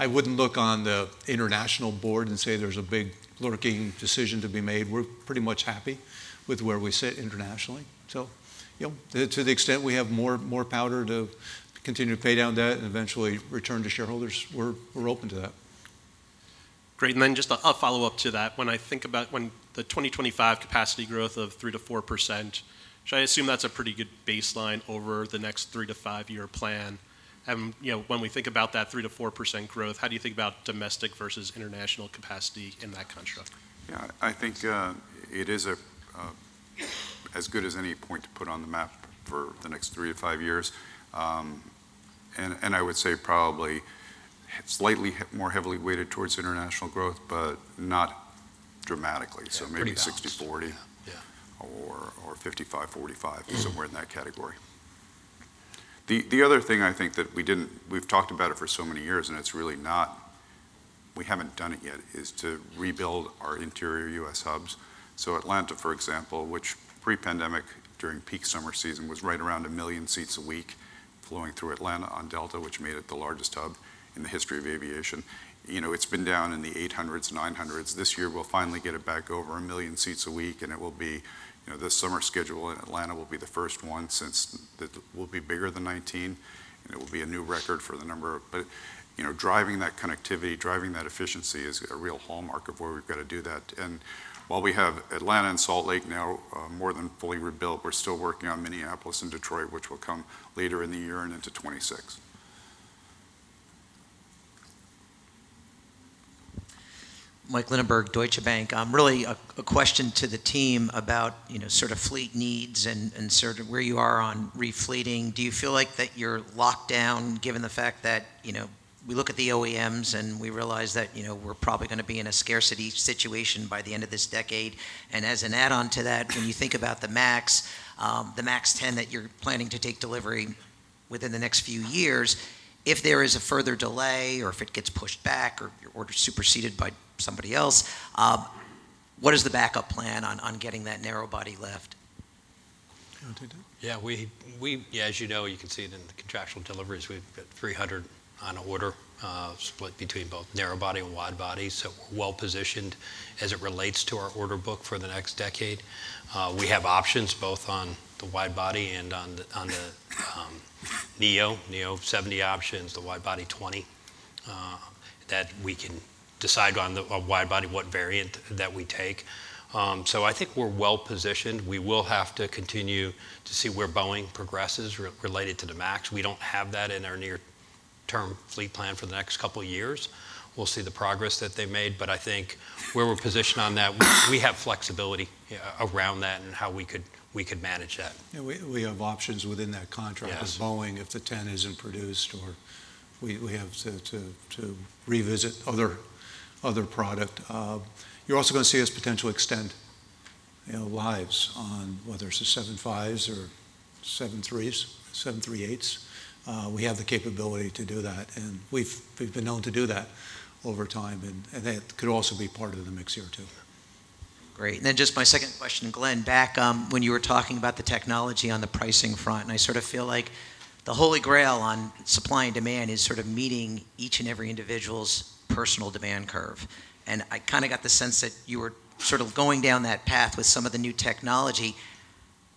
Speaker 4: I wouldn't look on the international board and say there's a big lurking decision to be made. We're pretty much happy with where we sit internationally. So, you know, to the extent we have more powder to continue to pay down debt and eventually return to shareholders, we're open to that.
Speaker 16: Great. And then just a follow-up to that. When I think about when the 2025 capacity growth of 3%-4%, should I assume that's a pretty good baseline over the next three- to five-year plan? And, you know, when we think about that 3%-4% growth, how do you think about domestic versus international capacity in that construct?
Speaker 5: Yeah, I think it is as good as any point to put on the map for the next three to five years. And I would say probably slightly more heavily weighted towards international growth, but not dramatically. So maybe 60-40 or 55-45, somewhere in that category. The other thing I think we've talked about it for so many years and it's really not, we haven't done it yet, is to rebuild our interior U.S. hubs. So Atlanta, for example, which pre-pandemic during peak summer season was right around a million seats a week flowing through Atlanta on Delta, which made it the largest hub in the history of aviation. You know, it's been down in the 800s, 900s. This year we'll finally get it back over a million seats a week. And it will be, you know, this summer schedule in Atlanta will be the first one since that will be bigger than 2019. And it will be a new record for the number of. But, you know, driving that connectivity, driving that efficiency is a real hallmark of where we've got to do that. And while we have Atlanta and Salt Lake now more than fully rebuilt, we're still working on Minneapolis and Detroit, which will come later in the year and into 2026.
Speaker 17: Michael Linenberg, Deutsche Bank. Really a question to the team about, you know, sort of fleet needs and sort of where you are on refleeting. Do you feel like that you're locked down given the fact that, you know, we look at the OEMs and we realize that, you know, we're probably going to be in a scarcity situation by the end of this decade. As an add-on to that, when you think about the MAX, the MAX 10 that you're planning to take delivery within the next few years, if there is a further delay or if it gets pushed back or your order is superseded by somebody else, what is the backup plan on getting that narrowbody fleet?
Speaker 6: Yeah, we, as you know, you can see it in the contractual deliveries. We've got 300 on order split between both narrowbody and widebody. So we're well positioned as it relates to our order book for the next decade. We have options both on the widebody and on the neo, neo 70 options, the widebody 20 that we can decide on the widebody, what variant that we take. So I think we're well positioned. We will have to continue to see where Boeing progresses related to the MAX. We don't have that in our near-term fleet plan for the next couple of years. We'll see the progress that they made. But I think where we're positioned on that, we have flexibility around that and how we could manage that.
Speaker 4: We have options within that contract with Boeing if the 10 isn't produced or we have to revisit other product. You're also going to see us potentially extend lives on whether it's the 75s or 73s, 738s. We have the capability to do that. And we've been known to do that over time. And that could also be part of the mix here too.
Speaker 17: Great. And then just my second question, Glen, back when you were talking about the technology on the pricing front. And I sort of feel like the holy grail on supply and demand is sort of meeting each and every individual's personal demand curve. I kind of got the sense that you were sort of going down that path with some of the new technology.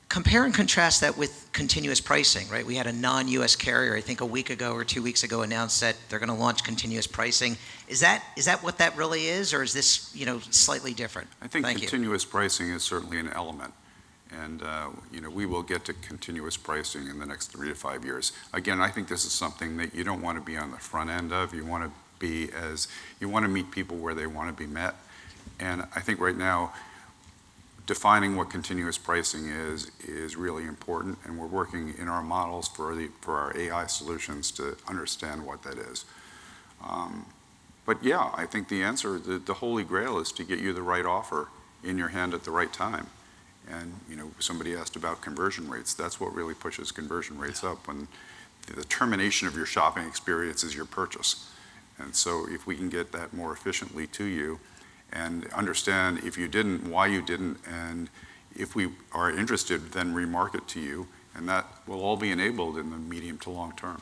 Speaker 17: Compare and contrast that with continuous pricing, right? We had a non-U.S. carrier, I think a week ago or two weeks ago, announce that they're going to launch continuous pricing. Is that what that really is or is this, you know, slightly different?
Speaker 5: I think continuous pricing is certainly an element. And, you know, we will get to continuous pricing in the next three to five years. Again, I think this is something that you don't want to be on the front end of. You want to be as, you want to meet people where they want to be met. And I think right now defining what continuous pricing is is really important. And we're working in our models for our AI solutions to understand what that is. But yeah, I think the answer, the holy grail is to get you the right offer in your hand at the right time. And, you know, somebody asked about conversion rates. That's what really pushes conversion rates up when the termination of your shopping experience is your purchase. And so if we can get that more efficiently to you and understand if you didn't, why you didn't, and if you are interested, then remarket to you. And that will all be enabled in the medium to long term.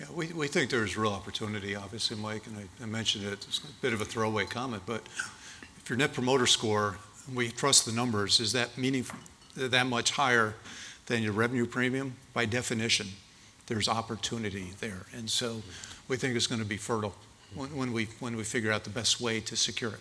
Speaker 4: Yeah, we think there's real opportunity, obviously, Mike. And I mentioned it, it's a bit of a throwaway comment, but if your Net Promoter Score, and we trust the numbers, is that much higher than your revenue premium? By definition, there's opportunity there. And so we think it's going to be fertile when we figure out the best way to secure it.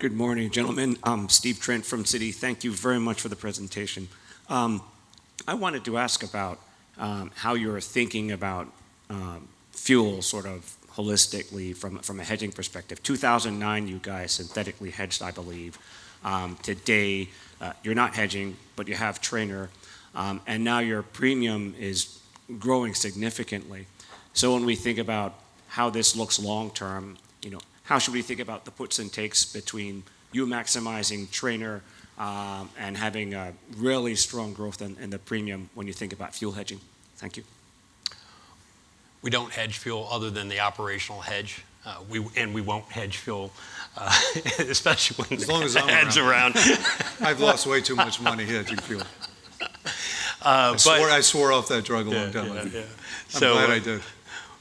Speaker 18: Good morning, gentlemen. I'm Steve Trent from Citi. Thank you very much for the presentation. I wanted to ask about how you're thinking about fuel sort of holistically from a hedging perspective. 2009, you guys synthetically hedged, I believe. Today, you're not hedging, but you have Trainer. And now your premium is growing significantly. So when we think about how this looks long term, you know, how should we think about the puts and takes between you maximizing Trainer and having a really strong growth in the premium when you think about fuel hedging? Thank you.
Speaker 6: We don't hedge fuel other than the operational hedge. And we won't hedge fuel, especially when it's hedged around.
Speaker 5: I've lost way too much money hedging fuel. I swore off that drug a long time ago. I'm glad I did.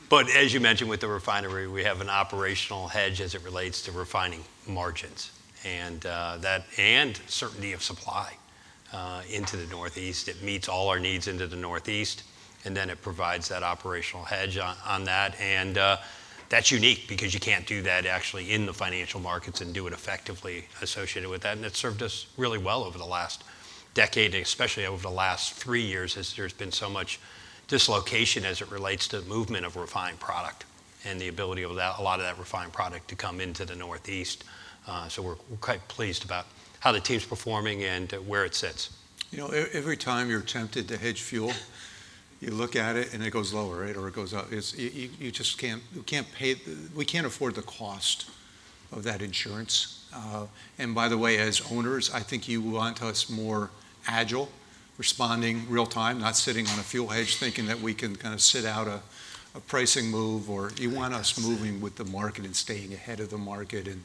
Speaker 6: But as you mentioned with the refinery, we have an operational hedge as it relates to refining margins and that and certainty of supply into the Northeast. It meets all our needs into the Northeast. And then it provides that operational hedge on that. And that's unique because you can't do that actually in the financial markets and do it effectively associated with that. And it's served us really well over the last decade, especially over the last three years as there's been so much dislocation as it relates to the movement of refined product and the ability of a lot of that refined product to come into the Northeast. So we're quite pleased about how the team's performing and where it sits.
Speaker 4: You know, every time you're tempted to hedge fuel, you look at it and it goes lower, right? Or it goes up. You just can't pay it. We can't afford the cost of that insurance. And by the way, as owners, I think you want us more agile, responding real time, not sitting on a fuel hedge thinking that we can kind of sit out a pricing move or you want us moving with the market and staying ahead of the market and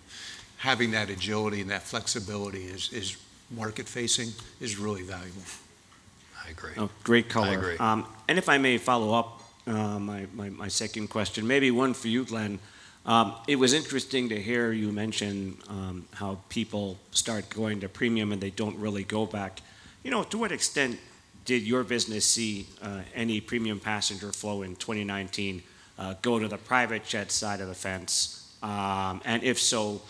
Speaker 4: having that agility and that flexibility is market-facing is really valuable.
Speaker 5: I agree.
Speaker 18: Great color. And if I may follow up my second question, maybe one for you, Glen. It was interesting to hear you mention how people start going to premium and they don't really go back. You know, to what extent did your business see any premium passenger flow in 2019 go to the private jet side of the fence? And if so,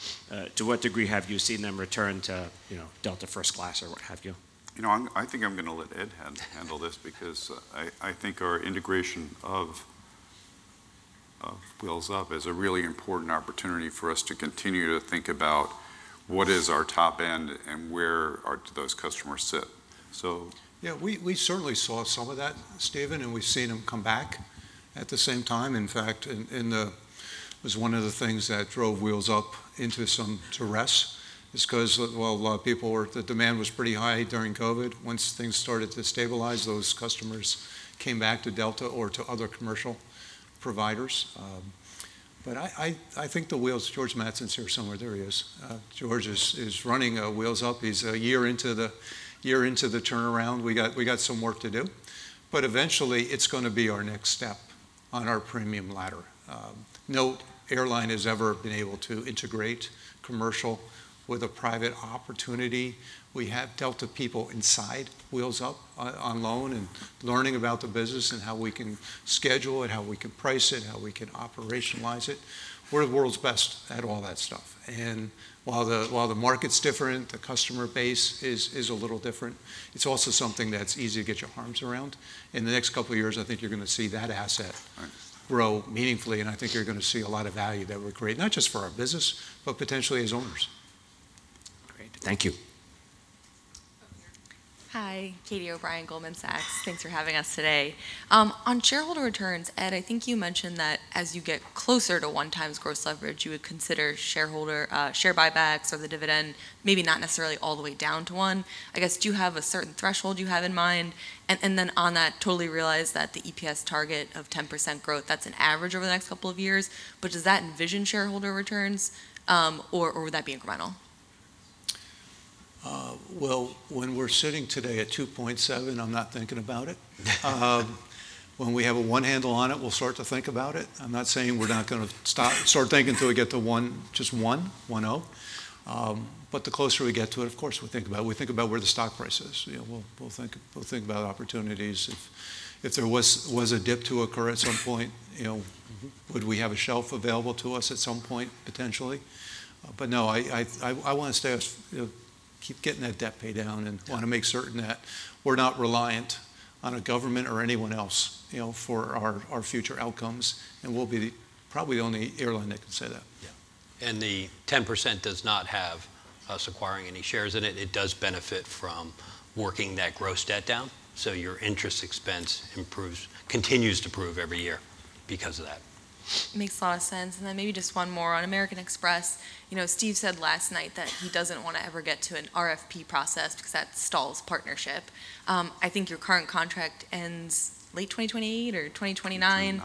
Speaker 18: to what degree have you seen them return to, you know, Delta First Class or what have you?
Speaker 5: You know, I think I'm going to let Ed handle this because I think our integration of Wheels Up is a really important opportunity for us to continue to think about what is our top end and where do those customers sit.
Speaker 4: So, yeah, we certainly saw some of that, Stephen, and we've seen them come back at the same time. In fact, it was one of the things that drove Wheels Up into some distress is because, well, a lot of people were, the demand was pretty high during COVID. Once things started to stabilize, those customers came back to Delta or to other commercial providers. But I think the Wheels, George Mattson is here somewhere. There he is. George is running Wheels Up. He's a year into the turnaround. We got some work to do. But eventually, it's going to be our next step on our premium ladder. No airline has ever been able to integrate commercial with a private opportunity. We have Delta people inside Wheels Up on loan and learning about the business and how we can schedule it, how we can price it, how we can operationalize it. We're the world's best at all that stuff. And while the market's different, the customer base is a little different, it's also something that's easy to get your arms around. In the next couple of years, I think you're going to see that asset grow meaningfully. And I think you're going to see a lot of value that we're creating, not just for our business, but potentially as owners.
Speaker 18: Great. Thank you.
Speaker 19: Hi, Catie O'Brien, Goldman Sachs. Thanks for having us today. On shareholder returns, Ed, I think you mentioned that as you get closer to one times gross leverage, you would consider shareholder share buybacks or the dividend, maybe not necessarily all the way down to one. I guess do you have a certain threshold you have in mind? And then on that, totally realize that the EPS target of 10% growth, that's an average over the next couple of years. But does that envision shareholder returns or would that be incremental?
Speaker 4: Well, when we're sitting today at 2.7, I'm not thinking about it. When we have a one handle on it, we'll start to think about it. I'm not saying we're not going to start thinking until we get to one, just one, 1.0. But the closer we get to it, of course, we think about, we think about where the stock price is. We'll think about opportunities. If there was a dip to occur at some point, you know, would we have a shelf available to us at some point potentially? But no, I want to stay as, you know, keep getting that debt pay down and want to make certain that we're not reliant on a government or anyone else, you know, for our future outcomes. And we'll be probably the only airline that can say that. Yeah.
Speaker 6: And the 10% does not have us acquiring any shares in it. It does benefit from working that gross debt down. So your interest expense improves, continues to improve every year because of that.
Speaker 19: Makes a lot of sense. And then maybe just one more on American Express. You know, Steve said last night that he doesn't want to ever get to an RFP process because that stalls partnership. I think your current contract ends late 2028 or 2029.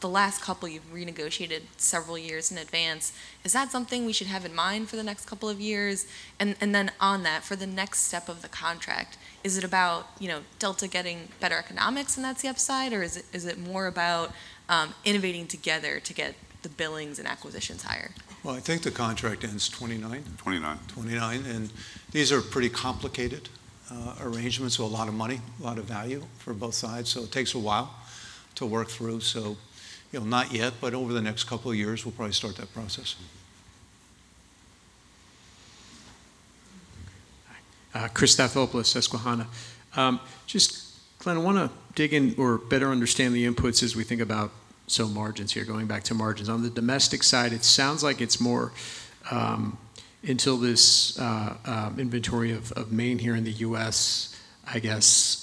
Speaker 19: The last couple you've renegotiated several years in advance. Is that something we should have in mind for the next couple of years? And then on that, for the next step of the contract, is it about, you know, Delta getting better economics and that's the upside? Or is it more about innovating together to get the billings and acquisitions higher?
Speaker 4: I think the contract ends 2029. These are pretty complicated arrangements with a lot of money, a lot of value for both sides. It takes a while to work through. You know, not yet, but over the next couple of years, we'll probably start that process.
Speaker 20: All right. Christopher Stathoulopoulos, Susquehanna. Just, Glen, I want to dig in or better understand the inputs as we think about some margins here, going back to margins. On the domestic side, it sounds like it's more until this inventory of mainline here in the U.S., I guess,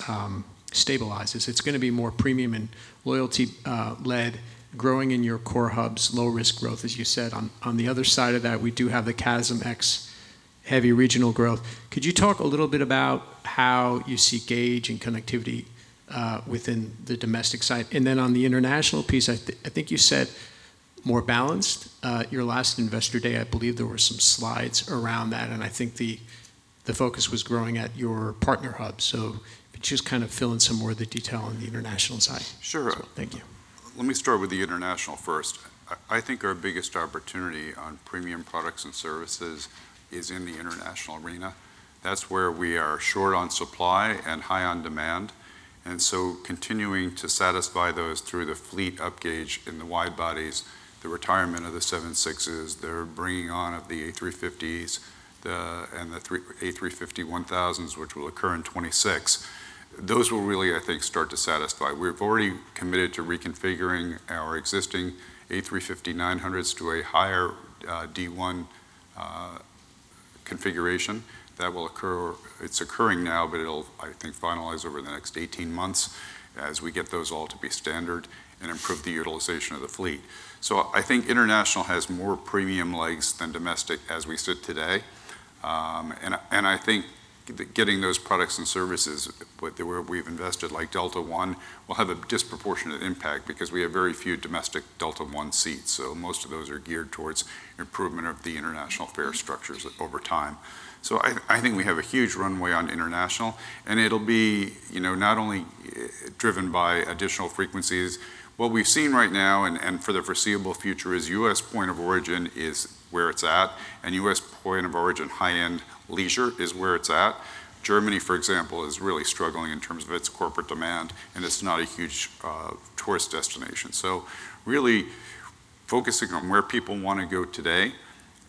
Speaker 20: stabilizes. It's going to be more premium and loyalty-led, growing in your core hubs, low-risk growth, as you said. On the other side of that, we do have the CASM-Ex heavy regional growth. Could you talk a little bit about how you see gauge and connectivity within the domestic side? And then on the international piece, I think you said more balanced. Your last Investor Day, I believe there were some slides around that. And I think the focus was growing at your partner hubs. So just kind of fill in some more of the detail on the international side. Sure. Thank you.
Speaker 5: Let me start with the international first. I think our biggest opportunity on premium products and services is in the international arena. That's where we are short on supply and high on demand. And so continuing to satisfy those through the fleet upgauge in the wide bodies, the retirement of the 76s, the bringing on of the A350s and the A350-1000s, which will occur in 2026. Those will really, I think, start to satisfy. We've already committed to reconfiguring our existing A350-900s to a higher D1 configuration. That will occur. It's occurring now, but it'll, I think, finalize over the next 18 months as we get those all to be standard and improve the utilization of the fleet. So I think international has more premium legs than domestic as we sit today. And I think getting those products and services, what we've invested like Delta One, will have a disproportionate impact because we have very few domestic Delta One seats. So most of those are geared towards improvement of the international fare structures over time. So I think we have a huge runway on international. And it'll be, you know, not only driven by additional frequencies. What we've seen right now and for the foreseeable future is U.S. point of origin is where it's at. And U.S. point of origin high-end leisure is where it's at. Germany, for example, is really struggling in terms of its corporate demand. And it's not a huge tourist destination. So really focusing on where people want to go today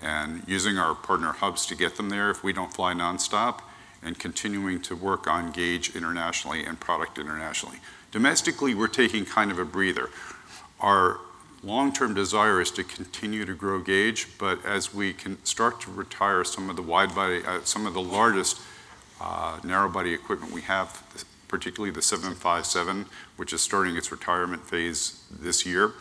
Speaker 5: and using our partner hubs to get them there if we don't fly nonstop and continuing to work on gauge internationally and product internationally. Domestically, we're taking kind of a breather. Our long-term desire is to continue to grow gauge. But as we can start to retire some of the wide-body, some of the largest narrow-body equipment we have, particularly the 757, which is starting its retirement phase this year,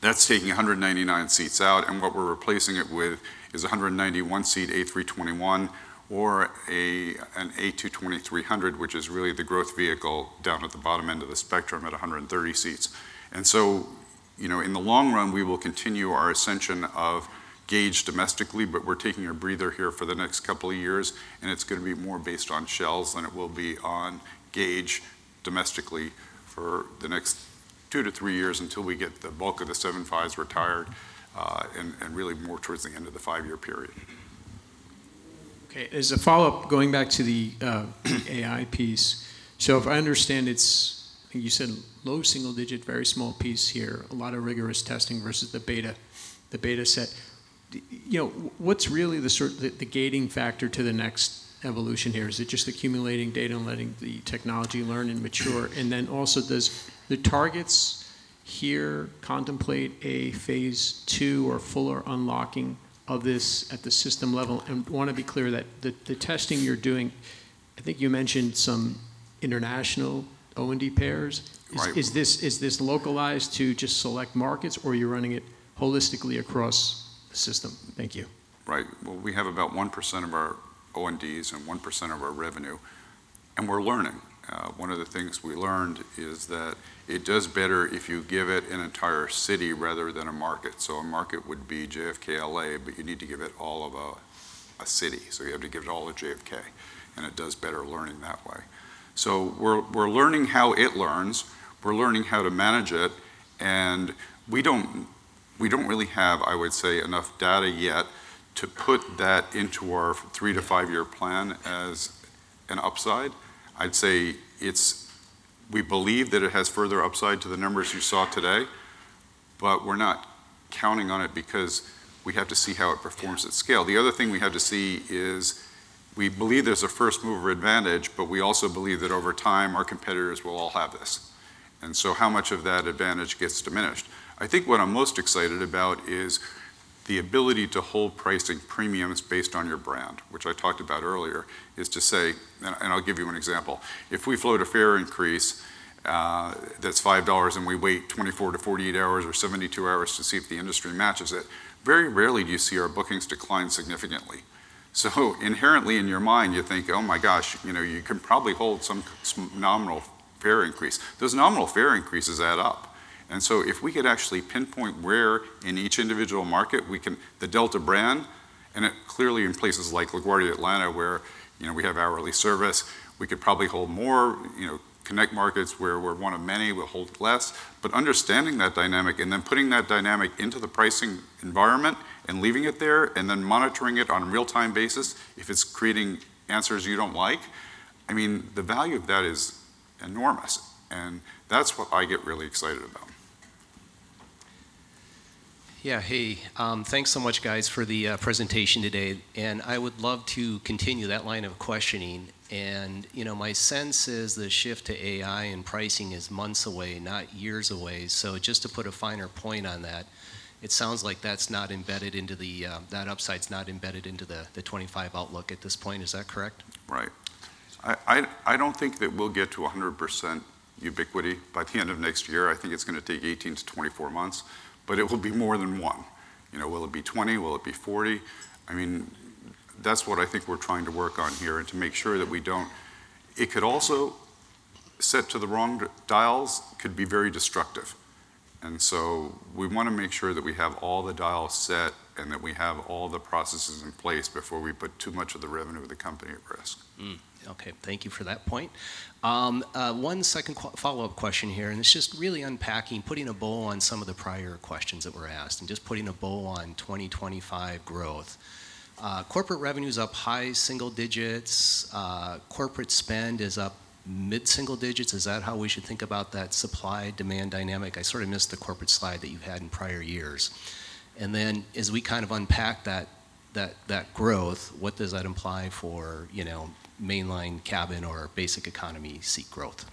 Speaker 5: that's taking 199 seats out. And what we're replacing it with is 191-seat A321 or an A220-300, which is really the growth vehicle down at the bottom end of the spectrum at 130 seats. And so, you know, in the long run, we will continue our ascension of gauge domestically, but we're taking a breather here for the next couple of years. It's going to be more based on shells than it will be on gauge domestically for the next two to three years until we get the bulk of the 75s retired and really more towards the end of the five-year period.
Speaker 20: Okay. As a follow-up, going back to the AI piece. So if I understand it's, I think you said low single digit, very small piece here, a lot of rigorous testing versus the beta, the beta set. You know, what's really the sort of the gating factor to the next evolution here? Is it just accumulating data and letting the technology learn and mature? And then also does the targets here contemplate a phase two or fuller unlocking of this at the system level? And I want to be clear that the testing you're doing, I think you mentioned some international O&D pairs. Is this localized to just select markets or are you running it holistically across the system? Thank you.
Speaker 5: Right. Well, we have about 1% of our O&Ds and 1% of our revenue. And we're learning. One of the things we learned is that it does better if you give it an entire city rather than a market. So a market would be JFK-LA, but you need to give it all of a city. So you have to give it all of JFK. And it does better learning that way. So we're learning how it learns. We're learning how to manage it. And we don't really have, I would say, enough data yet to put that into our three to five-year plan as an upside. I'd say it's, we believe that it has further upside to the numbers you saw today, but we're not counting on it because we have to see how it performs at scale. The other thing we have to see is we believe there's a first mover advantage, but we also believe that over time our competitors will all have this. And so how much of that advantage gets diminished? I think what I'm most excited about is the ability to hold pricing premiums based on your brand, which I talked about earlier, is to say, and I'll give you an example. If we float a fare increase that's $5 and we wait 24-48 hours or 72 hours to see if the industry matches it, very rarely do you see our bookings decline significantly. So inherently in your mind, you think, oh my gosh, you know, you can probably hold some nominal fare increase. Those nominal fare increases add up. And so if we could actually pinpoint where in each individual market we can, the Delta brand, and it clearly in places like LaGuardia, Atlanta, where you know we have hourly service, we could probably hold more, you know, connect markets where we're one of many, we'll hold less. But understanding that dynamic and then putting that dynamic into the pricing environment and leaving it there and then monitoring it on a real-time basis, if it's creating answers you don't like, I mean, the value of that is enormous. And that's what I get really excited about.
Speaker 20: Yeah. Hey, thanks so much, guys, for the presentation today. And I would love to continue that line of questioning. You know, my sense is the shift to AI and pricing is months away, not years away. Just to put a finer point on that, it sounds like that's not embedded into the, that upside's not embedded into the 25 outlook at this point. Is that correct?
Speaker 5: Right. I don't think that we'll get to 100% ubiquity by the end of next year. I think it's going to take 18-24 months, but it will be more than one. You know, will it be 20%? Will it be 40%? I mean, that's what I think we're trying to work on here and to make sure that we don't, it could also set to the wrong dials, could be very destructive. And so we want to make sure that we have all the dials set and that we have all the processes in place before we put too much of the revenue of the company at risk.
Speaker 20: Okay. Thank you for that point. One second follow-up question here. And it's just really unpacking, putting a bow on some of the prior questions that were asked and just putting a bow on 2025 growth. Corporate revenue's up high single digits. Corporate spend is up mid-single digits. Is that how we should think about that supply-demand dynamic? I sort of missed the corporate slide that you've had in prior years. And then as we kind of unpack that growth, what does that imply for, you know, Main Cabin or Basic Economy seat growth?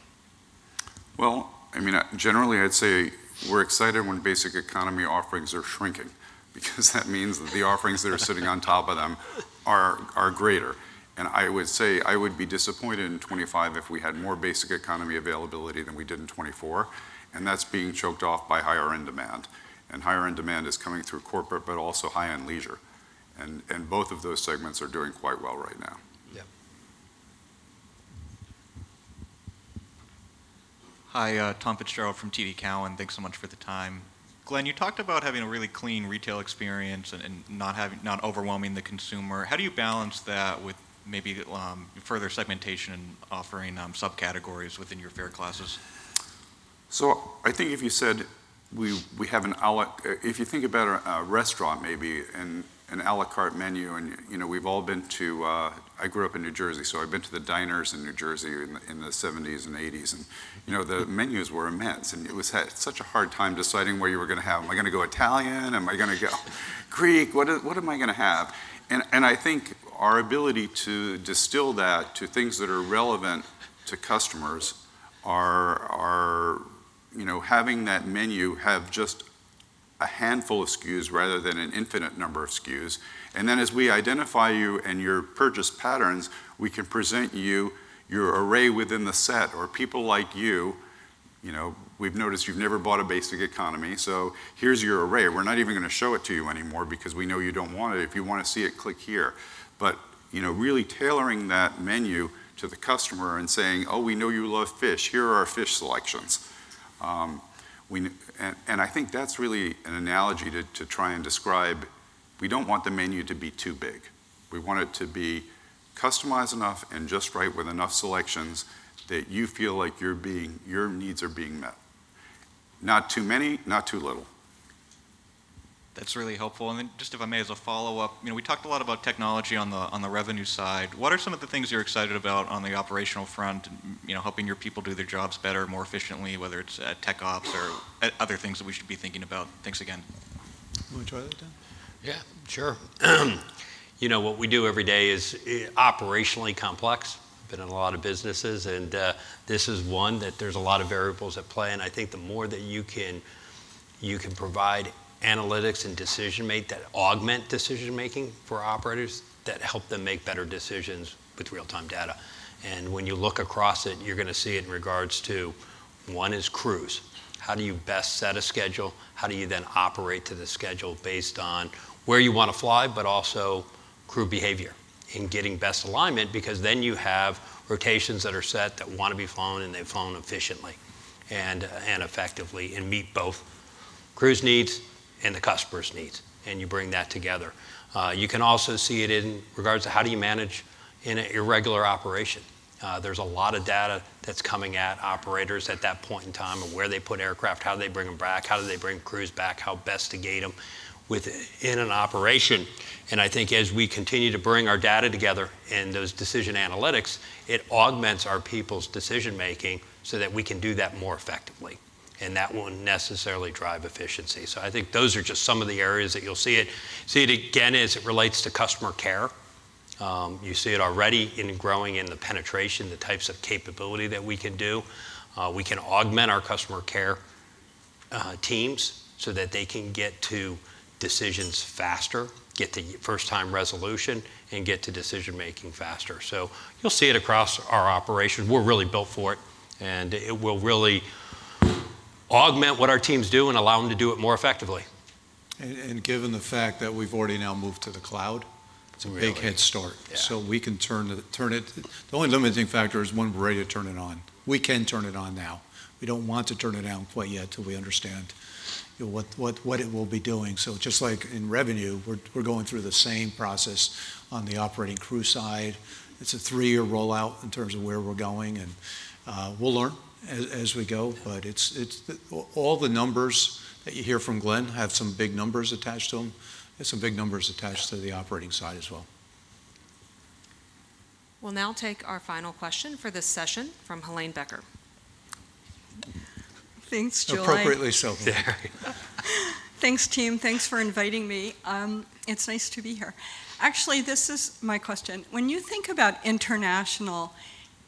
Speaker 5: Well, I mean, generally I'd say we're excited when Basic Economy offerings are shrinking because that means that the offerings that are sitting on top of them are greater. And I would say I would be disappointed in 2025 if we had more Basic Economy availability than we did in 2024. And that's being choked off by higher-end demand. And higher-end demand is coming through corporate, but also high-end leisure. And both of those segments are doing quite well right now.
Speaker 21: Yeah. Hi, Tom Fitzgerald from TD Cowen. Thanks so much for the time. Glen, you talked about having a really clean retail experience and not overwhelming the consumer. How do you balance that with maybe further segmentation and offering subcategories within your fare classes?
Speaker 5: So I think if you think about a restaurant maybe and an à la carte menu and, you know, we've all been to. I grew up in New Jersey, so I've been to the diners in New Jersey in the 1970s and 1980s, you know, the menus were immense, and it was such a hard time deciding what you were going to have. Am I going to go Italian? Am I going to go Greek? What am I going to have? I think our ability to distill that to things that are relevant to customers are, you know, having that menu have just a handful of SKUs rather than an infinite number of SKUs. And then as we identify you and your purchase patterns, we can present you your array within the set or people like you, you know, we've noticed you've never bought a Basic Economy. So here's your array. We're not even going to show it to you anymore because we know you don't want it. If you want to see it, click here. But, you know, really tailoring that menu to the customer and saying, oh, we know you love fish. Here are our fish selections. And I think that's really an analogy to try and describe, we don't want the menu to be too big. We want it to be customized enough and just right with enough selections that you feel like your needs are being met. Not too many, not too little.
Speaker 21: That's really helpful. And then, just if I may, as a follow-up, you know, we talked a lot about technology on the revenue side. What are some of the things you're excited about on the operational front, you know, helping your people do their jobs better, more efficiently, whether it's at TechOps or other things that we should be thinking about? Thanks again.
Speaker 4: Want to join that, Dan?
Speaker 6: Yeah, sure. You know, what we do every day is operationally complex. I've been in a lot of businesses, and this is one that there's a lot of variables at play, and I think the more that you can provide analytics and decision-make that augment decision-making for operators that help them make better decisions with real-time data, and when you look across it, you're going to see it in regards to one is cruise. How do you best set a schedule? How do you then operate to the schedule based on where you want to fly, but also crew behavior in getting best alignment? Because then you have rotations that are set that want to be flown and they're flown efficiently and effectively and meet both crew needs and the customer's needs. And you bring that together. You can also see it in regards to how do you manage in an irregular operation. There's a lot of data that's coming at operators at that point in time of where they put aircraft, how they bring them back, how do they bring crews back, how best to gate them within an operation. And I think as we continue to bring our data together and those decision analytics, it augments our people's decision-making so that we can do that more effectively. And that won't necessarily drive efficiency. So I think those are just some of the areas that you'll see it again as it relates to customer care. You see it already growing in the penetration, the types of capability that we can do. We can augment our customer care teams so that they can get to decisions faster, get to first-time resolution, and get to decision-making faster. So you'll see it across our operation. We're really built for it. And it will really augment what our teams do and allow them to do it more effectively.
Speaker 4: And given the fact that we've already now moved to the cloud, it's a big head start. So we can turn it. The only limiting factor is when we're ready to turn it on. We can turn it on now. We don't want to turn it on quite yet till we understand what it will be doing. So just like in revenue, we're going through the same process on the operating crew side. It's a three-year rollout in terms of where we're going. And we'll learn as we go. But all the numbers that you hear from Glen have some big numbers attached to them. There's some big numbers attached to the operating side as well.
Speaker 1: We'll now take our final question for this session from Helane Becker.
Speaker 22: Thanks, Julie.
Speaker 4: Appropriately so.
Speaker 22: Thanks, team. Thanks for inviting me. It's nice to be here. Actually, this is my question. When you think about international,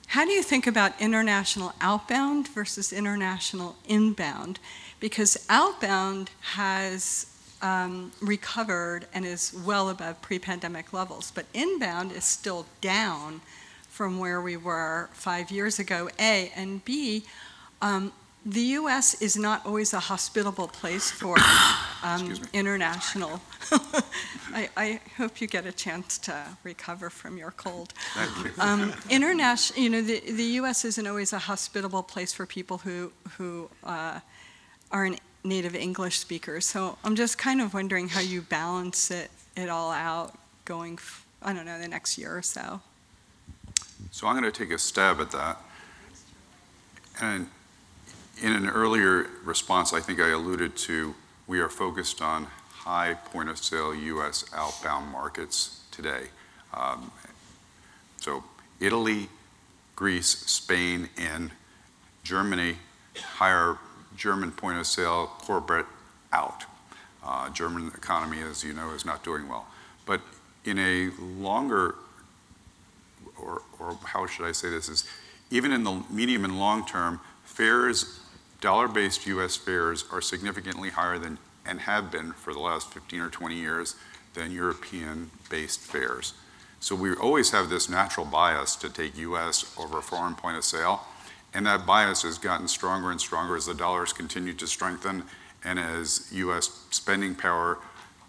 Speaker 22: how do you think about international outbound versus international inbound? Because outbound has recovered and is well above pre-pandemic levels, but inbound is still down from where we were five years ago. A, and B, the U.S. is not always a hospitable place for international. I hope you get a chance to recover from your cold. Thank you. You know, the U.S. isn't always a hospitable place for people who are native English speakers. So I'm just kind of wondering how you balance it all out going, I don't know, the next year or so.
Speaker 5: So I'm going to take a stab at that. And in an earlier response, I think I alluded to we are focused on high point of sale U.S. outbound markets today. So Italy, Greece, Spain, and Germany, higher German point of sale, corporate out. German economy, as you know, is not doing well. But in a longer, or how should I say this is, even in the medium and long term, dollar-based U.S. fares are significantly higher than and have been for the last 15 or 20 years than European-based fares. So we always have this natural bias to take U.S. over foreign point of sale. And that bias has gotten stronger and stronger as the dollar has continued to strengthen and as U.S. spending power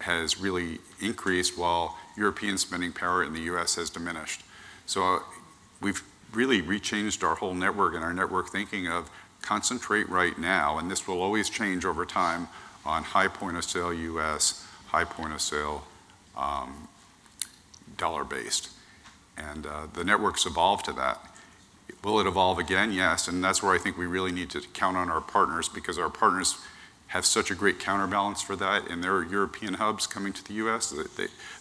Speaker 5: has really increased while European spending power in the U.S. has diminished. So we've really reoriented our whole network and our network thinking to concentrate right now. And this will always change over time on high point of sale U.S., high point of sale dollar-based. And the network's evolved to that. Will it evolve again? Yes. And that's where I think we really need to count on our partners because our partners have such a great counterbalance for that. And there are European hubs coming to the U.S.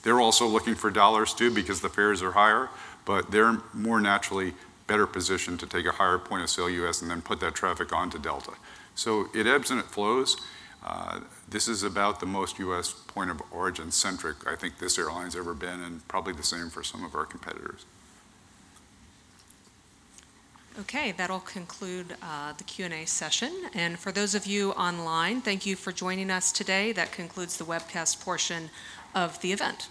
Speaker 5: They're also looking for dollars too because the fares are higher, but they're more naturally better positioned to take a higher point of sale U.S. And then put that traffic onto Delta. So it ebbs and it flows. This is about the most U.S. point of origin centric I think this airline's ever been and probably the same for some of our competitors.
Speaker 1: Okay. That'll conclude the Q&A session. And for those of you online, thank you for joining us today. That concludes the webcast portion of the event.